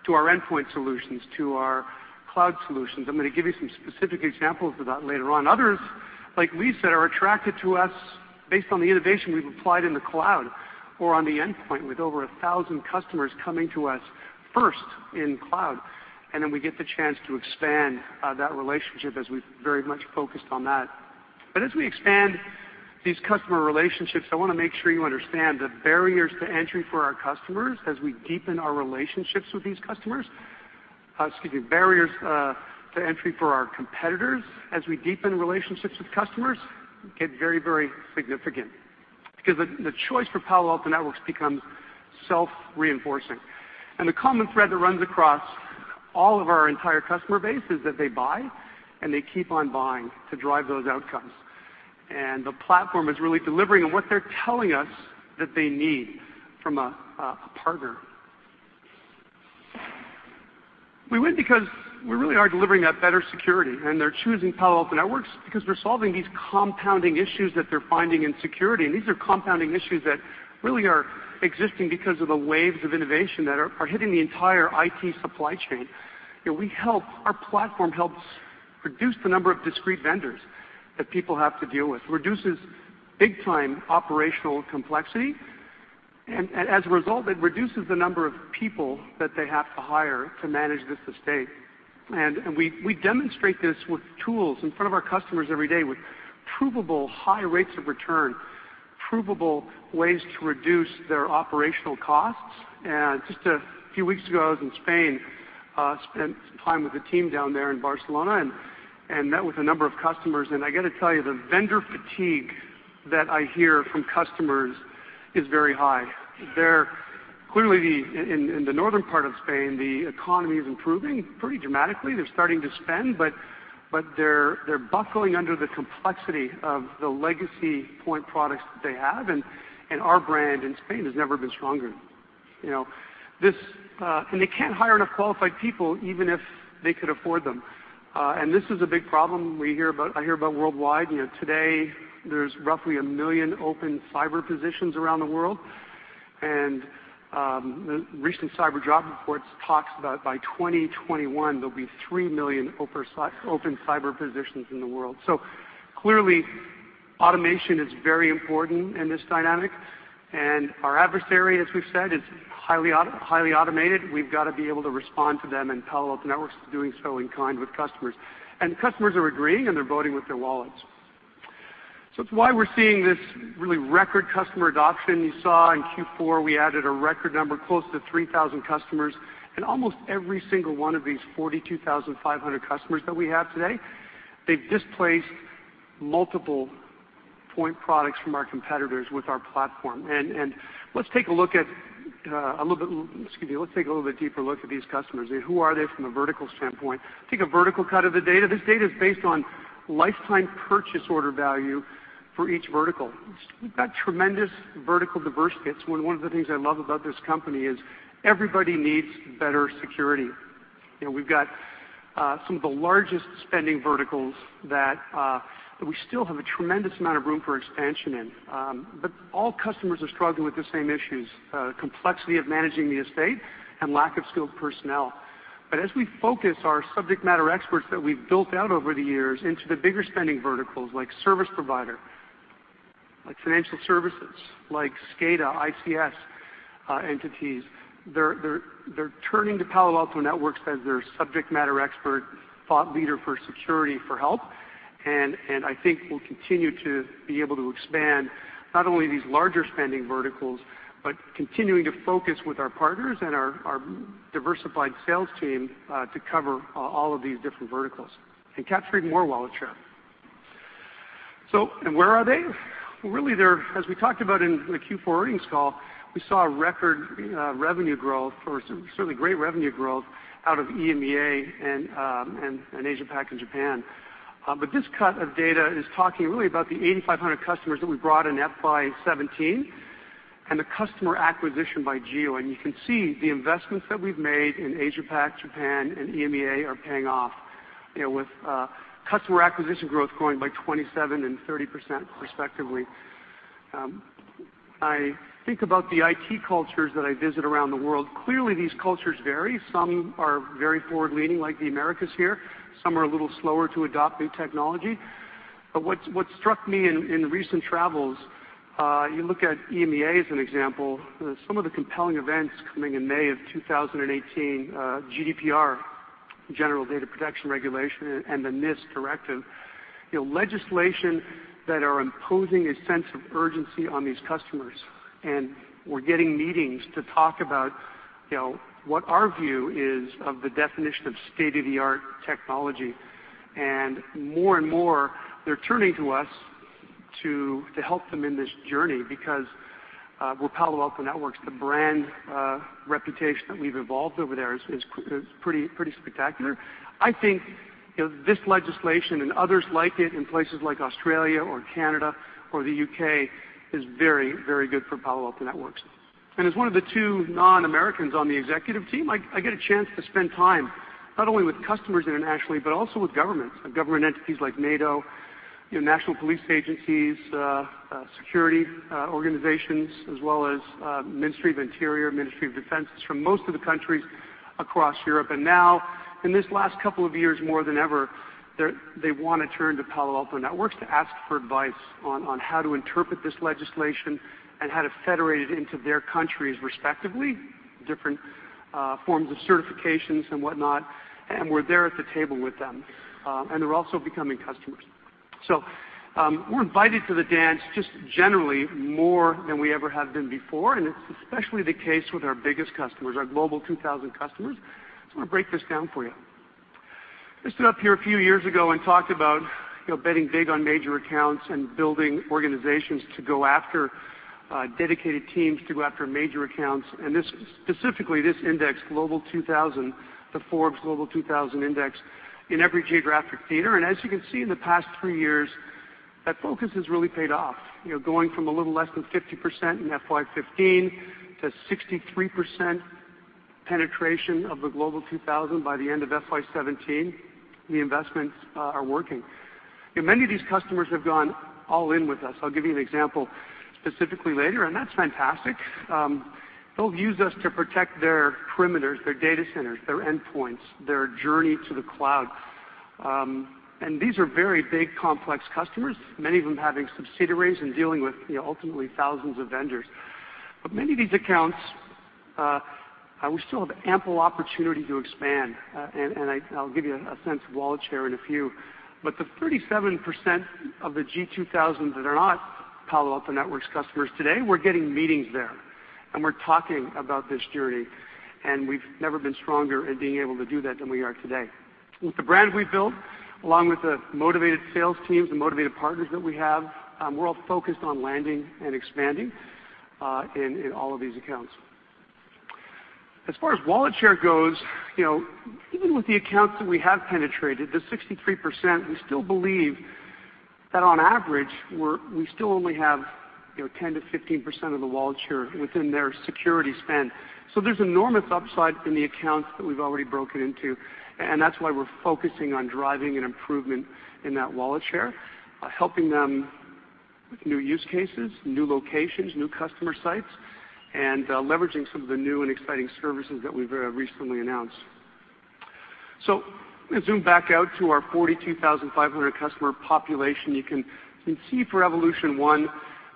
to our endpoint solutions, to our cloud solutions. I'm going to give you some specific examples of that later on. Others, like Lee said, are attracted to us based on the innovation we've applied in the cloud or on the endpoint, with over 1,000 customers coming to us first in cloud. We get the chance to expand that relationship, as we've very much focused on that. As we expand these customer relationships, I want to make sure you understand the barriers to entry for our competitors as we deepen relationships with customers get very significant. The choice for Palo Alto Networks becomes self-reinforcing. The common thread that runs across all of our entire customer base is that they buy and they keep on buying to drive those outcomes. The platform is really delivering on what they're telling us that they need from a partner. We win because we really are delivering that better security, and they're choosing Palo Alto Networks because we're solving these compounding issues that they're finding in security, and these are compounding issues that really are existing because of the waves of innovation that are hitting the entire IT supply chain. Our platform helps reduce the number of discrete vendors that people have to deal with. Reduces big-time operational complexity. As a result, it reduces the number of people that they have to hire to manage this estate. We demonstrate this with tools in front of our customers every day with provable high rates of return, provable ways to reduce their operational costs. Just a few weeks ago, I was in Spain, spent some time with the team down there in Barcelona and met with a number of customers. I got to tell you, the vendor fatigue that I hear from customers is very high. Clearly, in the northern part of Spain, the economy is improving pretty dramatically. They're starting to spend, but they're buckling under the complexity of the legacy point products that they have, and our brand in Spain has never been stronger. They can't hire enough qualified people, even if they could afford them. This is a big problem I hear about worldwide. Today, there's roughly 1 million open cyber positions around the world, and recent cyber job reports talks about by 2021, there'll be 3 million open cyber positions in the world. Clearly, automation is very important in this dynamic, and our adversary, as we've said, is highly automated. We've got to be able to respond to them, and Palo Alto Networks is doing so in kind with customers. Customers are agreeing, and they're voting with their wallets. It's why we're seeing this really record customer adoption. You saw in Q4, we added a record number, close to 3,000 customers. Almost every single one of these 42,500 customers that we have today, they've displaced multiple point products from our competitors with our platform. Let's take a little bit deeper look at these customers. Who are they from a vertical standpoint? Take a vertical cut of the data. This data is based on lifetime purchase order value for each vertical. We've got tremendous vertical diversity. It's one of the things I love about this company, is everybody needs better security. We've got some of the largest spending verticals that we still have a tremendous amount of room for expansion in. All customers are struggling with the same issues, complexity of managing the estate and lack of skilled personnel. As we focus our subject matter experts that we've built out over the years into the bigger spending verticals, like service provider, like financial services, like SCADA, ICS entities, they're turning to Palo Alto Networks as their subject matter expert, thought leader for security for help. I think we'll continue to be able to expand not only these larger spending verticals, but continuing to focus with our partners and our diversified sales team, to cover all of these different verticals and capturing more wallet share. Where are they? Well, really, as we talked about in the Q4 earnings call, we saw a record revenue growth, or certainly great revenue growth, out of EMEA and Asia Pac and Japan. This cut of data is talking really about the 8,500 customers that we brought in FY 2017 and the customer acquisition by geo. You can see the investments that we've made in Asia Pac, Japan, and EMEA are paying off, with customer acquisition growth growing by 27% and 30%, respectively. I think about the IT cultures that I visit around the world. Clearly, these cultures vary. Some are very forward-leaning, like the Americas here. Some are a little slower to adopt new technology. What struck me in recent travels, you look at EMEA as an example, some of the compelling events coming in May 2018, GDPR, General Data Protection Regulation, and the NIS Directive. Legislation that are imposing a sense of urgency on these customers, and we're getting meetings to talk about what our view is of the definition of state-of-the-art technology. More and more, they're turning to us to help them in this journey because we're Palo Alto Networks, the brand reputation that we've evolved over there is pretty spectacular. I think this legislation, and others like it in places like Australia or Canada or the U.K., is very good for Palo Alto Networks. As one of the two non-Americans on the executive team, I get a chance to spend time not only with customers internationally, but also with governments. Government entities like NATO, national police agencies, security organizations, as well as Ministry of Interior, Ministry of Defense from most of the countries across Europe. Now, in this last couple of years, more than ever, they want to turn to Palo Alto Networks to ask for advice on how to interpret this legislation and how to federate it into their countries, respectively, different forms of certifications and whatnot, we're there at the table with them. They're also becoming customers. We're invited to the dance just generally more than we ever have been before, and it's especially the case with our biggest customers, our Global 2000 customers. I want to break this down for you. I stood up here a few years ago and talked about betting big on major accounts and building organizations to go after dedicated teams, to go after major accounts, and specifically this index, Global 2000, the Forbes Global 2000 Index, in every geographic theater. As you can see in the past three years, that focus has really paid off. Going from a little less than 50% in FY 2015 to 63% penetration of the Global 2000 by the end of FY 2017, the investments are working. Many of these customers have gone all in with us. I'll give you an example specifically later, and that's fantastic. They'll use us to protect their perimeters, their data centers, their endpoints, their journey to the cloud. These are very big, complex customers, many of them having subsidiaries and dealing with ultimately thousands of vendors. Many of these accounts, we still have ample opportunity to expand. I'll give you a sense of wallet share in a few. The 37% of the G 2000 that are not Palo Alto Networks customers today, we're getting meetings there, we're talking about this journey, we've never been stronger at being able to do that than we are today. With the brand we've built, along with the motivated sales teams, the motivated partners that we have, we're all focused on landing and expanding, in all of these accounts. As far as wallet share goes, even with the accounts that we have penetrated, the 63%, we still believe that on average, we still only have 10%-15% of the wallet share within their security spend. There's enormous upside in the accounts that we've already broken into, and that's why we're focusing on driving an improvement in that wallet share, helping them with new use cases, new locations, new customer sites, and leveraging some of the new and exciting services that we've recently announced. I'm going to zoom back out to our 42,500 customer population. You can see for Evolution 1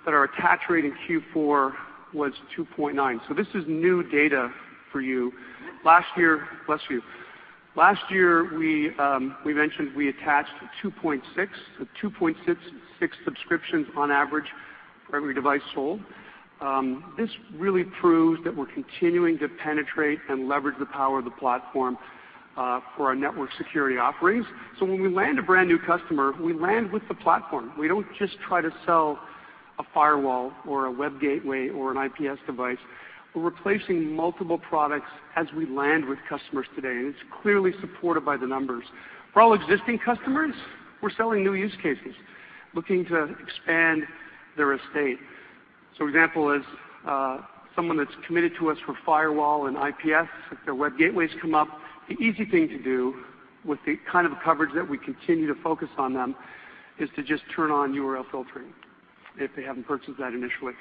that our attach rate in Q4 was 2.9. This is new data for you. Last year, bless you. Last year, we mentioned we attached a 2.66 subscriptions on average for every device sold. This really proves that we're continuing to penetrate and leverage the power of the platform for our network security offerings. When we land a brand new customer, we land with the platform. We don't just try to sell a firewall or a web gateway or an IPS device. We're replacing multiple products as we land with customers today, and it's clearly supported by the numbers. For all existing customers, we're selling new use cases, looking to expand their estate. Example is, someone that's committed to us for firewall and IPS, if their web gateways come up, the easy thing to do with the kind of coverage that we continue to focus on them is to just turn on URL Filtering if they haven't purchased that initially.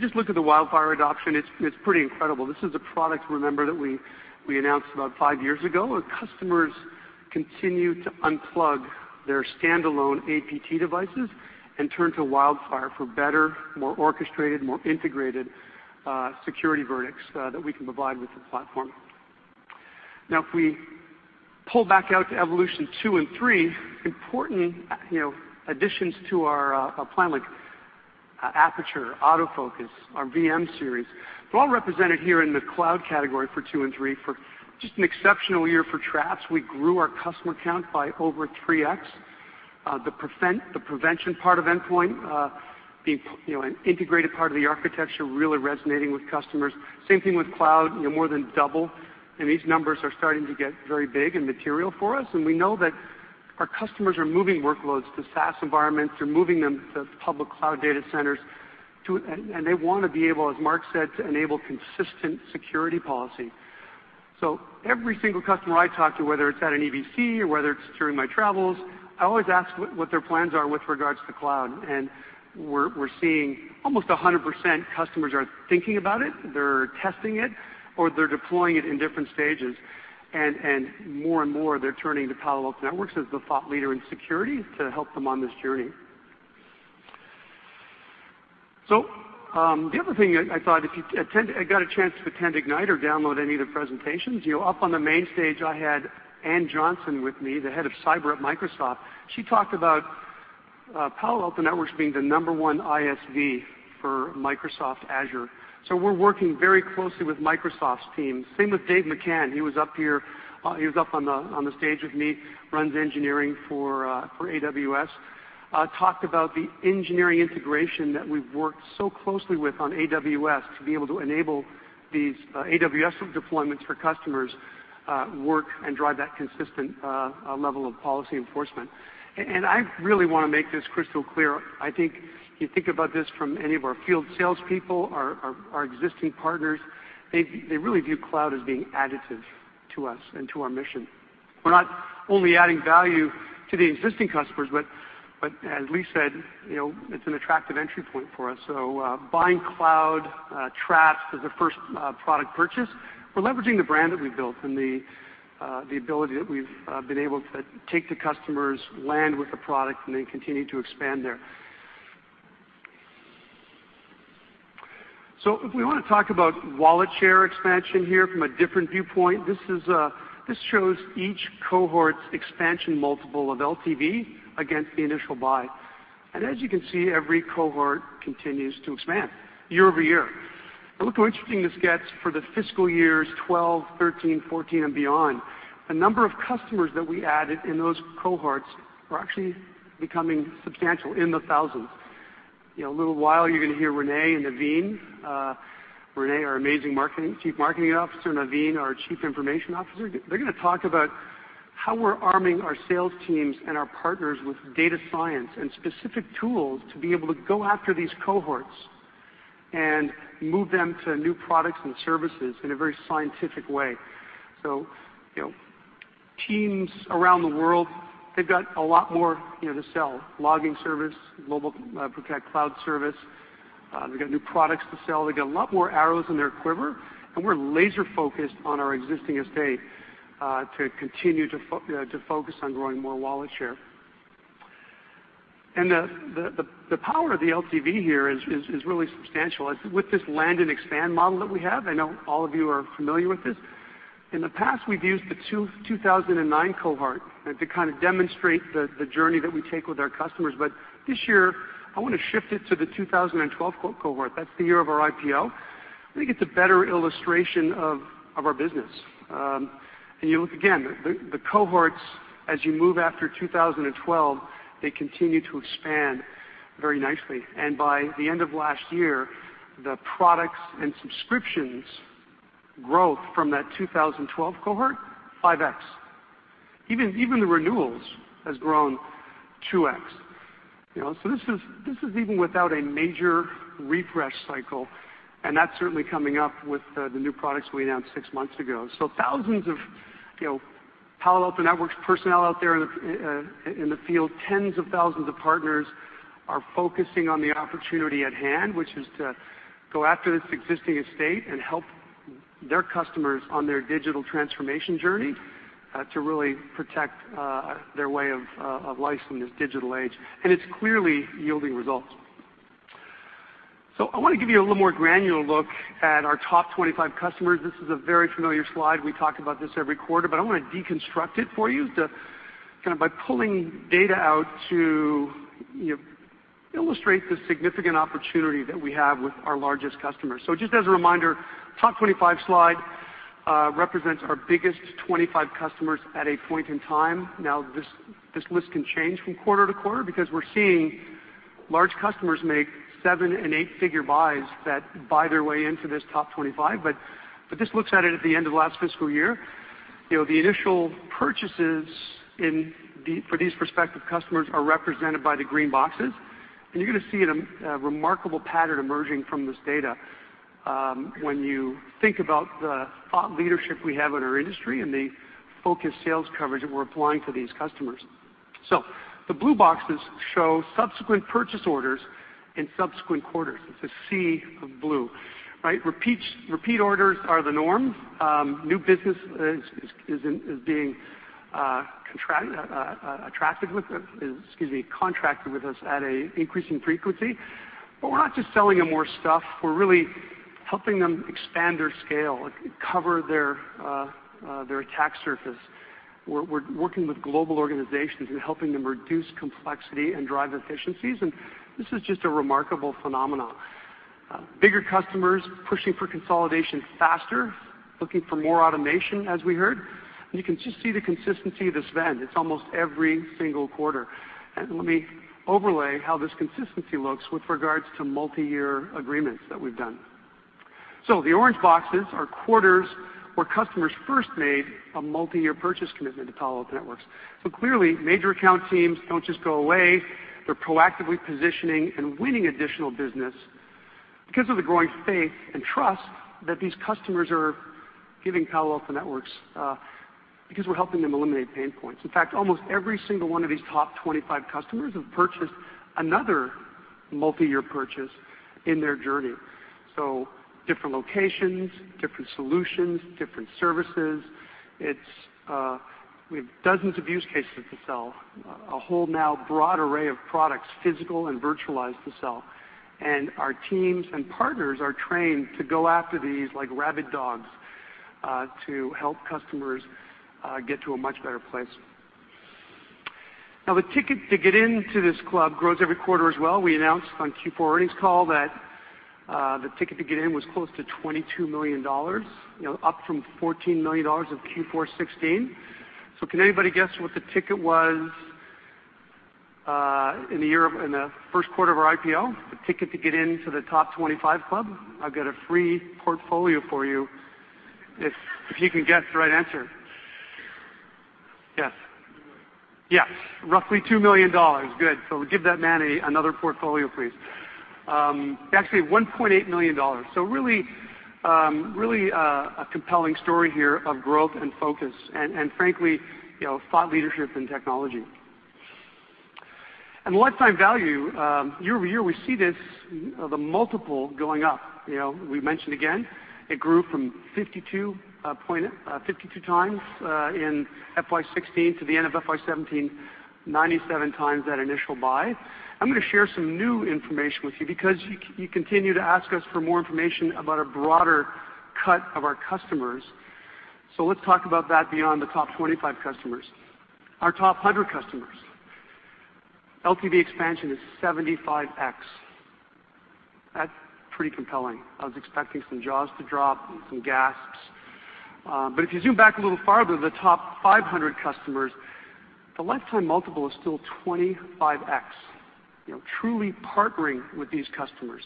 Just look at the WildFire adoption, it's pretty incredible. This is a product, remember, that we announced about five years ago, and customers continue to unplug their standalone APT devices and turn to WildFire for better, more orchestrated, more integrated security verdicts that we can provide with the platform. If we pull back out to Evolution 2 and 3, important additions to our plan like Aperture, AutoFocus, our VM-Series. They're all represented here in the cloud category for 2 and 3 for just an exceptional year for Traps. We grew our customer count by over 3X. The prevention part of endpoint, being an integrated part of the architecture, really resonating with customers. Same thing with cloud, more than double. These numbers are starting to get very big and material for us. We know that our customers are moving workloads to SaaS environments. They're moving them to public cloud data centers. They want to be able, as Mark said, to enable consistent security policy. Every single customer I talk to, whether it's at an EBC or whether it's during my travels, I always ask what their plans are with regards to cloud, and we're seeing almost 100% customers are thinking about it, they're testing it, or they're deploying it in different stages. More and more, they're turning to Palo Alto Networks as the thought leader in security to help them on this journey. The other thing I thought, if you got a chance to attend Ignite or download any of the presentations, up on the main stage, I had Ann Johnson with me, the head of cyber at Microsoft. She talked about Palo Alto Networks being the number one ISV for Microsoft Azure. We're working very closely with Microsoft's teams. Same with Dave McCann, he was up on the stage with me, runs engineering for AWS. Talked about the engineering integration that we've worked so closely with on AWS to be able to enable these AWS deployments for customers work and drive that consistent level of policy enforcement. I really want to make this crystal clear. I think you think about this from any of our field salespeople, our existing partners, they really view cloud as being additive to us and to our mission. We're not only adding value to the existing customers, but as Lee said, it's an attractive entry point for us. Buying cloud Traps as a first product purchase, we're leveraging the brand that we built and the ability that we've been able to take to customers, land with the product, and then continue to expand there. If we want to talk about wallet share expansion here from a different viewpoint, this shows each cohort's expansion multiple of LTV against the initial buy. As you can see, every cohort continues to expand year-over-year. Look how interesting this gets for the fiscal years 2012, 2013, 2014, and beyond. The number of customers that we added in those cohorts are actually becoming substantial, in the thousands. In a little while, you're going to hear Rene and Naveen. Rene, our amazing Chief Marketing Officer, Naveen, our Chief Information Officer. They're going to talk about how we're arming our sales teams and our partners with data science and specific tools to be able to go after these cohorts and move them to new products and services in a very scientific way. Teams around the world, they've got a lot more to sell. Logging service, GlobalProtect cloud service. They've got new products to sell. They got a lot more arrows in their quiver, and we're laser-focused on our existing estate to continue to focus on growing more wallet share. The power of the LTV here is really substantial with this land and expand model that we have. I know all of you are familiar with this. In the past, we've used the 2009 cohort to kind of demonstrate the journey that we take with our customers. This year, I want to shift it to the 2012 cohort. That's the year of our IPO. I think it's a better illustration of our business. You look, again, the cohorts, as you move after 2012, they continue to expand very nicely. By the end of last year, the products and subscriptions growth from that 2012 cohort, 5x. Even the renewals has grown 2x. This is even without a major refresh cycle, and that's certainly coming up with the new products we announced six months ago. Thousands of Palo Alto Networks personnel out there in the field, tens of thousands of partners are focusing on the opportunity at hand, which is to go after this existing estate and help their customers on their digital transformation journey, to really protect their way of life in this digital age. It's clearly yielding results. I want to give you a little more granular look at our top 25 customers. This is a very familiar slide. We talk about this every quarter, but I want to deconstruct it for you to kind of by pulling data out to illustrate the significant opportunity that we have with our largest customers. Just as a reminder, top 25 slide represents our biggest 25 customers at a point in time. This list can change from quarter to quarter because we're seeing large customers make seven and eight-figure buys that buy their way into this top 25. This looks at it at the end of last fiscal year. The initial purchases for these prospective customers are represented by the green boxes. You're going to see a remarkable pattern emerging from this data when you think about the thought leadership we have in our industry and the focused sales coverage that we're applying to these customers. The blue boxes show subsequent purchase orders in subsequent quarters. It's a sea of blue, right? Repeat orders are the norm. New business is being contracted with us at an increasing frequency. We're not just selling them more stuff. We're really helping them expand their scale, cover their attack surface. We're working with global organizations and helping them reduce complexity and drive efficiencies, and this is just a remarkable phenomenon. Bigger customers pushing for consolidation faster, looking for more automation, as we heard. You can just see the consistency of this vend. It's almost every single quarter. Let me overlay how this consistency looks with regards to multi-year agreements that we've done. The orange boxes are quarters where customers first made a multi-year purchase commitment to Palo Alto Networks. Clearly, major account teams don't just go away. They're proactively positioning and winning additional business because of the growing faith and trust that these customers are giving Palo Alto Networks because we're helping them eliminate pain points. In fact, almost every single one of these top 25 customers have purchased another multi-year purchase in their journey. Different locations, different solutions, different services. We have dozens of use cases to sell, a whole now broad array of products, physical and virtualized to sell. Our teams and partners are trained to go after these like rabid dogs, to help customers get to a much better place. The ticket to get into this club grows every quarter as well. We announced on Q4 earnings call that the ticket to get in was close to $22 million, up from $14 million in Q4 2016. Can anybody guess what the ticket was in the first quarter of our IPO? The ticket to get in to the top 25 club. I've got a free portfolio for you if you can guess the right answer. Yes? $2 million. Yes. Roughly $2 million. Good. Give that man another portfolio, please. Actually, $1.8 million. Really, a compelling story here of growth and focus and, frankly, thought leadership and technology. Lifetime value, year-over-year, we see this, the multiple going up. We've mentioned again, it grew from 52x in FY 2016 to the end of FY 2017, 97x that initial buy. I'm going to share some new information with you because you continue to ask us for more information about a broader cut of our customers. Let's talk about that beyond the top 25 customers. Our top 100 customers. LTV expansion is 75x. That's pretty compelling. I was expecting some jaws to drop and some gasps. If you zoom back a little farther, the top 500 customers, the lifetime multiple is still 25x. Truly partnering with these customers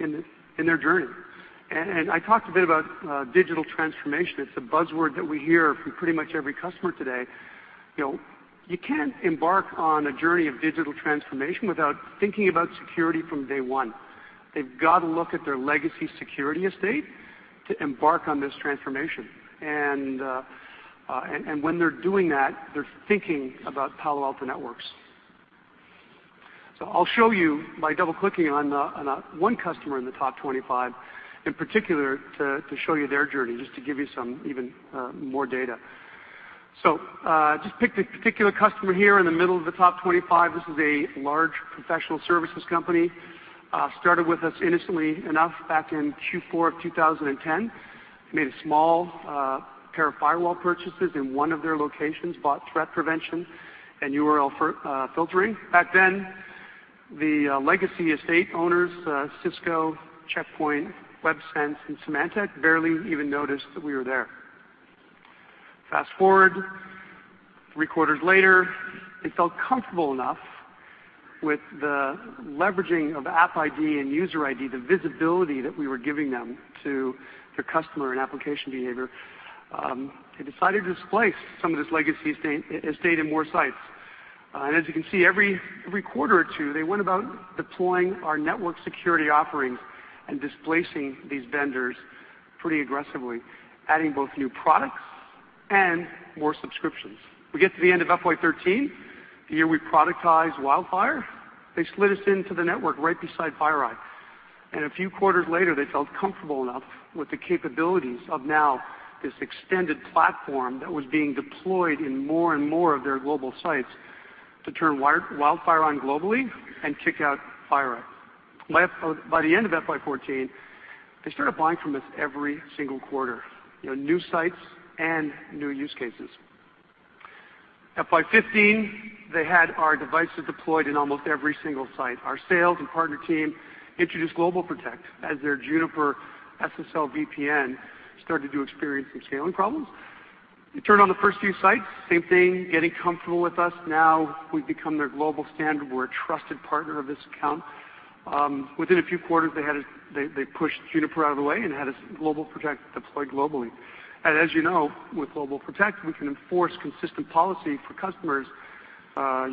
in their journey. I talked a bit about digital transformation. It's the buzzword that we hear from pretty much every customer today. You can't embark on a journey of digital transformation without thinking about security from day one. They've got to look at their legacy security estate to embark on this transformation. When they're doing that, they're thinking about Palo Alto Networks. I'll show you by double-clicking on one customer in the top 25, in particular, to show you their journey, just to give you some even more data. Just picked a particular customer here in the middle of the top 25. This is a large professional services company. Started with us innocently enough back in Q4 of 2010. Made a small pair of firewall purchases in one of their locations, bought threat prevention and URL Filtering. Back then, the legacy estate owners, Cisco, Check Point, Websense, and Symantec barely even noticed that we were there. Fast-forward three quarters later, they felt comfortable enough with the leveraging of App-ID and User-ID, the visibility that we were giving them to their customer and application behavior, they decided to displace some of this legacy estate in more sites. As you can see, every quarter or two, they went about deploying our network security offerings and displacing these vendors pretty aggressively, adding both new products and more subscriptions. We get to the end of FY 2013, the year we productize WildFire. They slid us into the network right beside FireEye. A few quarters later, they felt comfortable enough with the capabilities of now this extended platform that was being deployed in more and more of their global sites to turn WildFire on globally and kick out FireEye. By the end of FY 2014, they started buying from us every single quarter, new sites and new use cases. FY 2015, they had our devices deployed in almost every single site. Our sales and partner team introduced GlobalProtect as their Juniper Networks SSL VPN started to experience some scaling problems. They turned on the first few sites, same thing, getting comfortable with us. Now we've become their global standard. We're a trusted partner of this account. Within a few quarters, they pushed Juniper Networks out of the way and had GlobalProtect deployed globally. As you know, with GlobalProtect, we can enforce consistent policy for customers'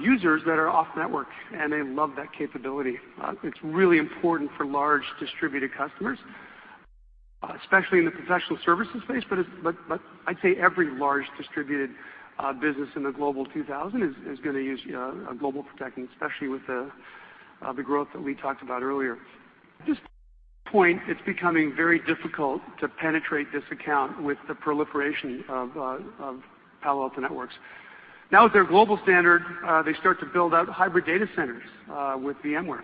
users that are off network, and they love that capability. It's really important for large distributed customers, especially in the professional services space, but I'd say every large distributed business in the Global 2000 is going to use GlobalProtect, and especially with the growth that we talked about earlier. At this point, it's becoming very difficult to penetrate this account with the proliferation of Palo Alto Networks. Now with their global standard, they start to build out hybrid data centers with VMware.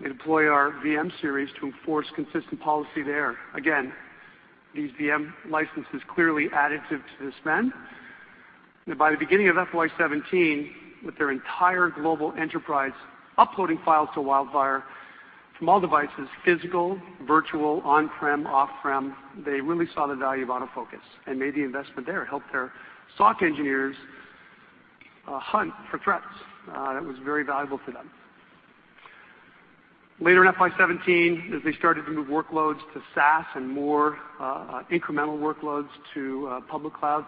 They deploy our VM-Series to enforce consistent policy there. Again, these VM licenses clearly additive to the spend. By the beginning of FY 2017, with their entire global enterprise uploading files to WildFire from all devices, physical, virtual, on-prem, off-prem, they really saw the value of AutoFocus and made the investment there. It helped their SOC engineers hunt for threats. That was very valuable to them. Later in FY 2017, as they started to move workloads to SaaS and more incremental workloads to public cloud,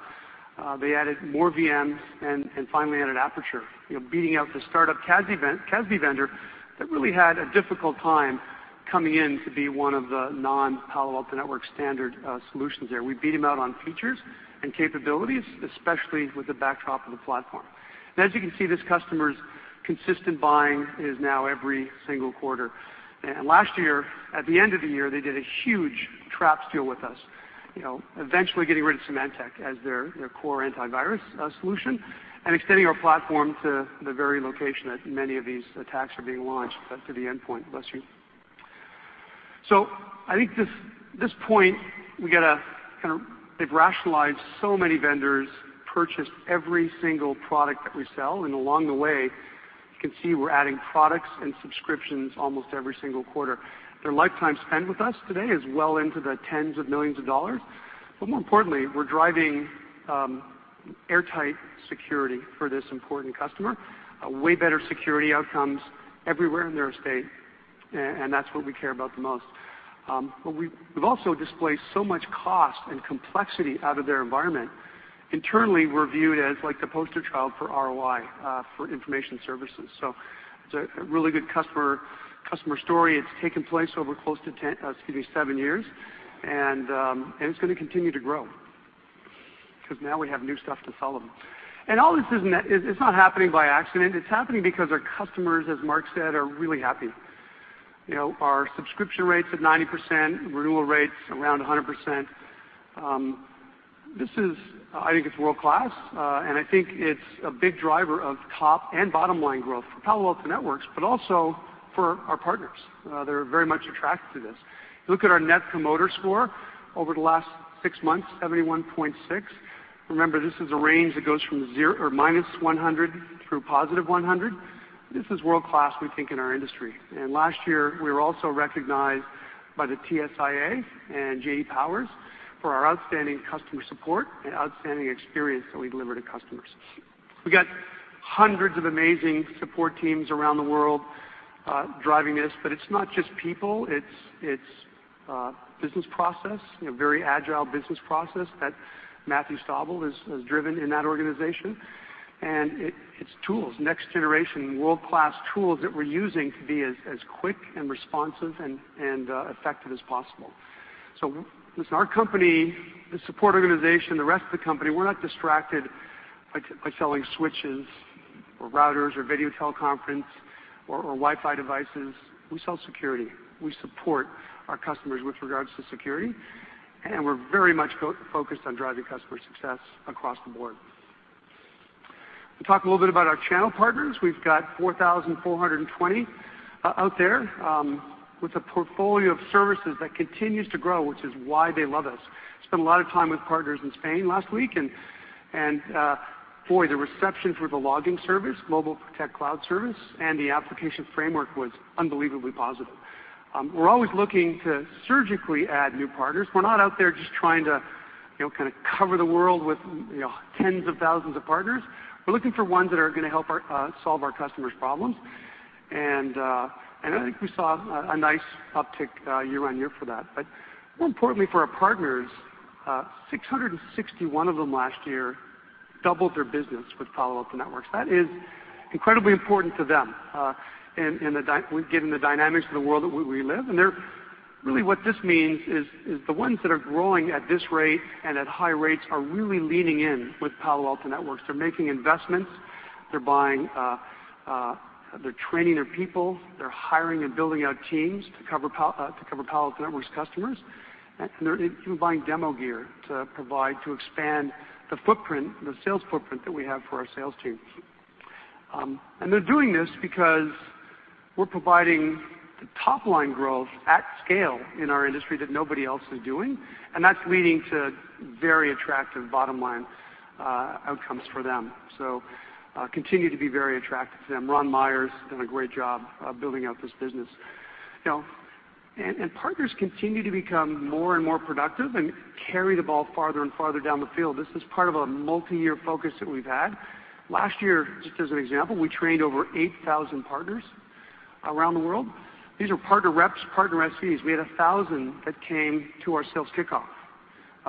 they added more VMs and finally added Aperture, beating out the startup CASB vendor that really had a difficult time coming in to be one of the non-Palo Alto Networks standard solutions there. We beat them out on features and capabilities, especially with the backdrop of the platform. As you can see, this customer's consistent buying is now every single quarter. Last year, at the end of the year, they did a huge Traps deal with us, eventually getting rid of Symantec as their core antivirus solution and extending our platform to the very location that many of these attacks are being launched to the endpoint. Bless you. I think this point, they've rationalized so many vendors, purchased every single product that we sell, and along the way, you can see we're adding products and subscriptions almost every single quarter. Their lifetime spend with us today is well into the tens of millions of dollars. But more importantly, we're driving airtight security for this important customer, way better security outcomes everywhere in their estate, and that's what we care about the most. But we've also displaced so much cost and complexity out of their environment. Internally, we're viewed as the poster child for ROI for information services. It's a really good customer story. It's taken place over close to 10, excuse me, 7 years, and it's going to continue to grow, because now we have new stuff to sell them. All this, it's not happening by accident. It's happening because our customers, as Mark said, are really happy. Our subscription rate's at 90%, renewal rate's around 100%. I think it's world-class, and I think it's a big driver of top and bottom-line growth for Palo Alto Networks, but also for our partners. They're very much attracted to this. You look at our Net Promoter Score over the last six months, 71.6. Remember, this is a range that goes from -100 through positive 100. This is world-class, we think, in our industry. Last year, we were also recognized by the TSIA and J.D. Power for our outstanding customer support and outstanding experience that we deliver to customers. We've got hundreds of amazing support teams around the world driving this. But it's not just people, it's business process, very agile business process that Matthew Taylor has driven in that organization. It's tools, next generation, world-class tools that we're using to be as quick and responsive and effective as possible. Listen, our company, the support organization, the rest of the company, we're not distracted by selling switches or routers or video teleconference or Wi-Fi devices. We sell security. We support our customers with regards to security, and we're very much focused on driving customer success across the board. Talk a little bit about our channel partners. We've got 4,420 out there, with a portfolio of services that continues to grow, which is why they love us. Spent a lot of time with partners in Spain last week, and boy, the reception for the logging service, GlobalProtect cloud service, and the application framework was unbelievably positive. We're always looking to surgically add new partners. We're not out there just trying to cover the world with tens of thousands of partners. We're looking for ones that are going to help solve our customers' problems. I think we saw a nice uptick year-over-year for that. More importantly for our partners, 661 of them last year doubled their business with Palo Alto Networks. That is incredibly important to them, given the dynamics of the world that we live in. Really what this means is the ones that are growing at this rate and at high rates are really leaning in with Palo Alto Networks. They're making investments, they're training their people, they're hiring and building out teams to cover Palo Alto Networks' customers. They're even buying demo gear to expand the footprint, the sales footprint that we have for our sales team. They're doing this because we're providing the top-line growth at scale in our industry that nobody else is doing. That's leading to very attractive bottom-line outcomes for them. Continue to be very attractive to them. Ron Myers done a great job of building out this business. Partners continue to become more and more productive and carry the ball farther and farther down the field. This is part of a multi-year focus that we've had. Last year, just as an example, we trained over 8,000 partners around the world. These are partner reps, partner SEs. We had 1,000 that came to our sales kickoff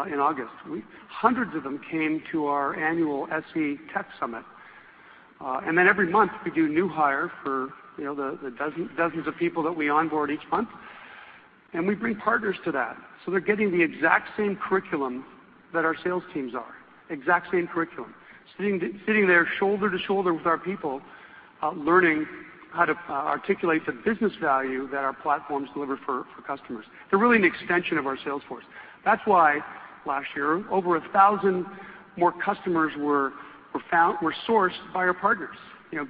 in August. Hundreds of them came to our annual SE Tech Summit. Every month, we do new hire for the dozens of people that we onboard each month. We bring partners to that. They're getting the exact same curriculum that our sales teams are. Exact same curriculum. Sitting there shoulder to shoulder with our people, learning how to articulate the business value that our platforms deliver for customers. They're really an extension of our sales force. That's why last year, over 1,000 more customers were sourced by our partners,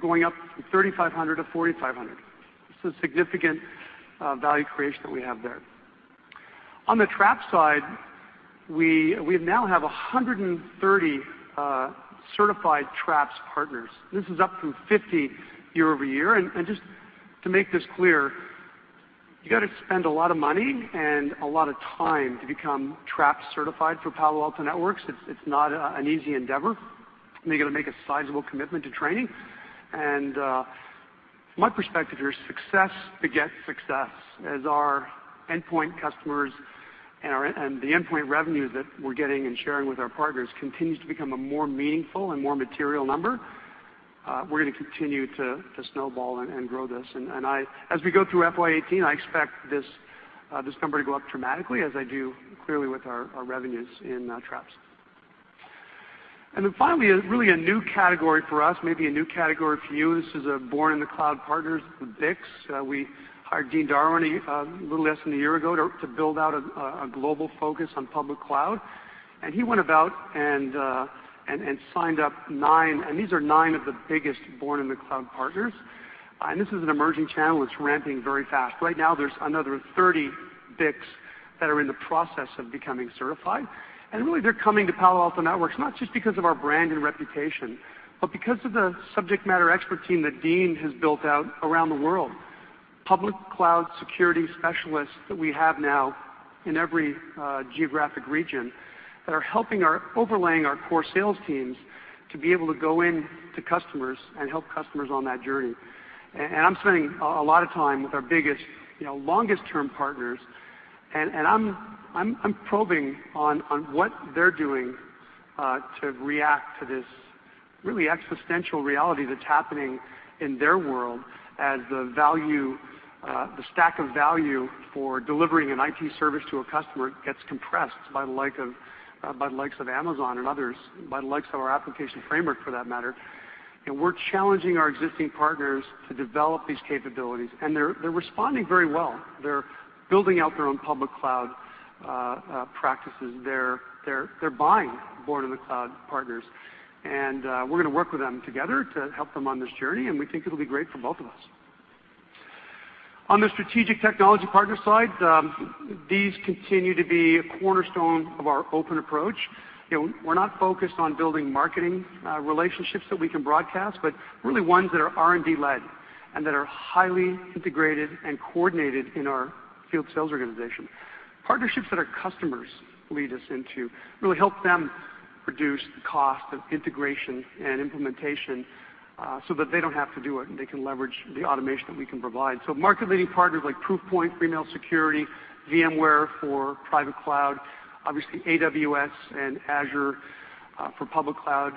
going up from 3,500 to 4,500. This is a significant value creation that we have there. On the Traps side, we now have 130 certified Traps partners. This is up from 50 year-over-year. Just to make this clear, you got to spend a lot of money and a lot of time to become Traps certified for Palo Alto Networks. It's not an easy endeavor. You got to make a sizable commitment to training. My perspective here is success begets success. As our endpoint customers and the endpoint revenue that we're getting and sharing with our partners continues to become a more meaningful and more material number, we're going to continue to snowball and grow this. As we go through FY 2018, I expect this number to go up dramatically as I do, clearly, with our revenues in Traps. Finally, really a new category for us, maybe a new category for you. This is Born in the Cloud Partners, the BICs. We hired Dean Darwin a little less than a year ago to build out a global focus on public cloud. He went about and signed up nine, and these are nine of the biggest Born in the Cloud Partners. This is an emerging channel that's ramping very fast. Right now, there's another 30 BICs that are in the process of becoming certified. Really, they're coming to Palo Alto Networks not just because of our brand and reputation, but because of the subject matter expert team that Dean has built out around the world. Public cloud security specialists that we have now in every geographic region that are overlaying our core sales teams to be able to go in to customers and help customers on that journey. I'm spending a lot of time with our biggest, longest-term partners, and I'm probing on what they're doing, to react to this really existential reality that's happening in their world as the stack of value for delivering an IT service to a customer gets compressed by the likes of Amazon and others, by the likes of our application framework, for that matter. We're challenging our existing partners to develop these capabilities, and they're responding very well. They're building out their own public cloud practices. They're buying Born in the Cloud Partners, and we're going to work with them together to help them on this journey, and we think it'll be great for both of us. On the strategic technology partner side, these continue to be a cornerstone of our open approach. We're not focused on building marketing relationships that we can broadcast, but really ones that are R&D led and that are highly integrated and coordinated in our field sales organization. Partnerships that our customers lead us into really help them reduce the cost of integration and implementation so that they don't have to do it, and they can leverage the automation that we can provide. Market-leading partners like Proofpoint for email security, VMware for private cloud, obviously AWS and Azure for public cloud,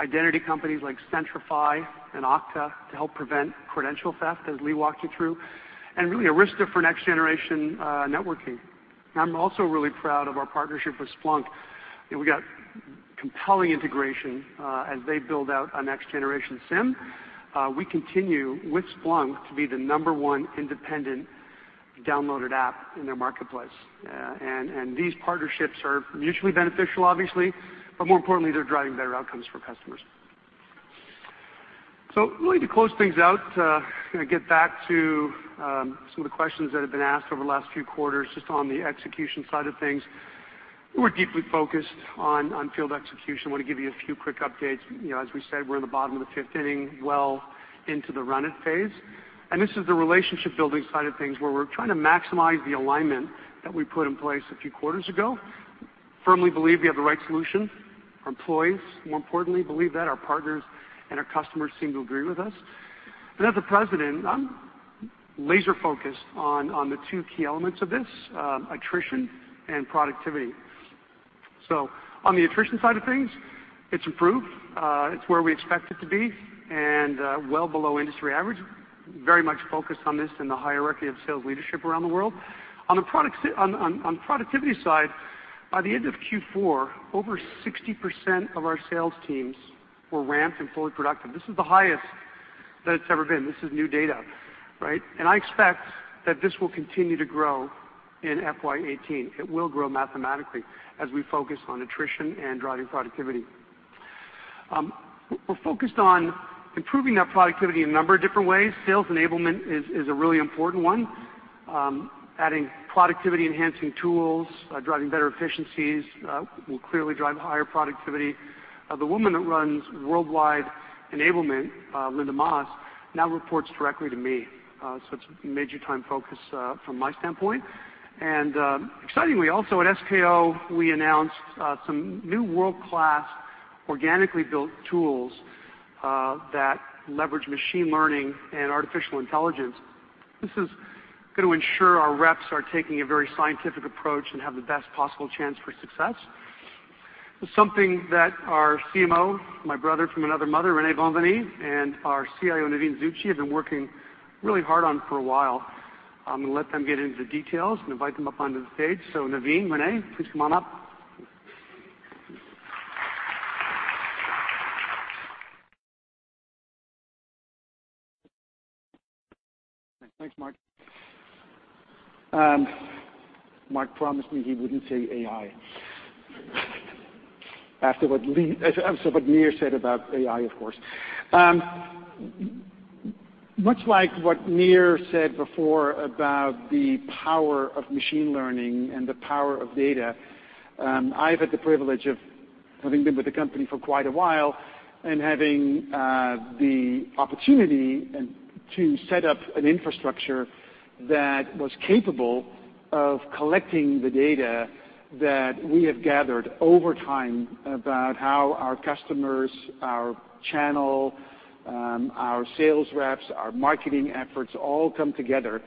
identity companies like Centrify and Okta to help prevent credential theft, as Lee walked you through, and really Arista for next-generation networking. I'm also really proud of our partnership with Splunk. We got compelling integration as they build out a next-generation SIEM. We continue with Splunk to be the number 1 independent downloaded app in their marketplace. These partnerships are mutually beneficial, obviously, but more importantly, they're driving better outcomes for customers. Really to close things out, going to get back to some of the questions that have been asked over the last few quarters, just on the execution side of things. We're deeply focused on field execution. Want to give you a few quick updates. As we said, we're in the bottom of the fifth inning, well into the run it phase. This is the relationship building side of things where we're trying to maximize the alignment that we put in place a few quarters ago. Firmly believe we have the right solution. Our employees, more importantly, believe that our partners and our customers seem to agree with us. As the president, I'm laser focused on the two key elements of this, attrition and productivity. On the attrition side of things, it's improved. It's where we expect it to be and well below industry average. Very much focused on this in the hierarchy of sales leadership around the world. On productivity side, by the end of Q4, over 60% of our sales teams were ramped and fully productive. This is the highest that it's ever been. This is new data, right? I expect that this will continue to grow in FY 2018. It will grow mathematically as we focus on attrition and driving productivity. We're focused on improving that productivity in a number of different ways. Sales enablement is a really important one. Adding productivity enhancing tools, driving better efficiencies, will clearly drive higher productivity. The woman that runs worldwide enablement, Liane Hornsey, now reports directly to me. It's a major time focus from my standpoint. Excitingly also at SKO, we announced some new world-class organically built tools that leverage machine learning and artificial intelligence. This is going to ensure our reps are taking a very scientific approach and have the best possible chance for success. It's something that our CMO, my brother from another mother, Rene Bonvanie, and our CIO, Naveen Zutshi, have been working really hard on for a while. I'm going to let them get into the details and invite them up onto the stage. Naveen, Rene, please come on up. Thanks, Mark. Mark promised me he wouldn't say AI. After what Nir said about AI, of course. Much like what Nir said before about the power of machine learning and the power of data, I've had the privilege of having been with the company for quite a while and having the opportunity to set up an infrastructure that was capable of collecting the data that we have gathered over time about how our customers, our channel, our sales reps, our marketing efforts all come together.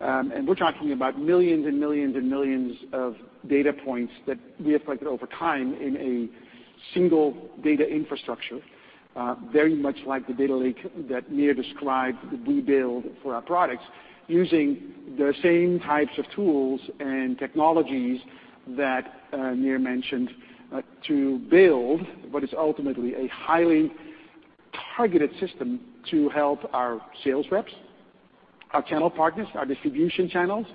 We're talking about millions and millions and millions of data points that we have collected over time in a single data infrastructure, very much like the data lake that Nir described we build for our products using the same types of tools and technologies that Nir mentioned to build what is ultimately a highly targeted system to help our sales reps, our channel partners, our distribution channels,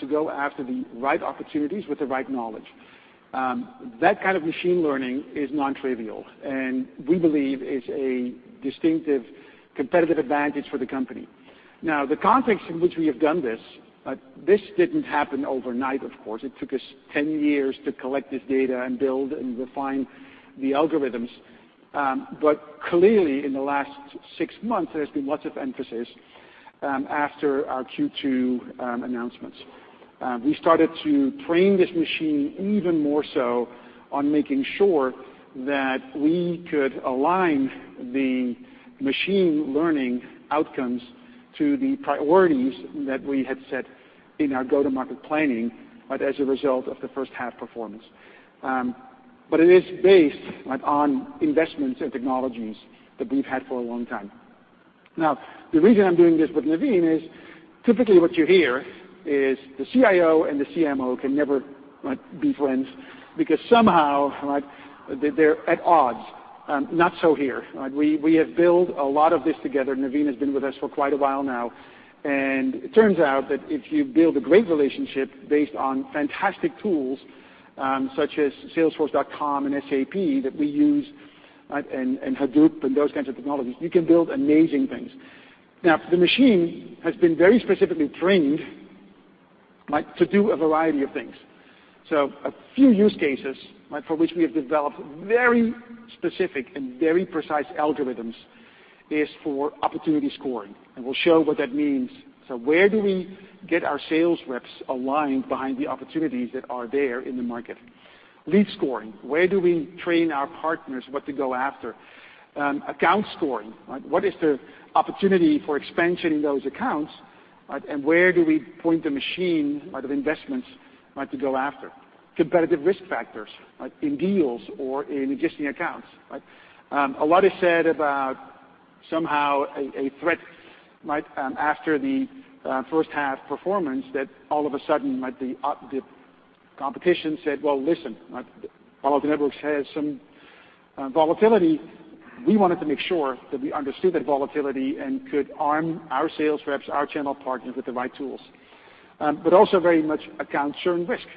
to go after the right opportunities with the right knowledge. That kind of machine learning is non-trivial, and we believe is a distinctive competitive advantage for the company. Now, the context in which we have done this didn't happen overnight, of course. It took us 10 years to collect this data and build and refine the algorithms. Clearly, in the last 6 months, there's been lots of emphasis after our Q2 announcements. We started to train this machine even more so on making sure that we could align the machine learning outcomes to the priorities that we had set in our go-to-market planning, but as a result of the first half performance. It is based on investments and technologies that we've had for a long time. The reason I'm doing this with Naveen is typically what you hear is the CIO and the CMO can never be friends because somehow, they're at odds. Not so here. We have built a lot of this together. Naveen has been with us for quite a while now. It turns out that if you build a great relationship based on fantastic tools, such as Salesforce.com and SAP that we use, and Hadoop and those kinds of technologies, you can build amazing things. The machine has been very specifically trained to do a variety of things. A few use cases for which we have developed very specific and very precise algorithms is for opportunity scoring, and we'll show what that means. Where do we get our sales reps aligned behind the opportunities that are there in the market? Lead scoring. Where do we train our partners what to go after? Account scoring. What is the opportunity for expansion in those accounts, and where do we point the machine, the investments, to go after? Competitive risk factors in deals or in existing accounts. A lot is said about somehow a threat after the first half performance that all of a sudden, the competition said, "Well, listen. Palo Alto Networks has some volatility." We wanted to make sure that we understood that volatility and could arm our sales reps, our channel partners, with the right tools. Also very much account churn risk.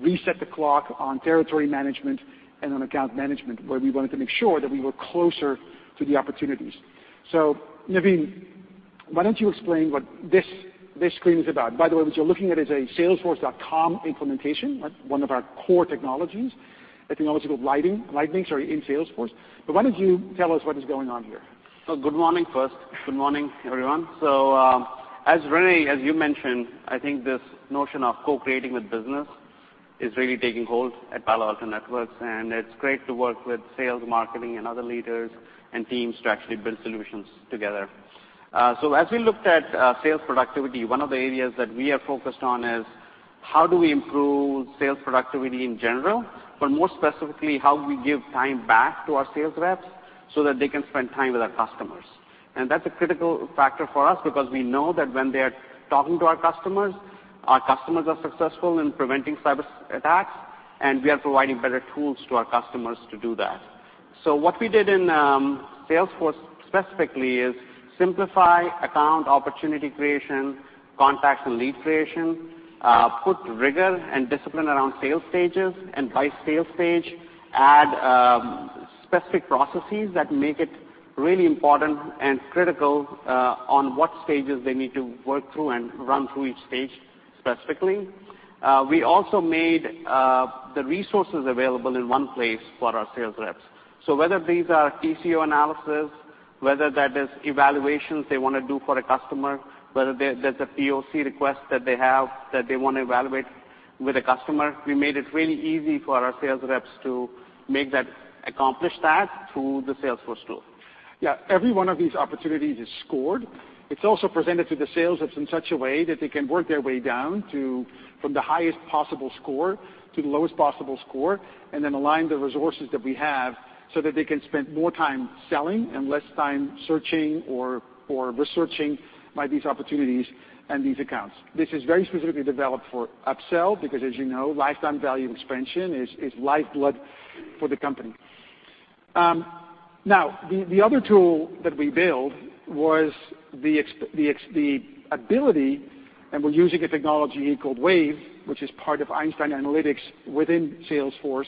reset the clock on territory management and on account management, where we wanted to make sure that we were closer to the opportunities. Naveen, why don't you explain what this screen is about? By the way, what you're looking at is a salesforce.com implementation, one of our core technologies, a technology called Lightning in Salesforce. Why don't you tell us what is going on here? Good morning first. Good morning, everyone. Rene, as you mentioned, I think this notion of co-creating with business is really taking hold at Palo Alto Networks, and it's great to work with sales, marketing, and other leaders and teams to actually build solutions together. As we looked at sales productivity, one of the areas that we are focused on is how do we improve sales productivity in general, but more specifically, how we give time back to our sales reps so that they can spend time with our customers. That's a critical factor for us because we know that when they are talking to our customers, our customers are successful in preventing cyber attacks, and we are providing better tools to our customers to do that. What we did in Salesforce specifically is simplify account opportunity creation, contacts and lead creation, put rigor and discipline around sales stages, and by sales stage, add specific processes that make it really important and critical, on what stages they need to work through and run through each stage specifically. We also made the resources available in one place for our sales reps. Whether these are TCO analysis, whether that is evaluations they want to do for a customer, whether there's a POC request that they have that they want to evaluate with a customer, we made it really easy for our sales reps to accomplish that through the Salesforce tool. Every one of these opportunities is scored. It's also presented to the sales reps in such a way that they can work their way down from the highest possible score to the lowest possible score, and then align the resources that we have so that they can spend more time selling and less time searching or researching these opportunities and these accounts. This is very specifically developed for upsell because as you know, lifetime value expansion is lifeblood for the company. The other tool that we built was the ability, and we're using a technology called Wave, which is part of Einstein Analytics within Salesforce.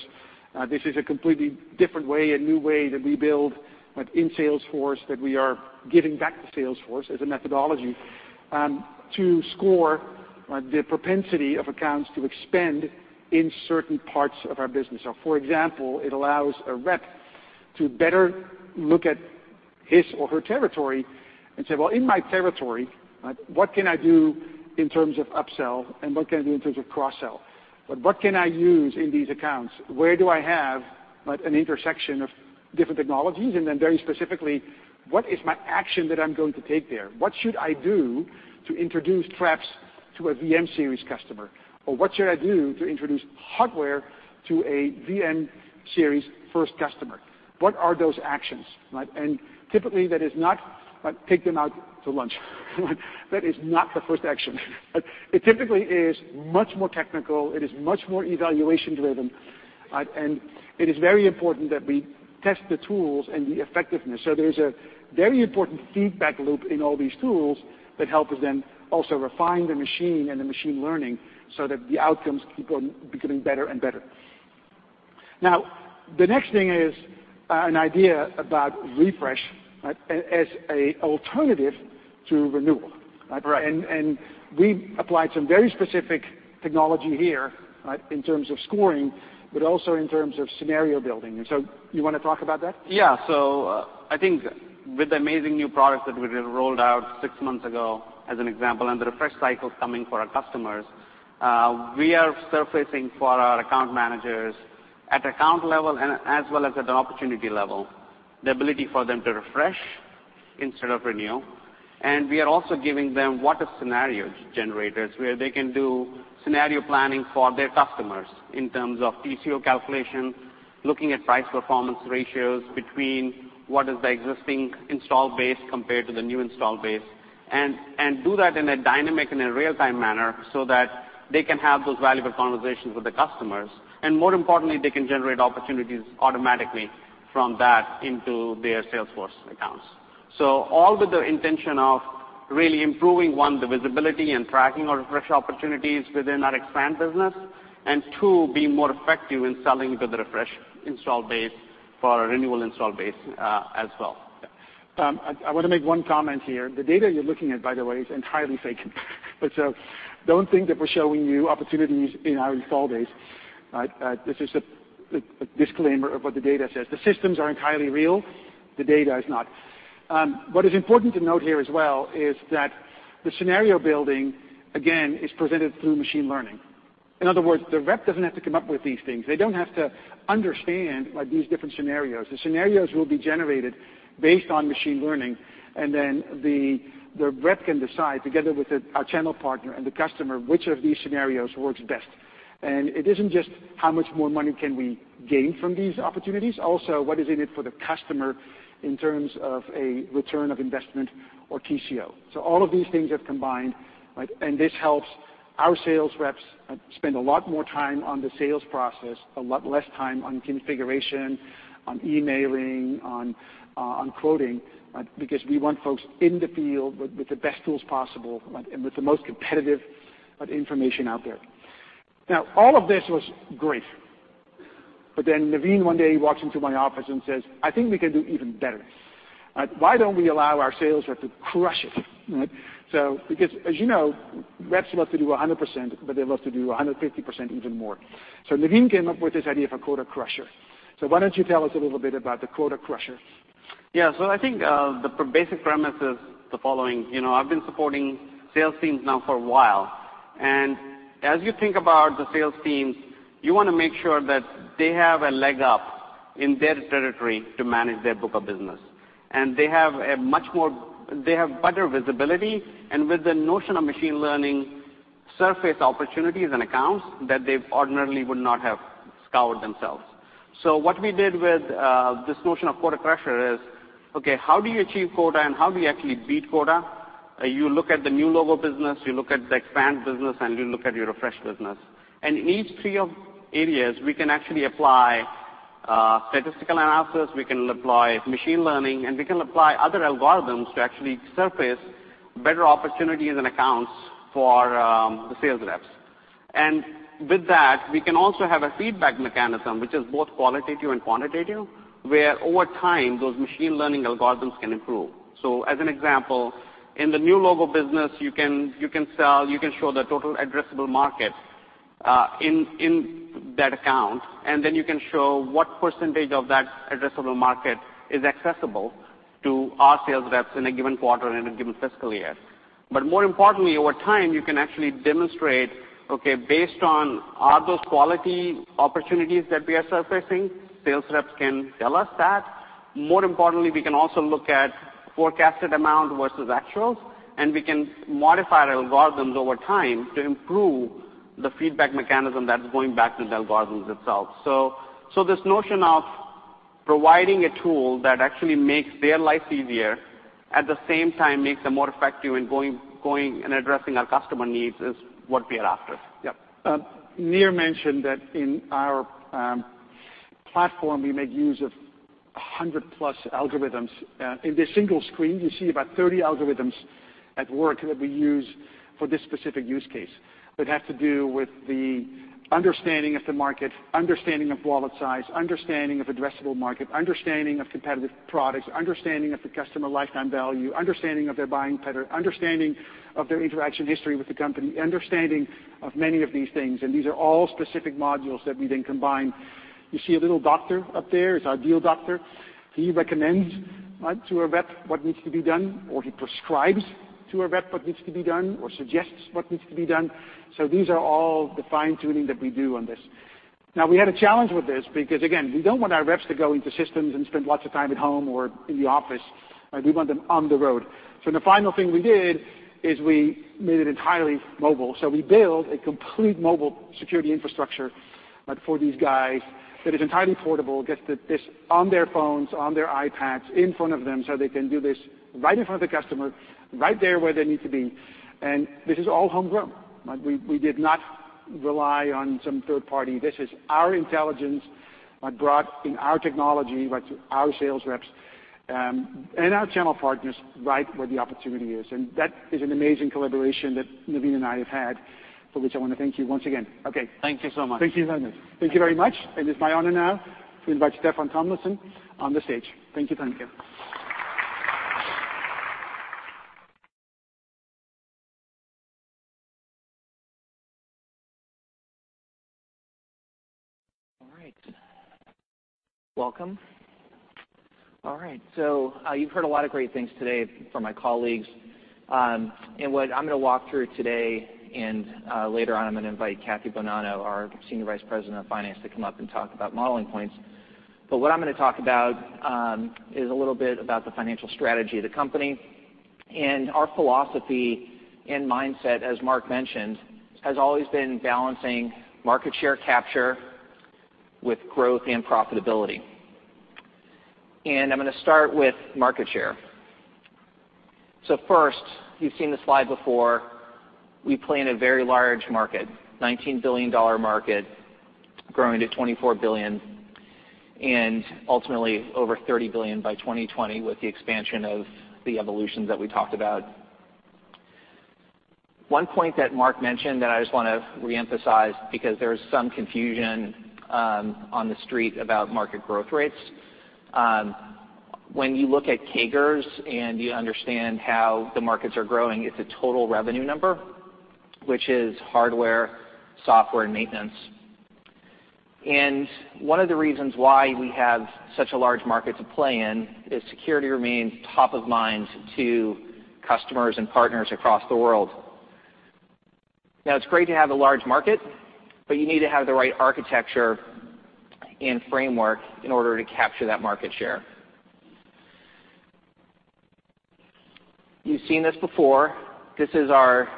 This is a completely different way, a new way that we build in Salesforce, that we are giving back to Salesforce as a methodology, to score the propensity of accounts to expand in certain parts of our business. For example, it allows a rep to better look at his or her territory and say, "Well, in my territory, what can I do in terms of upsell and what can I do in terms of cross-sell? What can I use in these accounts? an intersection of different technologies, Very specifically, what is my action that I'm going to take there? What should I do to introduce Traps to a VM-Series customer? What should I do to introduce hardware to a VM-Series first customer? What are those actions, right? Typically that is not take them out to lunch. That is not the first action. It typically is much more technical, it is much more evaluation driven. It is very important that we test the tools and the effectiveness. There is a very important feedback loop in all these tools that helps us also refine the machine and the machine learning so that the outcomes keep on becoming better and better. The next thing is an idea about refresh as a alternative to renewal. Right. We applied some very specific technology here in terms of scoring, also in terms of scenario building. You want to talk about that? Yeah. I think with the amazing new products that we just rolled out six months ago, as an example, the refresh cycles coming for our customers, we are surfacing for our account managers at account level as well as at the opportunity level, the ability for them to refresh instead of renew. We are also giving them what if scenario generators where they can do scenario planning for their customers in terms of TCO calculation, looking at price performance ratios between what is the existing install base compared to the new install base, do that in a dynamic and a real-time manner so that they can have those valuable conversations with the customers. More importantly, they can generate opportunities automatically from that into their Salesforce accounts. All with the intention of really improving, one, the visibility and tracking our refresh opportunities within our expand business, and two, being more effective in selling to the refresh install base for a renewal install base, as well. I want to make one comment here. The data you're looking at, by the way, is entirely fake. Don't think that we're showing you opportunities in our install base. This is a disclaimer of what the data says. The systems are entirely real, the data is not. What is important to note here as well is that the scenario building, again, is presented through machine learning. In other words, the rep doesn't have to come up with these things. They don't have to understand these different scenarios. The scenarios will be generated based on machine learning, and then the rep can decide together with our channel partner and the customer, which of these scenarios works best. It isn't just how much more money can we gain from these opportunities, also, what is in it for the customer in terms of a return on investment or TCO? All of these things are combined, and this helps our sales reps spend a lot more time on the sales process, a lot less time on configuration, on emailing, on quoting, because we want folks in the field with the best tools possible and with the most competitive information out there. Now, all of this was great. Naveen one day walks into my office and says, "I think we can do even better. Why don't we allow our sales rep to crush it?" Because as you know, reps love to do 100%, but they love to do 150%, even more. Naveen came up with this idea of a quota crusher. Why don't you tell us a little bit about the quota crusher? Yeah. I think, the basic premise is the following. I've been supporting sales teams now for a while, and as you think about the sales teams, you want to make sure that they have a leg up in their territory to manage their book of business. They have better visibility, and with the notion of machine learning, surface opportunities and accounts that they ordinarily would not have scoured themselves. What we did with this notion of quota crusher is, okay, how do you achieve quota and how do you actually beat quota? You look at the new logo business, you look at the expand business, and you look at your refresh business. In each three areas, we can actually apply statistical analysis, we can apply machine learning, and we can apply other algorithms to actually surface better opportunities and accounts for the sales reps. With that, we can also have a feedback mechanism, which is both qualitative and quantitative, where over time, those machine learning algorithms can improve. As an example, in the new logo business, you can show the total addressable market in that account, and then you can show what percentage of that addressable market is accessible to our sales reps in a given quarter in a given fiscal year. More importantly, over time, you can actually demonstrate, okay, based on are those quality opportunities that we are surfacing, sales reps can tell us that. More importantly, we can also look at forecasted amount versus actuals, and we can modify the algorithms over time to improve the feedback mechanism that's going back to the algorithms itself. This notion of providing a tool that actually makes their life easier, at the same time, makes them more effective in going and addressing our customer needs is what we are after. Yep. Nir mentioned that in our platform, we make use of 100 plus algorithms. In this single screen, you see about 30 algorithms at work that we use for this specific use case that have to do with the understanding of the market, understanding of wallet size, understanding of addressable market, understanding of competitive products, understanding of the customer lifetime value, understanding of their buying pattern, understanding of their interaction history with the company, understanding of many of these things. These are all specific modules that we then combine. You see a little doctor up there, it's our deal doctor. He recommends to a rep what needs to be done, or he prescribes to a rep what needs to be done or suggests what needs to be done. These are all the fine-tuning that we do on this. Now, we had a challenge with this because, again, we don't want our reps to go into systems and spend lots of time at home or in the office. We want them on the road. The final thing we did is we made it entirely mobile. We build a complete mobile security infrastructure for these guys that is entirely portable, gets this on their phones, on their iPads, in front of them, so they can do this right in front of the customer, right there where they need to be. This is all homegrown. We did not rely on some third party. This is our intelligence brought in our technology by our sales reps, and our channel partners, right where the opportunity is. That is an amazing collaboration that Naveen and I have had for which I want to thank you once again. Okay. Thank you so much. Thank you. Thank you very much. It is my honor now to invite Steffan Tomlinson on the stage. Thank you, thank you. All right. Welcome. You've heard a lot of great things today from my colleagues. What I'm going to walk through today, and later on, I'm going to invite Kathy Bonanno, our Senior Vice President of Finance, to come up and talk about modeling points. What I'm going to talk about is a little bit about the financial strategy of the company. Our philosophy and mindset, as Mark mentioned, has always been balancing market share capture with growth and profitability. I'm going to start with market share. First, you've seen the slide before, we play in a very large market, $19 billion market, growing to $24 billion and ultimately over $30 billion by 2020 with the expansion of the evolutions that we talked about. One point that Mark mentioned that I just want to reemphasize because there's some confusion on the street about market growth rates. When you look at CAGRs and you understand how the markets are growing, it's a total revenue number, which is hardware, software, and maintenance. One of the reasons why we have such a large market to play in is security remains top of mind to customers and partners across the world. Now, it's great to have a large market, but you need to have the right architecture and framework in order to capture that market share. You've seen this before. This is our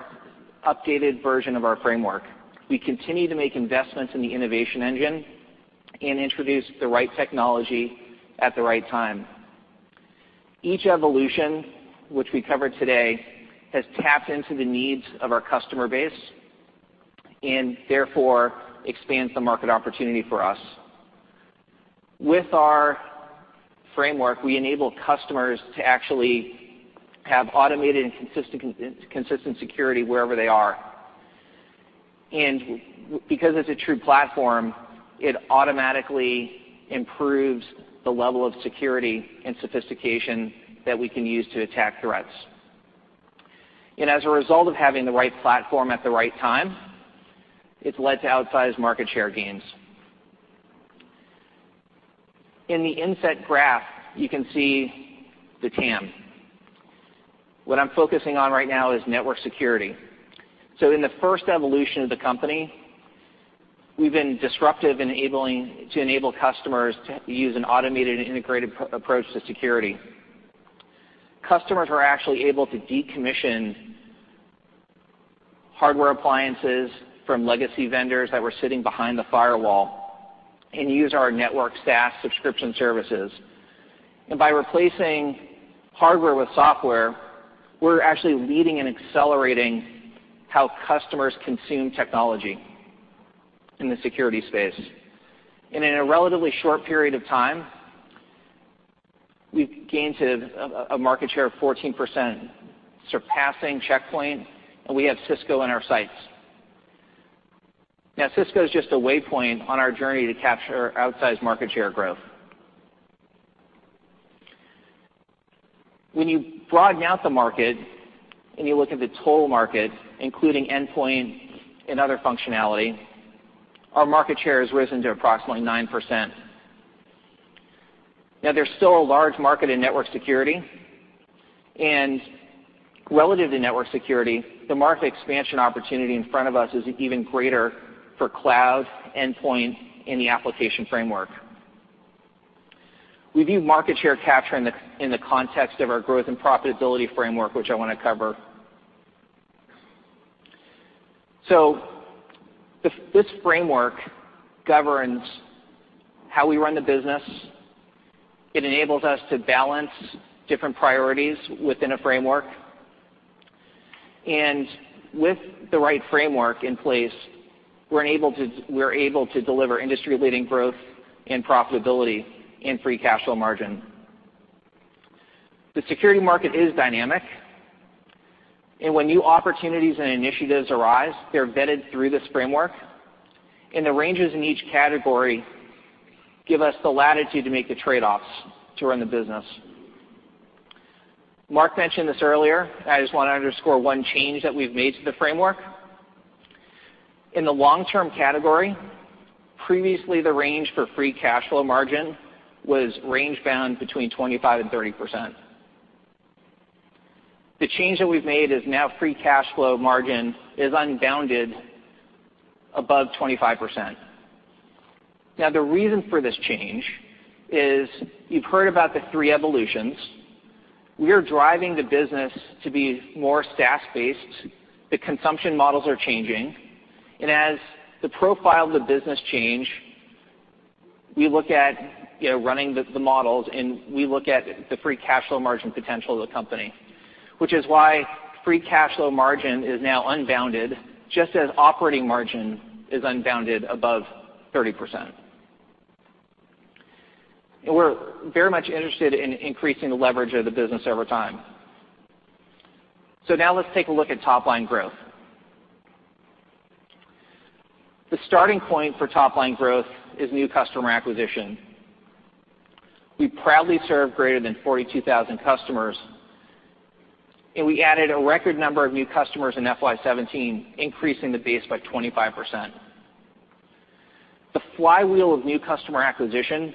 updated version of our framework. We continue to make investments in the innovation engine and introduce the right technology at the right time. Each evolution, which we covered today, has tapped into the needs of our customer base and therefore expands the market opportunity for us. With our framework, we enable customers to actually have automated and consistent security wherever they are. Because it's a true platform, it automatically improves the level of security and sophistication that we can use to attack threats. As a result of having the right platform at the right time, it's led to outsized market share gains. In the inset graph, you can see the TAM. What I'm focusing on right now is network security. In the first evolution of the company, we've been disruptive to enable customers to use an automated and integrated approach to security. Customers are actually able to decommission hardware appliances from legacy vendors that were sitting behind the firewall and use our network SaaS subscription services. By replacing hardware with software, we're actually leading and accelerating how customers consume technology in the security space. In a relatively short period of time, we've gained a market share of 14%, surpassing Check Point, and we have Cisco in our sights. Cisco is just a waypoint on our journey to capture outsized market share growth. When you broaden out the market and you look at the total market, including endpoint and other functionality, our market share has risen to approximately 9%. There's still a large market in network security, and relative to network security, the market expansion opportunity in front of us is even greater for cloud endpoint in the application framework. We view market share capture in the context of our growth and profitability framework, which I want to cover. This framework governs how we run the business. It enables us to balance different priorities within a framework. With the right framework in place, we're able to deliver industry-leading growth and profitability and free cash flow margin. The security market is dynamic, and when new opportunities and initiatives arise, they're vetted through this framework. The ranges in each category give us the latitude to make the trade-offs to run the business. Mark mentioned this earlier, and I just want to underscore one change that we've made to the framework. In the long-term category, previously the range for free cash flow margin was range-bound between 25% and 30%. The change that we've made is now free cash flow margin is unbounded above 25%. The reason for this change is you've heard about the three evolutions. We are driving the business to be more SaaS-based. The consumption models are changing, as the profile of the business change, we look at running the models, we look at the free cash flow margin potential of the company, which is why free cash flow margin is now unbounded, just as operating margin is unbounded above 30%. We're very much interested in increasing the leverage of the business over time. Now let's take a look at top-line growth. The starting point for top-line growth is new customer acquisition. We proudly serve greater than 42,000 customers, and we added a record number of new customers in FY 2017, increasing the base by 25%. The flywheel of new customer acquisition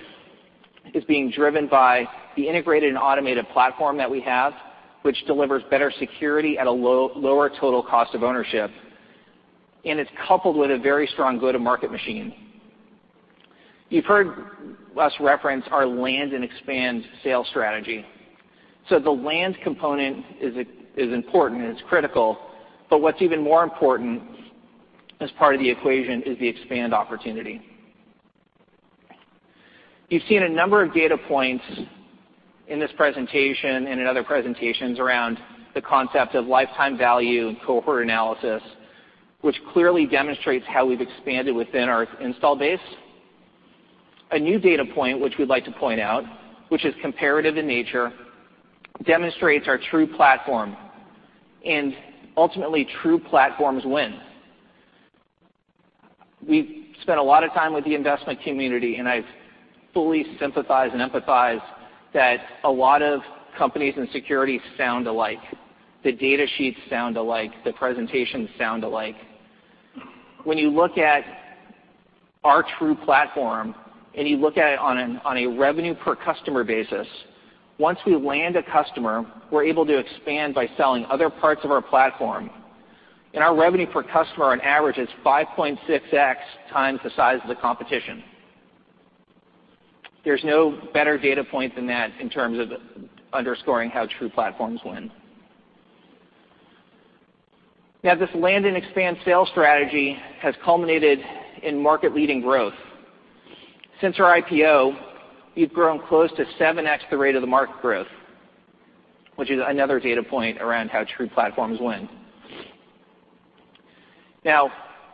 is being driven by the integrated and automated platform that we have, which delivers better security at a lower total cost of ownership, and it's coupled with a very strong go-to-market machine. You've heard us reference our land and expand sales strategy. The land component is important, and it's critical, what's even more important as part of the equation is the expand opportunity. You've seen a number of data points in this presentation and in other presentations around the concept of lifetime value and cohort analysis, which clearly demonstrates how we've expanded within our install base. A new data point, which we'd like to point out, which is comparative in nature, demonstrates our true platform, and ultimately, true platforms win. We've spent a lot of time with the investment community, I fully sympathize and empathize that a lot of companies and securities sound alike. The data sheets sound alike, the presentations sound alike. When you look at our true platform, and you look at it on a revenue per customer basis, once we land a customer, we're able to expand by selling other parts of our platform, and our revenue per customer on average is 5.6x times the size of the competition. There's no better data point than that in terms of underscoring how true platforms win. This land and expand sales strategy has culminated in market-leading growth. Since our IPO, we've grown close to 7x the rate of the market growth, which is another data point around how true platforms win.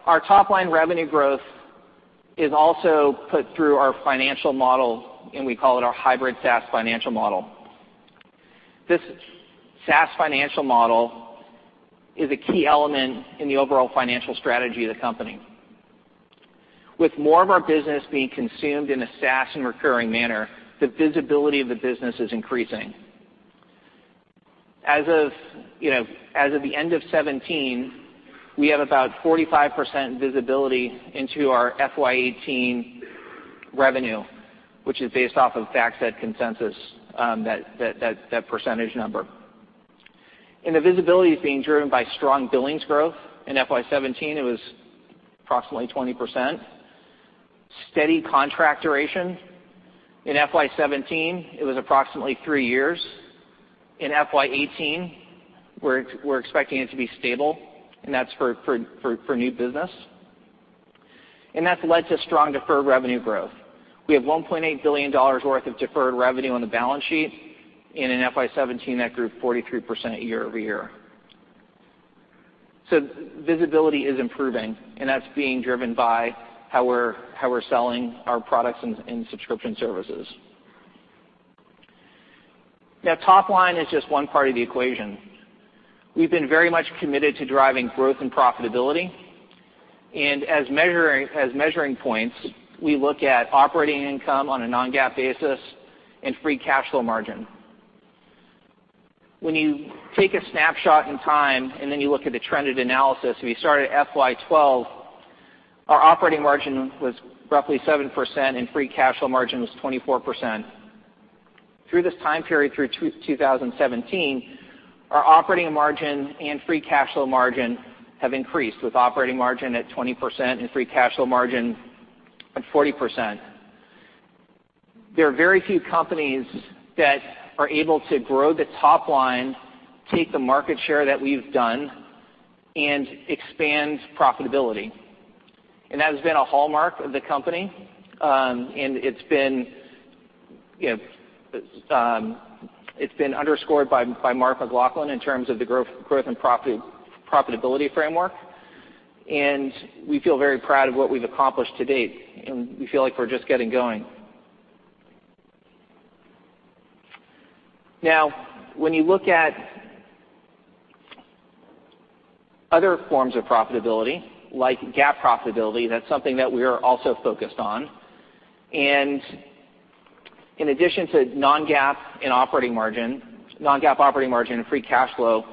Our top-line revenue growth is also put through our financial model, and we call it our hybrid SaaS financial model. This SaaS financial model is a key element in the overall financial strategy of the company. With more of our business being consumed in a SaaS and recurring manner, the visibility of the business is increasing. As of the end of 2017, we have about 45% visibility into our FY 2018 revenue, which is based off of FactSet consensus, that percentage number. The visibility is being driven by strong billings growth. In FY 2017, it was approximately 20%. Steady contract duration. In FY 2017, it was approximately three years. In FY 2018, we're expecting it to be stable, and that's for new business. That's led to strong deferred revenue growth. We have $1.8 billion worth of deferred revenue on the balance sheet, in FY 2017, that grew 43% year-over-year. Visibility is improving, and that's being driven by how we're selling our products and subscription services. Top-line is just one part of the equation. We've been very much committed to driving growth and profitability, as measuring points, we look at operating income on a non-GAAP basis and free cash flow margin. When you take a snapshot in time, and then you look at the trended analysis, we started at FY 2012, our operating margin was roughly 7% and free cash flow margin was 24%. Through this time period through 2017, our operating margin and free cash flow margin have increased, with operating margin at 20% and free cash flow margin at 40%. There are very few companies that are able to grow the top line, take the market share that we've done, and expand profitability, and that has been a hallmark of the company. It's been underscored by Mark McLaughlin in terms of the growth and profitability framework, we feel very proud of what we've accomplished to date, we feel like we're just getting going. When you look at other forms of profitability, like GAAP profitability, that's something that we're also focused on, In addition to non-GAAP and operating margin, non-GAAP operating margin and free cash flow,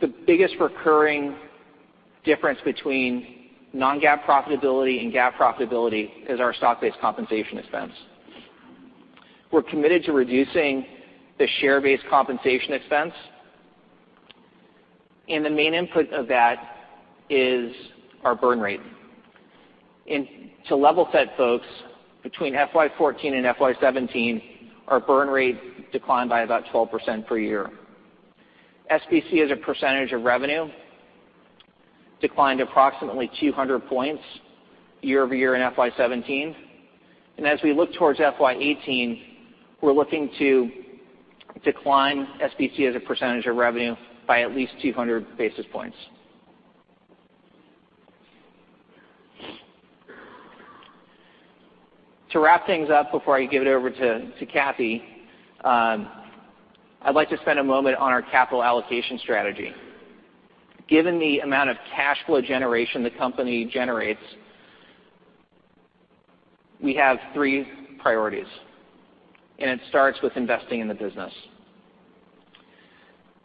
the biggest recurring difference between non-GAAP profitability and GAAP profitability is our stock-based compensation expense. We're committed to reducing the share-based compensation expense, the main input of that is our burn rate. To level set folks, between FY 2014 and FY 2017, our burn rate declined by about 12% per year. SBC as a percentage of revenue declined approximately 200 points year-over-year in FY 2017. As we look towards FY 2018, we're looking to decline SBC as a percentage of revenue by at least 200 basis points. To wrap things up before I give it over to Kathy, I'd like to spend a moment on our capital allocation strategy. Given the amount of cash flow generation the company generates, we have three priorities, it starts with investing in the business.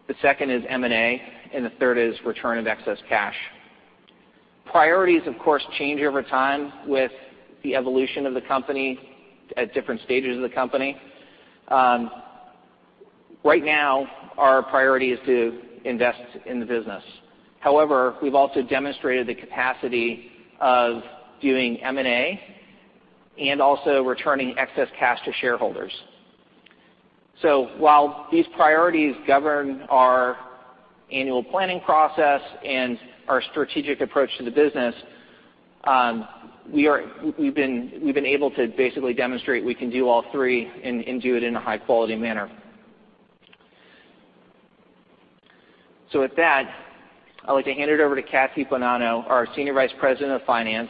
The second is M&A, the third is return of excess cash. Priorities, of course, change over time with the evolution of the company at different stages of the company. Right now, our priority is to invest in the business. However, we've also demonstrated the capacity of doing M&A and also returning excess cash to shareholders. While these priorities govern our annual planning process and our strategic approach to the business, we've been able to basically demonstrate we can do all three and do it in a high-quality manner. With that, I'd like to hand it over to Kathy Bonanno, our Senior Vice President of Finance,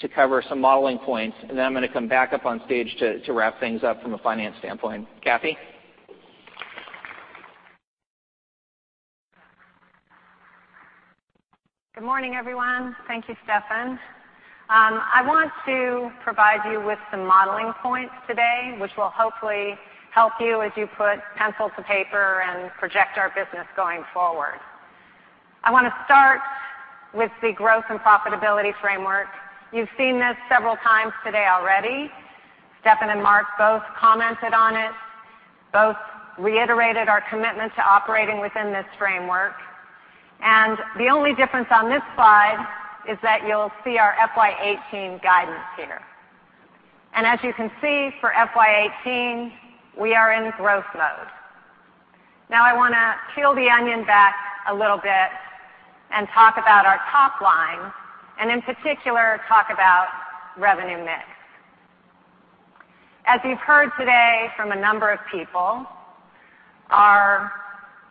to cover some modeling points, then I'm going to come back up on stage to wrap things up from a finance standpoint. Kathy? Good morning, everyone. Thank you, Steffan. I want to provide you with some modeling points today, which will hopefully help you as you put pencil to paper and project our business going forward. I want to start with the growth and profitability framework. You've seen this several times today already. Steffan and Mark both commented on it, both reiterated our commitment to operating within this framework, the only difference on this slide is that you'll see our FY 2018 guidance here. As you can see, for FY 2018, we are in growth mode. I want to peel the onion back a little bit and talk about our top line, in particular, talk about revenue mix. As you've heard today from a number of people, our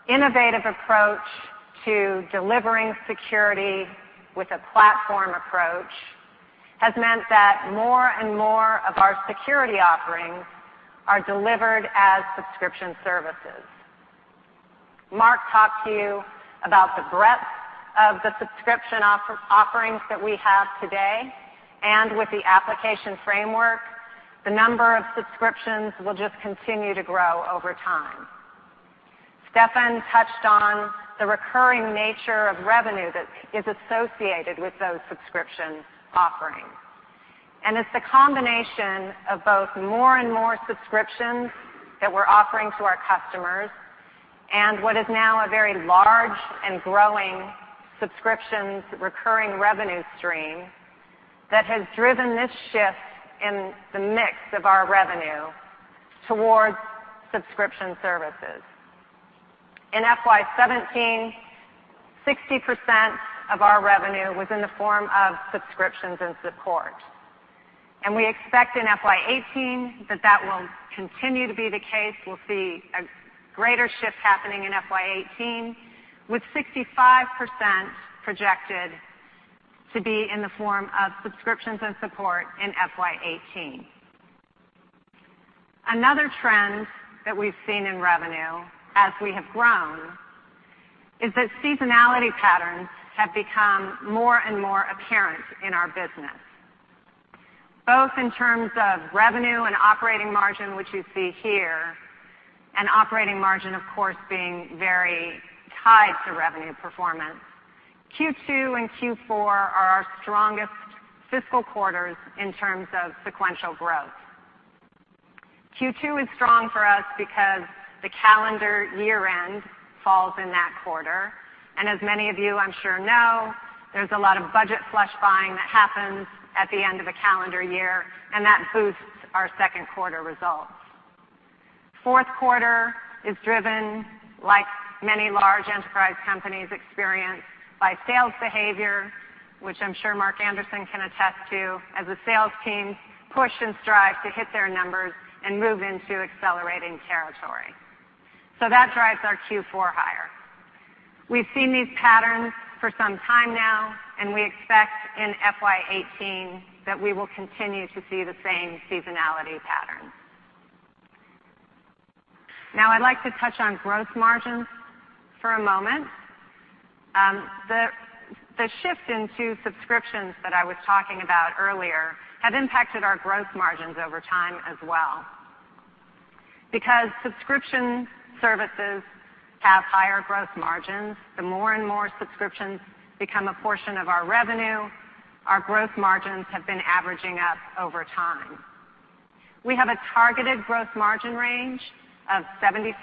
innovative approach to delivering security with a platform approach has meant that more and more of our security offerings are delivered as subscription services. Mark talked to you about the breadth of the subscription offerings that we have today, and with the application framework, the number of subscriptions will just continue to grow over time. Steffan touched on the recurring nature of revenue that is associated with those subscription offerings. It's the combination of both more and more subscriptions that we're offering to our customers and what is now a very large and growing subscriptions recurring revenue stream that has driven this shift in the mix of our revenue towards subscription services. In FY 2017, 60% of our revenue was in the form of subscriptions and support. We expect in FY 2018 that that will continue to be the case. We'll see a greater shift happening in FY 2018, with 65% projected to be in the form of subscriptions and support in FY 2018. Another trend that we've seen in revenue, as we have grown, is that seasonality patterns have become more and more apparent in our business, both in terms of revenue and operating margin, which you see here, and operating margin, of course, being very tied to revenue performance. Q2 and Q4 are our strongest fiscal quarters in terms of sequential growth. Q2 is strong for us because the calendar year-end falls in that quarter, and as many of you I'm sure know, there's a lot of budget flush buying that happens at the end of a calendar year, and that boosts our second quarter results. Fourth quarter is driven, like many large enterprise companies experience, by sales behavior, which I'm sure Mark Anderson can attest to, as the sales team push and strive to hit their numbers and move into accelerating territory. That drives our Q4 higher. We've seen these patterns for some time now, and we expect in FY 2018 that we will continue to see the same seasonality pattern. I'd like to touch on gross margins for a moment. The shift into subscriptions that I was talking about earlier have impacted our gross margins over time as well. Because subscription services have higher gross margins, the more and more subscriptions become a portion of our revenue, our gross margins have been averaging up over time. We have a targeted gross margin range of 75%-78%,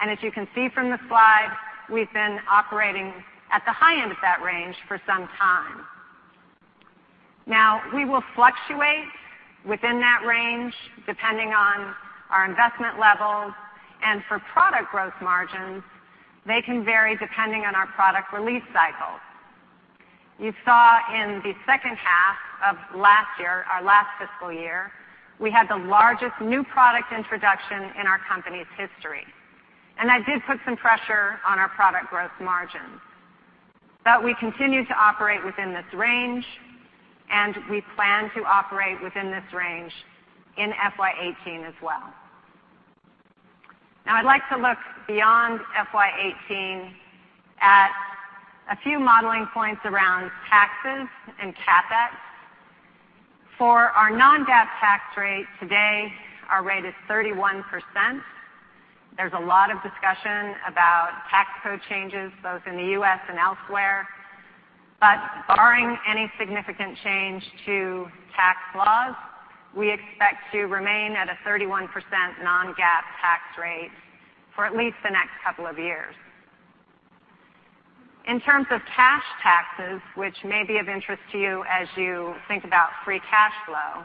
and as you can see from the slide, we've been operating at the high end of that range for some time. We will fluctuate within that range depending on our investment levels, and for product gross margins, they can vary depending on our product release cycles. You saw in the second half of last year, our last fiscal year, we had the largest new product introduction in our company's history, and that did put some pressure on our product gross margins. We continue to operate within this range, and we plan to operate within this range in FY 2018 as well. I'd like to look beyond FY 2018 at a few modeling points around taxes and CapEx. For our non-GAAP tax rate today, our rate is 31%. There's a lot of discussion about tax code changes both in the U.S. and elsewhere, but barring any significant change to tax laws, we expect to remain at a 31% non-GAAP tax rate for at least the next couple of years. In terms of cash taxes, which may be of interest to you as you think about free cash flow,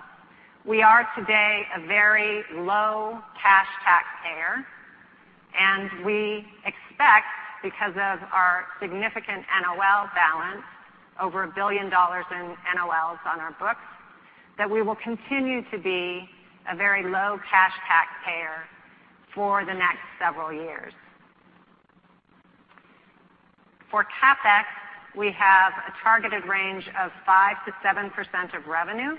we are today a very low cash taxpayer, and we expect, because of our significant NOL balance, over $1 billion in NOLs on our books, that we will continue to be a very low cash taxpayer for the next several years. For CapEx, we have a targeted range of 5%-7% of revenue.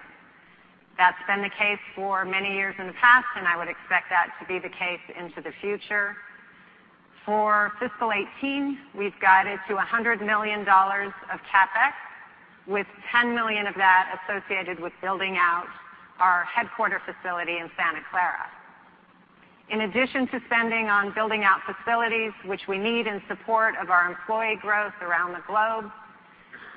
That's been the case for many years in the past, and I would expect that to be the case into the future. For fiscal 2018, we've guided to $100 million of CapEx, with $10 million of that associated with building out our headquarter facility in Santa Clara. In addition to spending on building out facilities, which we need in support of our employee growth around the globe,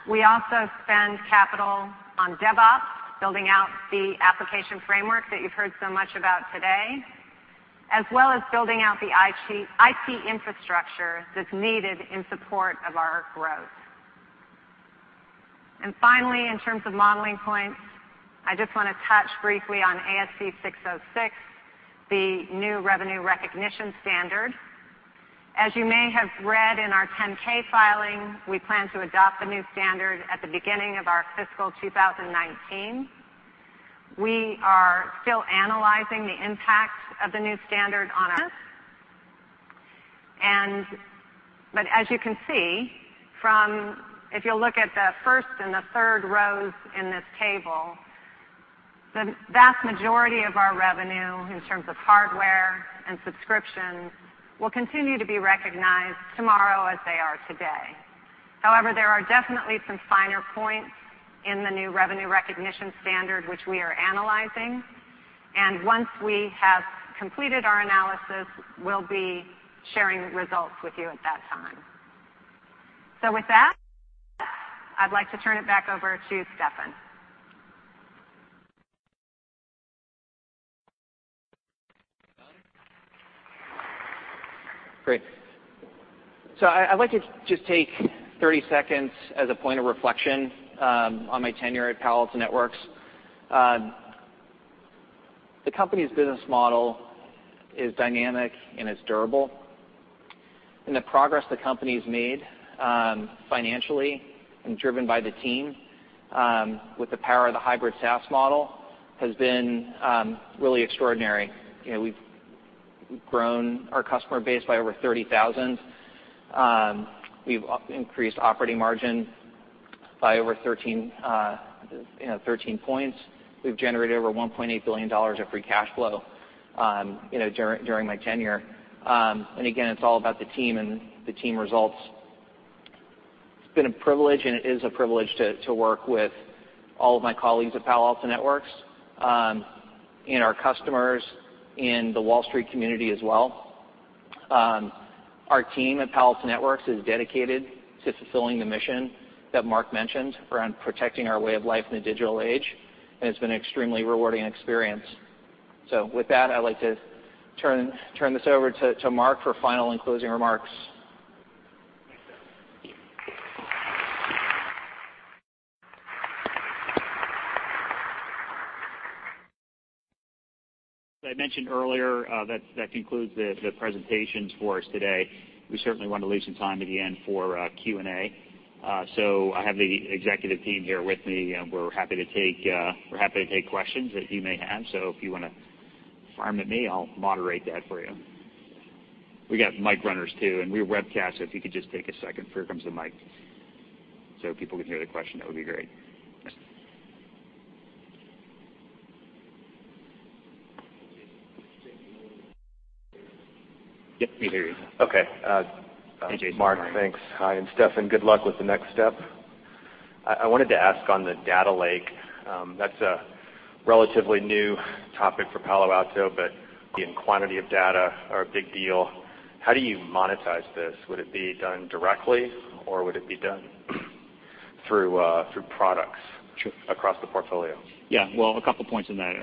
we also spend capital on DevOps, building out the application framework that you've heard so much about today, as well as building out the IT infrastructure that's needed in support of our growth. Finally, in terms of modeling points, I just want to touch briefly on ASC 606, the new revenue recognition standard. As you may have read in our 10K filing, we plan to adopt the new standard at the beginning of our fiscal 2019. We are still analyzing the impact of the new standard on us. As you can see, if you look at the first and the third rows in this table, the vast majority of our revenue, in terms of hardware and subscriptions, will continue to be recognized tomorrow as they are today. However, there are definitely some finer points in the new revenue recognition standard which we are analyzing, and once we have completed our analysis, we'll be sharing results with you at that time. With that, I'd like to turn it back over to Steffan. Great. I'd like to just take 30 seconds as a point of reflection on my tenure at Palo Alto Networks. The company's business model is dynamic and it's durable, and the progress the company's made financially and driven by the team, with the power of the hybrid SaaS model, has been really extraordinary. We've grown our customer base by over 30,000. We've increased operating margin by over 13 points. We've generated over $1.8 billion of free cash flow during my tenure. Again, it's all about the team and the team results. It's been a privilege and it is a privilege to work with all of my colleagues at Palo Alto Networks and our customers in the Wall Street community as well. Our team at Palo Alto Networks is dedicated to fulfilling the mission that Mark mentioned around protecting our way of life in the digital age, and it's been an extremely rewarding experience. With that, I'd like to turn this over to Mark for final and closing remarks. Thanks, Steffan. As I mentioned earlier, that concludes the presentations for us today. We certainly want to leave some time at the end for Q&A. I have the executive team here with me, and we're happy to take questions that you may have. If you want to fire them at me, I'll moderate that for you. We got mic runners, too, and we webcast, if you could just take a second, here comes the mic so people can hear the question, that would be great. Yeah, we hear you. Okay. Hey, Jason. Mark, thanks. Hi, Steffan, good luck with the next step. I wanted to ask on the data lake, that's a relatively new topic for Palo Alto, in quantity of data are a big deal. How do you monetize this? Would it be done directly, or would it be done through products across the portfolio? Well, a couple points on that.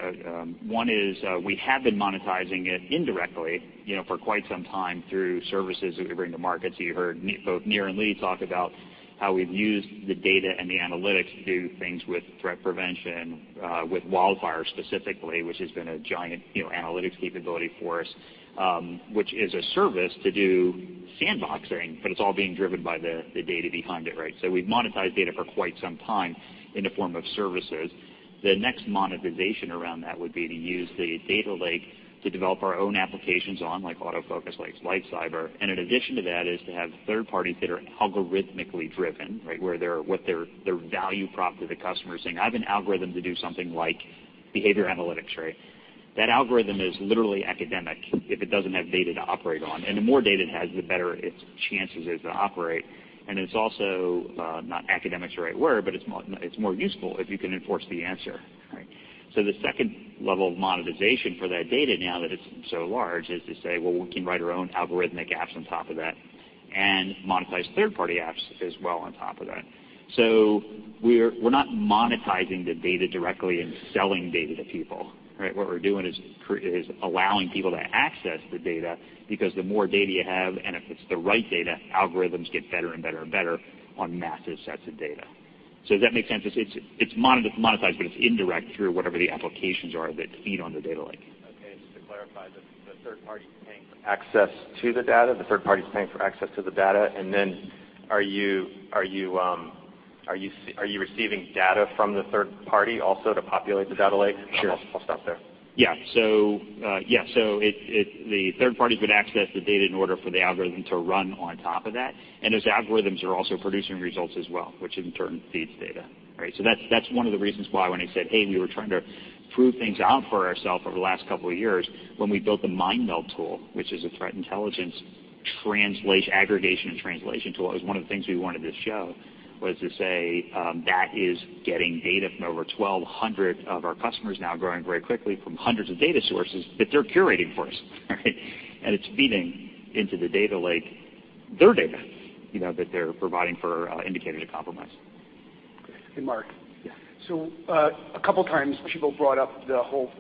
One is, we have been monetizing it indirectly for quite some time through services that we bring to market. You heard both Nir and Lee talk about how we've used the data and the analytics to do things with threat prevention, with WildFire specifically, which has been a giant analytics capability for us, which is a service to do sandboxing, but it's all being driven by the data behind it, right? We've monetized data for quite some time in the form of services. The next monetization around that would be to use the data lake to develop our own applications on, like AutoFocus, like LightCyber. In addition to that is to have third parties that are algorithmically driven, right? Where their value prop to the customer is saying, "I have an algorithm to do something like behavior analytics," right? That algorithm is literally academic if it doesn't have data to operate on. The more data it has, the better its chances is to operate. It's also, not academic's the right word, but it's more useful if you can enforce the answer, right? The second level of monetization for that data, now that it's so large, is to say, "Well, we can write our own algorithmic apps on top of that and monetize third-party apps as well on top of that." We're not monetizing the data directly and selling data to people, right? What we're doing is allowing people to access the data, because the more data you have, and if it's the right data, algorithms get better and better on massive sets of data. Does that make sense? It's monetized, but it's indirect through whatever the applications are that feed on the data lake. Okay. Just to clarify, the third party's paying for access to the data, and then are you receiving data from the third party also to populate the data lake? Sure. I'll stop there. Yeah. The third party would access the data in order for the algorithm to run on top of that, and those algorithms are also producing results as well, which in turn feeds data. Right? That's one of the reasons why when I said, hey, we were trying to prove things out for ourselves over the last couple of years, when we built the MineMeld tool, which is a threat intelligence aggregation and translation tool. It was one of the things we wanted to show, was to say, that is getting data from over 1,200 of our customers now, growing very quickly from hundreds of data sources that they're curating for us, right? And it's feeding into the data lake their data, that they're providing for indicator of compromise. Hey, Mark. Yeah. A couple times, people brought up the whole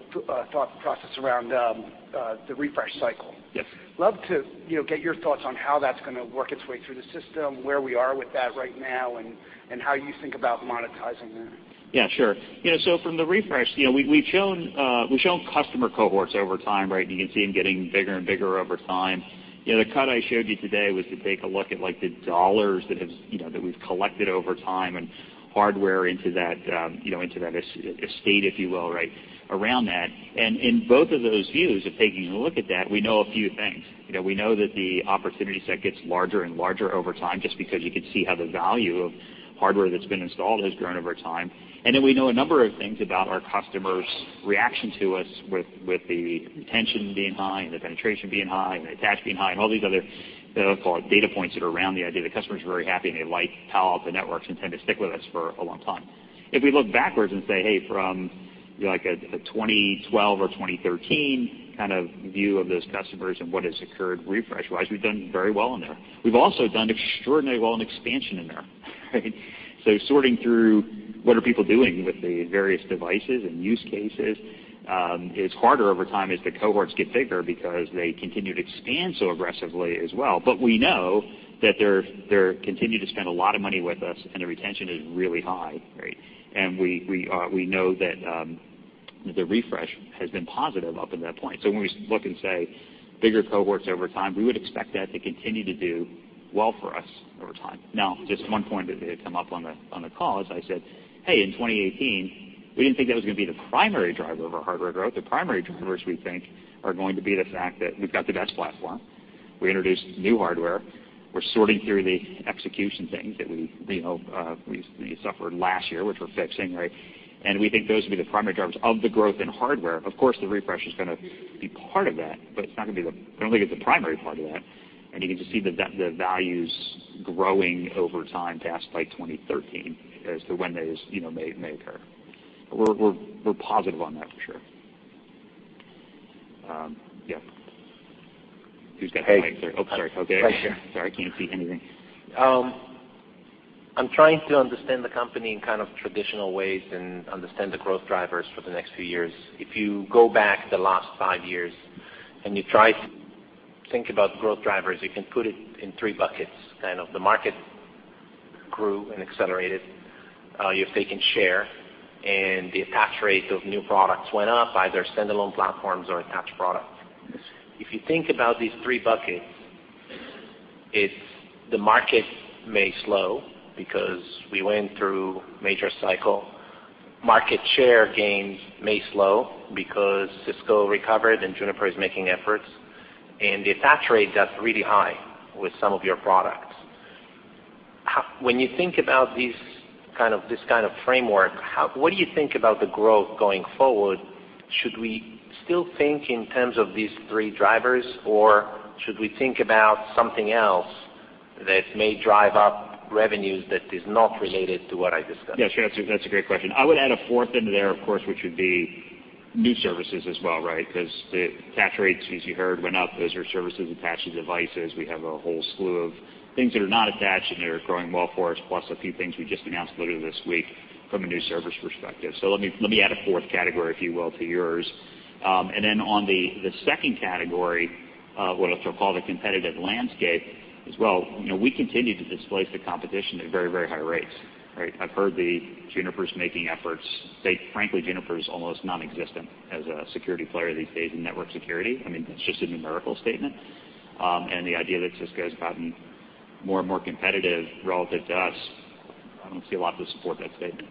thought process around the refresh cycle. Yes. Love to get your thoughts on how that's going to work its way through the system, where we are with that right now, and how you think about monetizing that. Yeah, sure. From the refresh, we've shown customer cohorts over time, right? You can see them getting bigger and bigger over time. The cut I showed you today was to take a look at the dollars that we've collected over time and hardware into that estate, if you will, right, around that. In both of those views, of taking a look at that, we know a few things. We know that the opportunity set gets larger and larger over time, just because you can see how the value of hardware that's been installed has grown over time. We know a number of things about our customers' reaction to us with the retention being high and the penetration being high and the attach being high and all these other so-called data points that are around the idea that customers are very happy, and they like Palo Alto Networks and tend to stick with us for a long time. If we look backwards and say, hey, from a 2012 or 2013 kind of view of those customers and what has occurred refresh-wise, we've done very well in there. We've also done extraordinarily well in expansion in there, right? Sorting through what are people doing with the various devices and use cases, it's harder over time as the cohorts get bigger because they continue to expand so aggressively as well. We know that they continue to spend a lot of money with us, and the retention is really high, right? We know that the refresh has been positive up at that point. When we look and say bigger cohorts over time, we would expect that to continue to do well for us over time. Now, just one point that did come up on the call as I said, hey, in 2018, we didn't think that was going to be the primary driver of our hardware growth. The primary drivers, we think, are going to be the fact that we've got the best platform. We introduced new hardware. We're sorting through the execution things that we suffered last year, which we're fixing, right? We think those will be the primary drivers of the growth in hardware. Of course, the refresh is going to be part of that, I don't think it's the primary part of that. You can just see the values growing over time past, like, 2013 as to when those may occur. We're positive on that for sure. Yeah. Who's got the mic there? Oh, sorry. Okay. Right here. Sorry, I can't see anything. I'm trying to understand the company in kind of traditional ways and understand the growth drivers for the next few years. If you go back the last five years and you try to think about growth drivers, you can put it in three buckets, kind of the market grew and accelerated, you've taken share, and the attach rate of new products went up, either standalone platforms or attached products. If you think about these three buckets, the market may slow because we went through major cycle. Market share gains may slow because Cisco recovered and Juniper is making efforts. The attach rate got really high with some of your products. When you think about this kind of framework, what do you think about the growth going forward? Should we still think in terms of these three drivers, or should we think about something else that may drive up revenues that is not related to what I discussed? Yes, that's a great question. I would add a fourth into there, of course, which would be new services as well, right? Because the attach rates, as you heard, went up. Those are services attached to devices. We have a whole slew of things that are not attached and that are growing well for us, plus a few things we just announced literally this week from a new service perspective. Let me add a fourth category, if you will, to yours. On the second category, what I'll call the competitive landscape as well, we continue to displace the competition at very, very high rates, right? I've heard that Juniper's making efforts. Frankly, Juniper is almost nonexistent as a security player these days in network security. That's just a numerical statement. The idea that Cisco's gotten more and more competitive relative to us, I don't see a lot to support that statement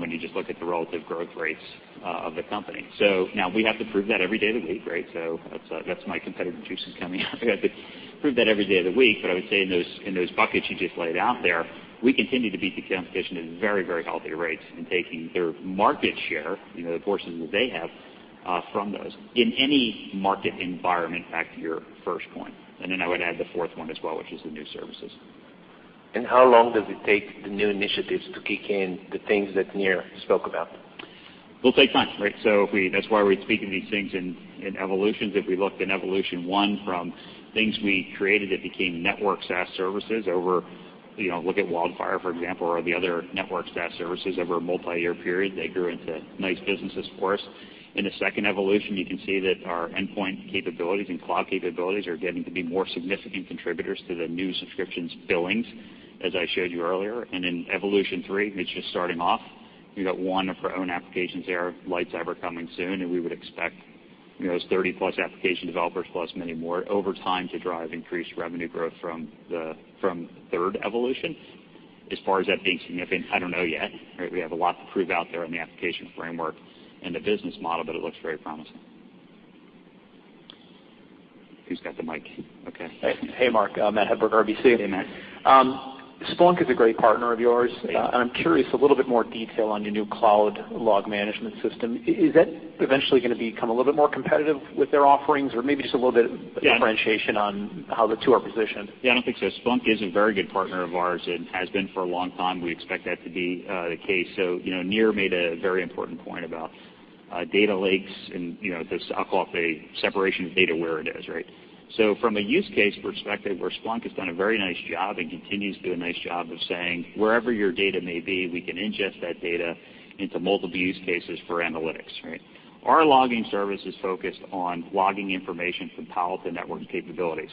when you just look at the relative growth rates of the company. Now we have to prove that every day of the week, right? That's my competitive juices coming out. We have to prove that every day of the week, but I would say in those buckets you just laid out there, we continue to beat the competition at very, very healthy rates in taking their market share, the portions that they have, from those in any market environment, back to your first point. I would add the fourth one as well, which is the new services. How long does it take the new initiatives to kick in, the things that Nir spoke about? It'll take time, right? That's why we speak of these things in evolutions. If we looked in evolution one from things we created that became network SaaS services over, look at WildFire for example, or the other network SaaS services over a multi-year period, they grew into nice businesses for us. In the second evolution, you can see that our endpoint capabilities and cloud capabilities are getting to be more significant contributors to the new subscriptions billings, as I showed you earlier. In evolution three, it's just starting off. We've got one of our own applications there, LightCyber, coming soon, and we would expect those 30-plus application developers plus many more over time to drive increased revenue growth from the third evolution. As far as that being significant, I don't know yet. We have a lot to prove out there in the application framework and the business model, but it looks very promising. Who's got the mic? Okay. Hey, Mark. Matt Hedberg, RBC. Hey, Matt. Splunk is a great partner of yours. It is. I'm curious, a little bit more detail on your new cloud log management system. Is that eventually going to become a little bit more competitive with their offerings? Or maybe just a little bit of- Yeah differentiation on how the two are positioned. Yeah, I don't think so. Splunk is a very good partner of ours and has been for a long time. We expect that to be the case. Nir made a very important point about data lakes and this, I'll call it, a separation of data where it is, right? From a use case perspective, where Splunk has done a very nice job and continues to do a nice job of saying, "Wherever your data may be, we can ingest that data into multiple use cases for analytics," right? Our logging service is focused on logging information from Palo Alto Networks capabilities,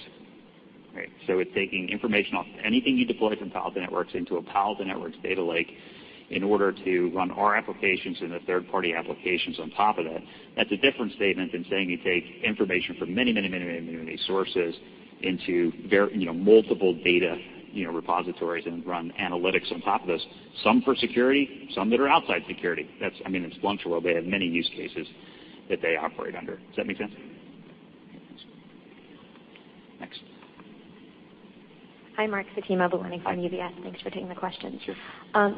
right? It's taking information off anything you deploy from Palo Alto Networks into a Palo Alto Networks data lake in order to run our applications and the third-party applications on top of that. That's a different statement than saying you take information from many, many sources into multiple data repositories and run analytics on top of this, some for security, some that are outside security. In Splunk's world, they have many use cases that they operate under. Does that make sense? Next. Hi, Mark. Saket Kalia from UBS. Hi. Thanks for taking the questions. Sure.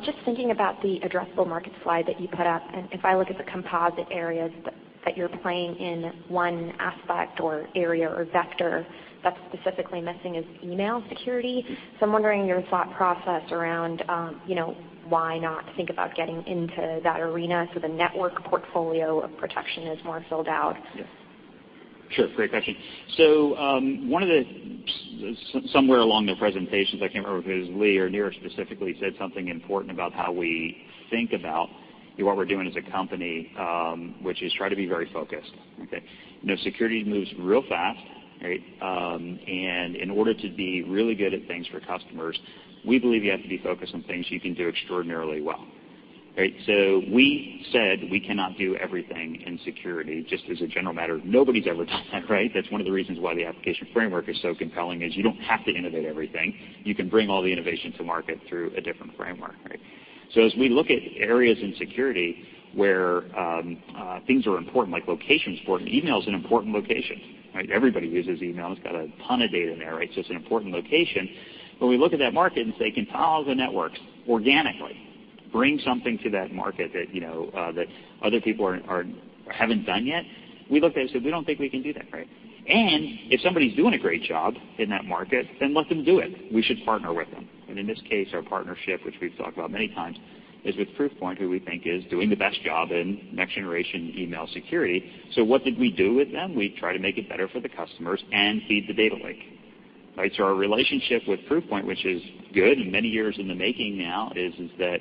Just thinking about the addressable market slide that you put up, if I look at the composite areas that you're playing in, one aspect or area or vector that's specifically missing is email security. I'm wondering your thought process around why not think about getting into that arena so the network portfolio of protection is more filled out. Somewhere along the presentations, I can't remember if it was Lee or Nir specifically, said something important about how we think about what we're doing as a company, which is try to be very focused, okay? Security moves real fast, right? In order to be really good at things for customers, we believe you have to be focused on things you can do extraordinarily well, right? We said we cannot do everything in security, just as a general matter. Nobody's ever done that, right? That's one of the reasons why the application framework is so compelling is you don't have to innovate everything. You can bring all the innovation to market through a different framework, right? As we look at areas in security where things are important, like location's important, email's an important location, right? Everybody uses email. It's got a ton of data in there, right? It's an important location. When we look at that market and say, "Can Palo Alto Networks organically bring something to that market that other people haven't done yet?" We looked at it and said, "We don't think we can do that right." If somebody's doing a great job in that market, then let them do it. We should partner with them. In this case, our partnership, which we've talked about many times, is with Proofpoint, who we think is doing the best job in next generation email security. What did we do with them? We tried to make it better for the customers and feed the data lake. Right? Our relationship with Proofpoint, which is good and many years in the making now, is that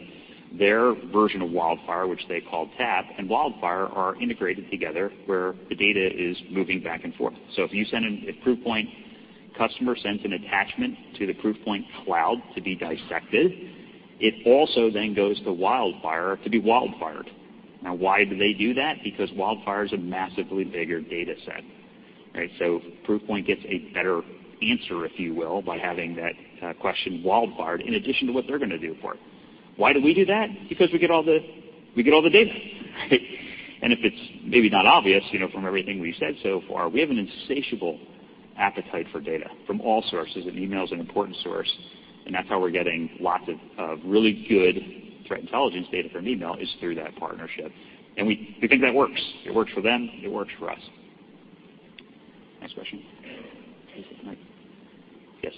their version of WildFire, which they call TAP, and WildFire are integrated together, where the data is moving back and forth. If a Proofpoint customer sends an attachment to the Proofpoint cloud to be dissected, it also then goes to WildFire to be WildFired. Why do they do that? Because WildFire is a massively bigger data set, right? Proofpoint gets a better answer, if you will, by having that question WildFired in addition to what they're going to do for it. Why do we do that? Because we get all the data, right? If it's maybe not obvious from everything we've said so far, we have an insatiable appetite for data from all sources, and email is an important source, and that's how we're getting lots of really good threat intelligence data from email is through that partnership. We think that works. It works for them, it works for us. Next question. Is it Mike? Yes.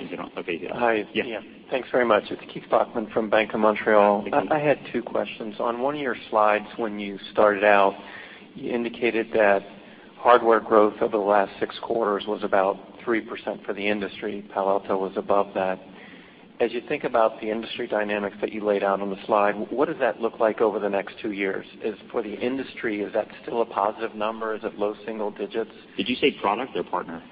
Is it on? Okay. Hi. Yeah. Yeah. Thanks very much. It's Keith Bachman from Bank of Montreal. Hi, Keith. I had two questions. On one of your slides when you started out, you indicated that hardware growth over the last six quarters was about 3% for the industry. Palo Alto was above that. As you think about the industry dynamics that you laid out on the slide, what does that look like over the next two years? For the industry, is that still a positive number? Is it low single digits? Did you say product or partner?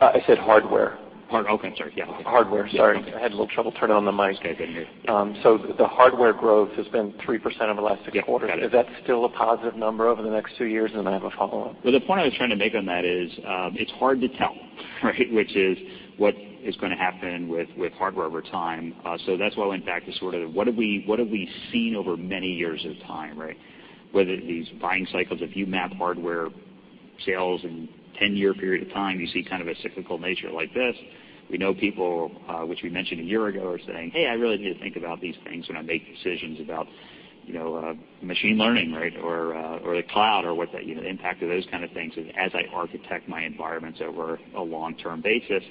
I said hardware. Okay, sorry. Yeah. Hardware. Sorry. Okay. I had a little trouble turning on the mic. That's okay. The hardware growth has been 3% over the last six quarters. Yep, got it. Is that still a positive number over the next two years? Then I have a follow-up. Well, the point I was trying to make on that is, it's hard to tell, right? Which is what is going to happen with hardware over time. That's why I went back to sort of what have we seen over many years of time, right? Whether these buying cycles, if you map hardware sales in a 10-year period of time, you see kind of a cyclical nature like this. We know people, which we mentioned a year ago, are saying, "Hey, I really need to think about these things when I make decisions about machine learning," right? Or the cloud or the impact of those kind of things as I architect my environments over a long-term basis.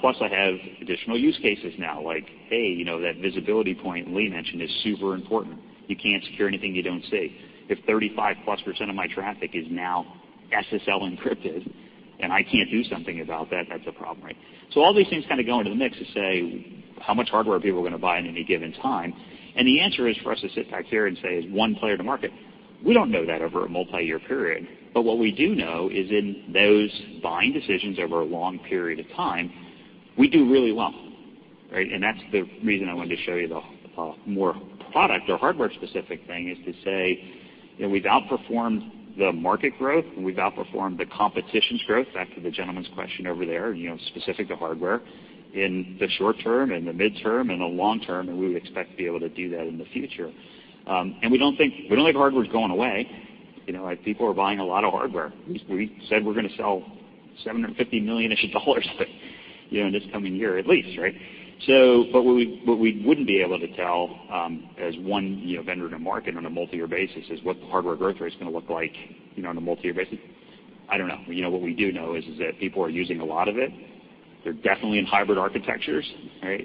Plus, I have additional use cases now, like, hey, that visibility point Lee mentioned is super important. You can't secure anything you don't see. If 35-plus% of my traffic is now SSL encrypted and I can't do something about that's a problem, right? All these things kind of go into the mix to say how much hardware are people going to buy in any given time. The answer is for us to sit back here and say, as one player in the market, we don't know that over a multi-year period. What we do know is in those buying decisions over a long period of time, we do really well, right? That's the reason I wanted to show you the more product or hardware-specific thing, is to say we've outperformed the market growth, and we've outperformed the competition's growth. Back to the gentleman's question over there, specific to hardware. In the short term and the midterm and the long term, we would expect to be able to do that in the future. We don't think hardware's going away. People are buying a lot of hardware. We said we're going to sell $750 million-ish in this coming year at least, right? What we wouldn't be able to tell, as one vendor in a market on a multi-year basis, is what the hardware growth rate's going to look like on a multi-year basis. I don't know. What we do know is that people are using a lot of it. They're definitely in hybrid architectures, right?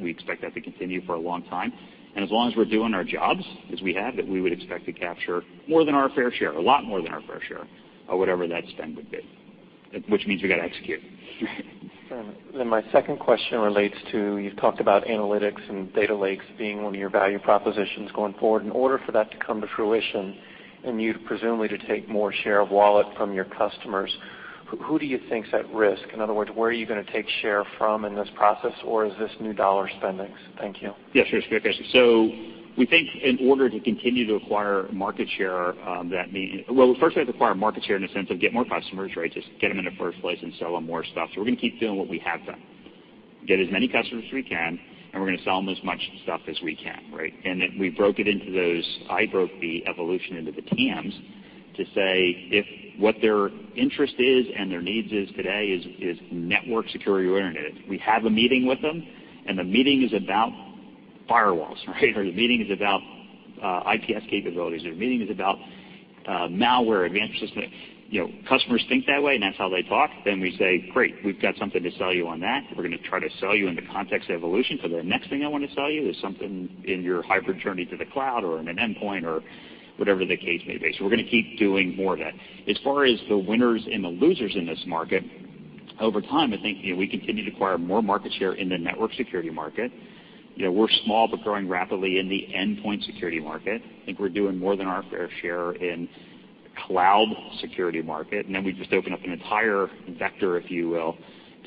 We expect that to continue for a long time. As long as we're doing our jobs as we have, that we would expect to capture more than our fair share, a lot more than our fair share of whatever that spend would be. Which means we've got to execute. Fair enough. My second question relates to, you've talked about analytics and data lakes being one of your value propositions going forward. In order for that to come to fruition and you presumably to take more share of wallet from your customers, who do you think is at risk? In other words, where are you going to take share from in this process, or is this new dollar spendings? Thank you. Yeah, sure. We think in order to continue to acquire market share, that means, well, first we have to acquire market share in the sense of get more customers, right? Just get them in the first place and sell them more stuff. We're going to keep doing what we have done. Get as many customers as we can, and we're going to sell them as much stuff as we can, right? Then we broke it into those, I broke the evolution into the TAMs to say if what their interest is and their needs is today is network security or internet. We have a meeting with them, and the meeting is about firewalls, right? The meeting is about IPS capabilities, or the meeting is about malware advanced. Customers think that way, and that's how they talk. We say, "Great, we've got something to sell you on that. We're going to try to sell you in the context evolution for the next thing I want to sell you is something in your hybrid journey to the cloud or in an endpoint or whatever the case may be." We're going to keep doing more of that. As far as the winners and the losers in this market, over time, I think we continue to acquire more market share in the network security market. We're small but growing rapidly in the endpoint security market. I think we're doing more than our fair share in cloud security market. We just open up an entire vector, if you will,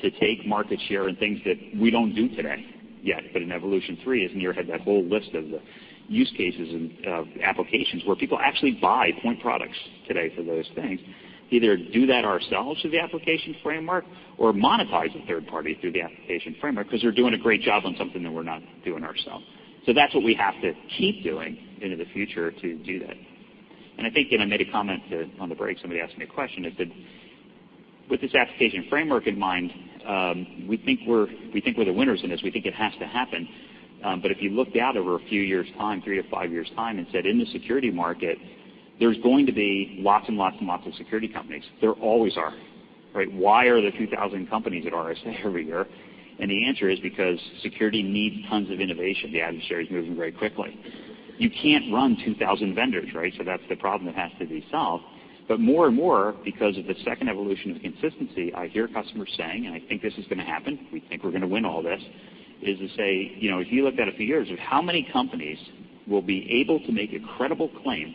to take market share in things that we don't do today yet, but in Evolution 3, as Nir had that whole list of the use cases of applications where people actually buy point products today for those things. Either do that ourselves through the application framework or monetize a third party through the application framework because they're doing a great job on something that we're not doing ourselves. That's what we have to keep doing into the future to do that. I think, and I made a comment on the break, somebody asked me a question, is that with this application framework in mind, we think we're the winners in this. We think it has to happen. If you looked out over a few years' time, three to five years' time, and said in the security market, there's going to be lots and lots and lots of security companies. There always are. Right? Why are there 2,000 companies at RSA every year? The answer is because security needs tons of innovation. The adversary is moving very quickly. You can't run 2,000 vendors, right? That's the problem that has to be solved. More and more, because of the second evolution of consistency, I hear customers saying, and I think this is going to happen, we think we're going to win all this, is to say, if you looked at a few years of how many companies will be able to make a credible claim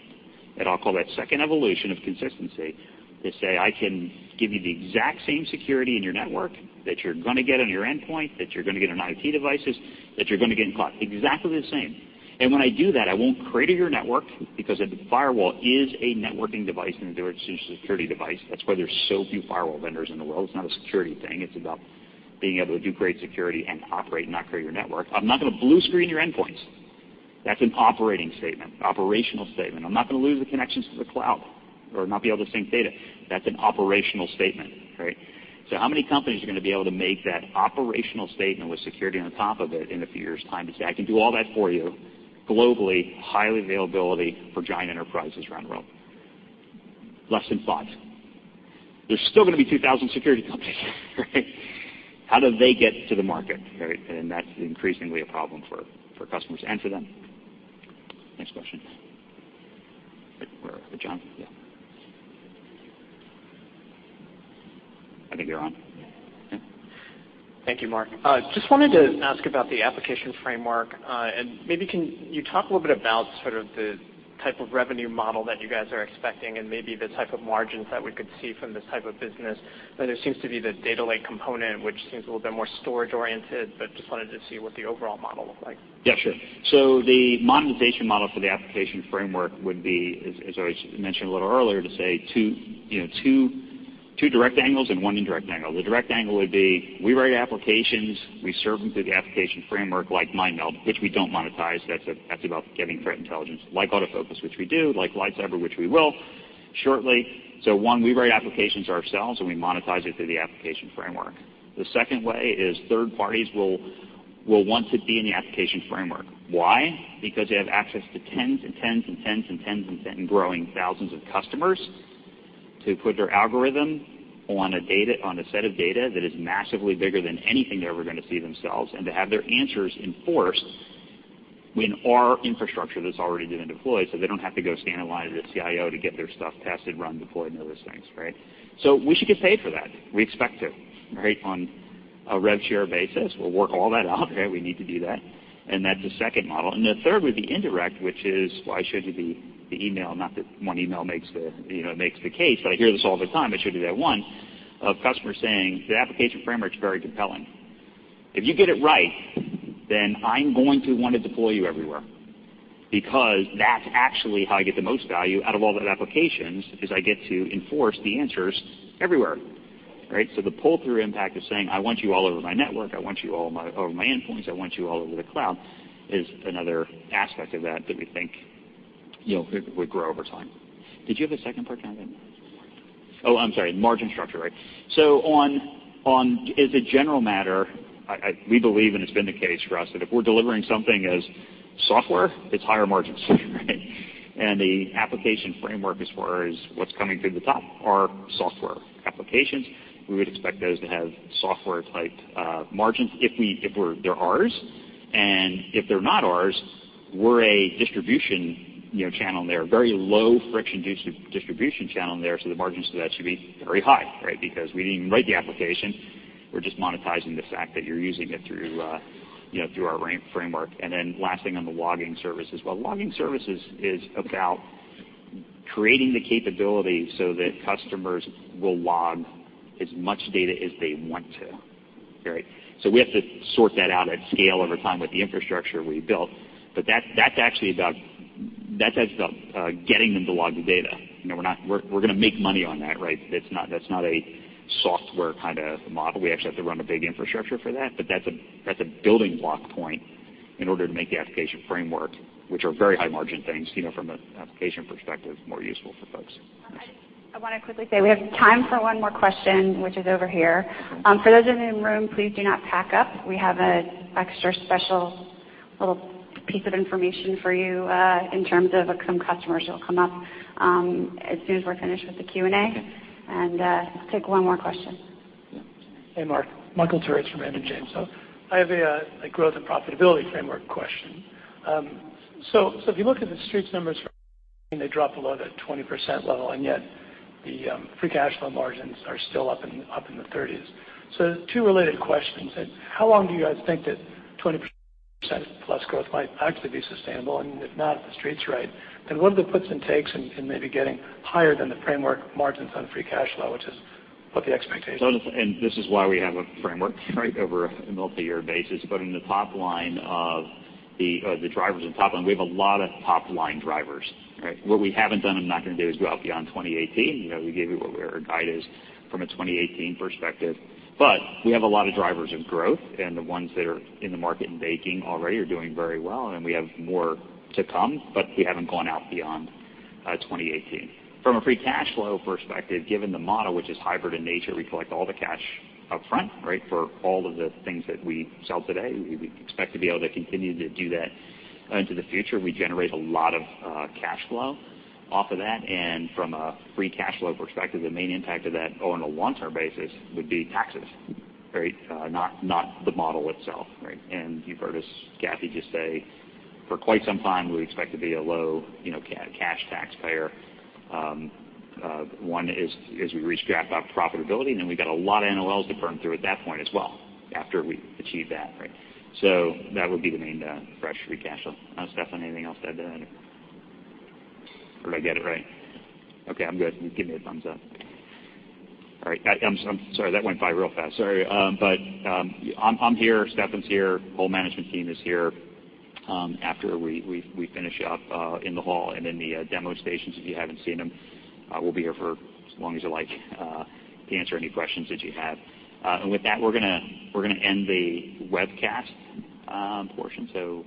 that I'll call that second evolution of consistency, to say, "I can give you the exact same security in your network that you're going to get on your endpoint, that you're going to get on IT devices, that you're going to get in cloud, exactly the same." When I do that, I won't crater your network because a firewall is a networking device and a security device. That's why there's so few firewall vendors in the world. It's not a security thing. It's about being able to do great security and operate, not crater your network. I'm not going to blue screen your endpoints. That's an operating statement, operational statement. I'm not going to lose the connections to the cloud or not be able to sync data. That's an operational statement. How many companies are going to be able to make that operational statement with security on top of it in a few years' time to say, "I can do all that for you globally, highly availability for giant enterprises around the world?" Less than five. There's still going to be 2,000 security companies. How do they get to the market? That's increasingly a problem for customers and for them. Next question. John? I think you're on. Thank you, Mark. Just wanted to ask about the application framework. Maybe can you talk a little bit about sort of the type of revenue model that you guys are expecting and maybe the type of margins that we could see from this type of business? There seems to be the data lake component, which seems a little bit more storage-oriented, but just wanted to see what the overall model looked like. Yeah, sure. The monetization model for the application framework would be, as I mentioned a little earlier, to say two direct angles and one indirect angle. The direct angle would be we write applications, we serve them through the application framework like MineMeld, which we don't monetize. That's about giving threat intelligence. Like AutoFocus, which we do, like LightCyber, which we will shortly. One, we write applications ourselves, and we monetize it through the application framework. The second way is third parties will want to be in the application framework. Why? They have access to tens and tens and growing thousands of customers to put their algorithm on a set of data that is massively bigger than anything they're ever going to see themselves, and to have their answers enforced in our infrastructure that's already been deployed, so they don't have to go stand in line at a CIO to get their stuff tested, run, deployed, and all those things. We should get paid for that. We expect to on a rev share basis. We'll work all that out. We need to do that. That's the second model. The third would be indirect, which is why I showed you the email, not that one email makes the case, but I hear this all the time. I showed you that one of customers saying the application framework's very compelling. If you get it right, I'm going to want to deploy you everywhere because that's actually how I get the most value out of all the applications is I get to enforce the answers everywhere. The pull-through impact of saying, "I want you all over my network, I want you all over my endpoints, I want you all over the cloud," is another aspect of that we think would grow over time. Did you have a second part to that? Margin. Oh, I'm sorry. Margin structure, right. As a general matter, we believe, and it's been the case for us, that if we're delivering something as software, it's higher margins. The application framework, as far as what's coming through the top, are software applications. We would expect those to have software-type margins if they're ours. If they're not ours, we're a distribution channel in there, very low friction distribution channel in there, so the margins for that should be very high because we didn't even write the application. We're just monetizing the fact that you're using it through our framework. Last thing on the logging services. Well, logging services is about creating the capability so that customers will log as much data as they want to. We have to sort that out at scale over time with the infrastructure we built. That's actually about getting them to log the data. We're going to make money on that. That's not a software kind of model. We actually have to run a big infrastructure for that. That's a building block point in order to make the application framework, which are very high-margin things, from an application perspective, more useful for folks. I want to quickly say we have time for one more question, which is over here. For those of you in the room, please do not pack up. We have an extra special little piece of information for you in terms of some customers that'll come up as soon as we're finished with the Q&A. We'll take one more question. Hey, Mark. Michael Turits from Raymond James. I have a growth and profitability framework question. If you look at the Street's numbers for they drop below the 20% level, and yet the free cash flow margins are still up in the 30s. Two related questions. How long do you guys think that 20% plus growth might actually be sustainable? If not, if the Street's right, what are the puts and takes in maybe getting higher than the framework margins on free cash flow, which is what the expectation is. This is why we have a framework over a multi-year basis. In the top line of the drivers in the top line, we have a lot of top-line drivers. What we haven't done and I'm not going to do is go out beyond 2018. We gave you what our guide is from a 2018 perspective. We have a lot of drivers of growth, and the ones that are in the market and baking already are doing very well, and we have more to come. We haven't gone out beyond 2018. From a free cash flow perspective, given the model, which is hybrid in nature, we collect all the cash up front for all of the things that we sell today. We expect to be able to continue to do that into the future. We generate a lot of cash flow off of that, from a free cash flow perspective, the main impact of that on a long-term basis would be taxes, not the model itself. You've heard us, Kathy just say for quite some time, we expect to be a low cash taxpayer. One is we re-strap up profitability, we've got a lot of NOLs to burn through at that point as well after we achieve that. That would be the main driver for free cash flow. Steffan, anything else to add to that? Did I get it right? Okay, I'm good. He's giving me a thumbs up. All right. I'm sorry. That went by real fast. Sorry. I'm here. Steffan's here. Whole management team is here. After we finish up in the hall and in the demo stations, if you haven't seen them, we'll be here for as long as you like to answer any questions that you have. With that, we're going to end the webcast portion.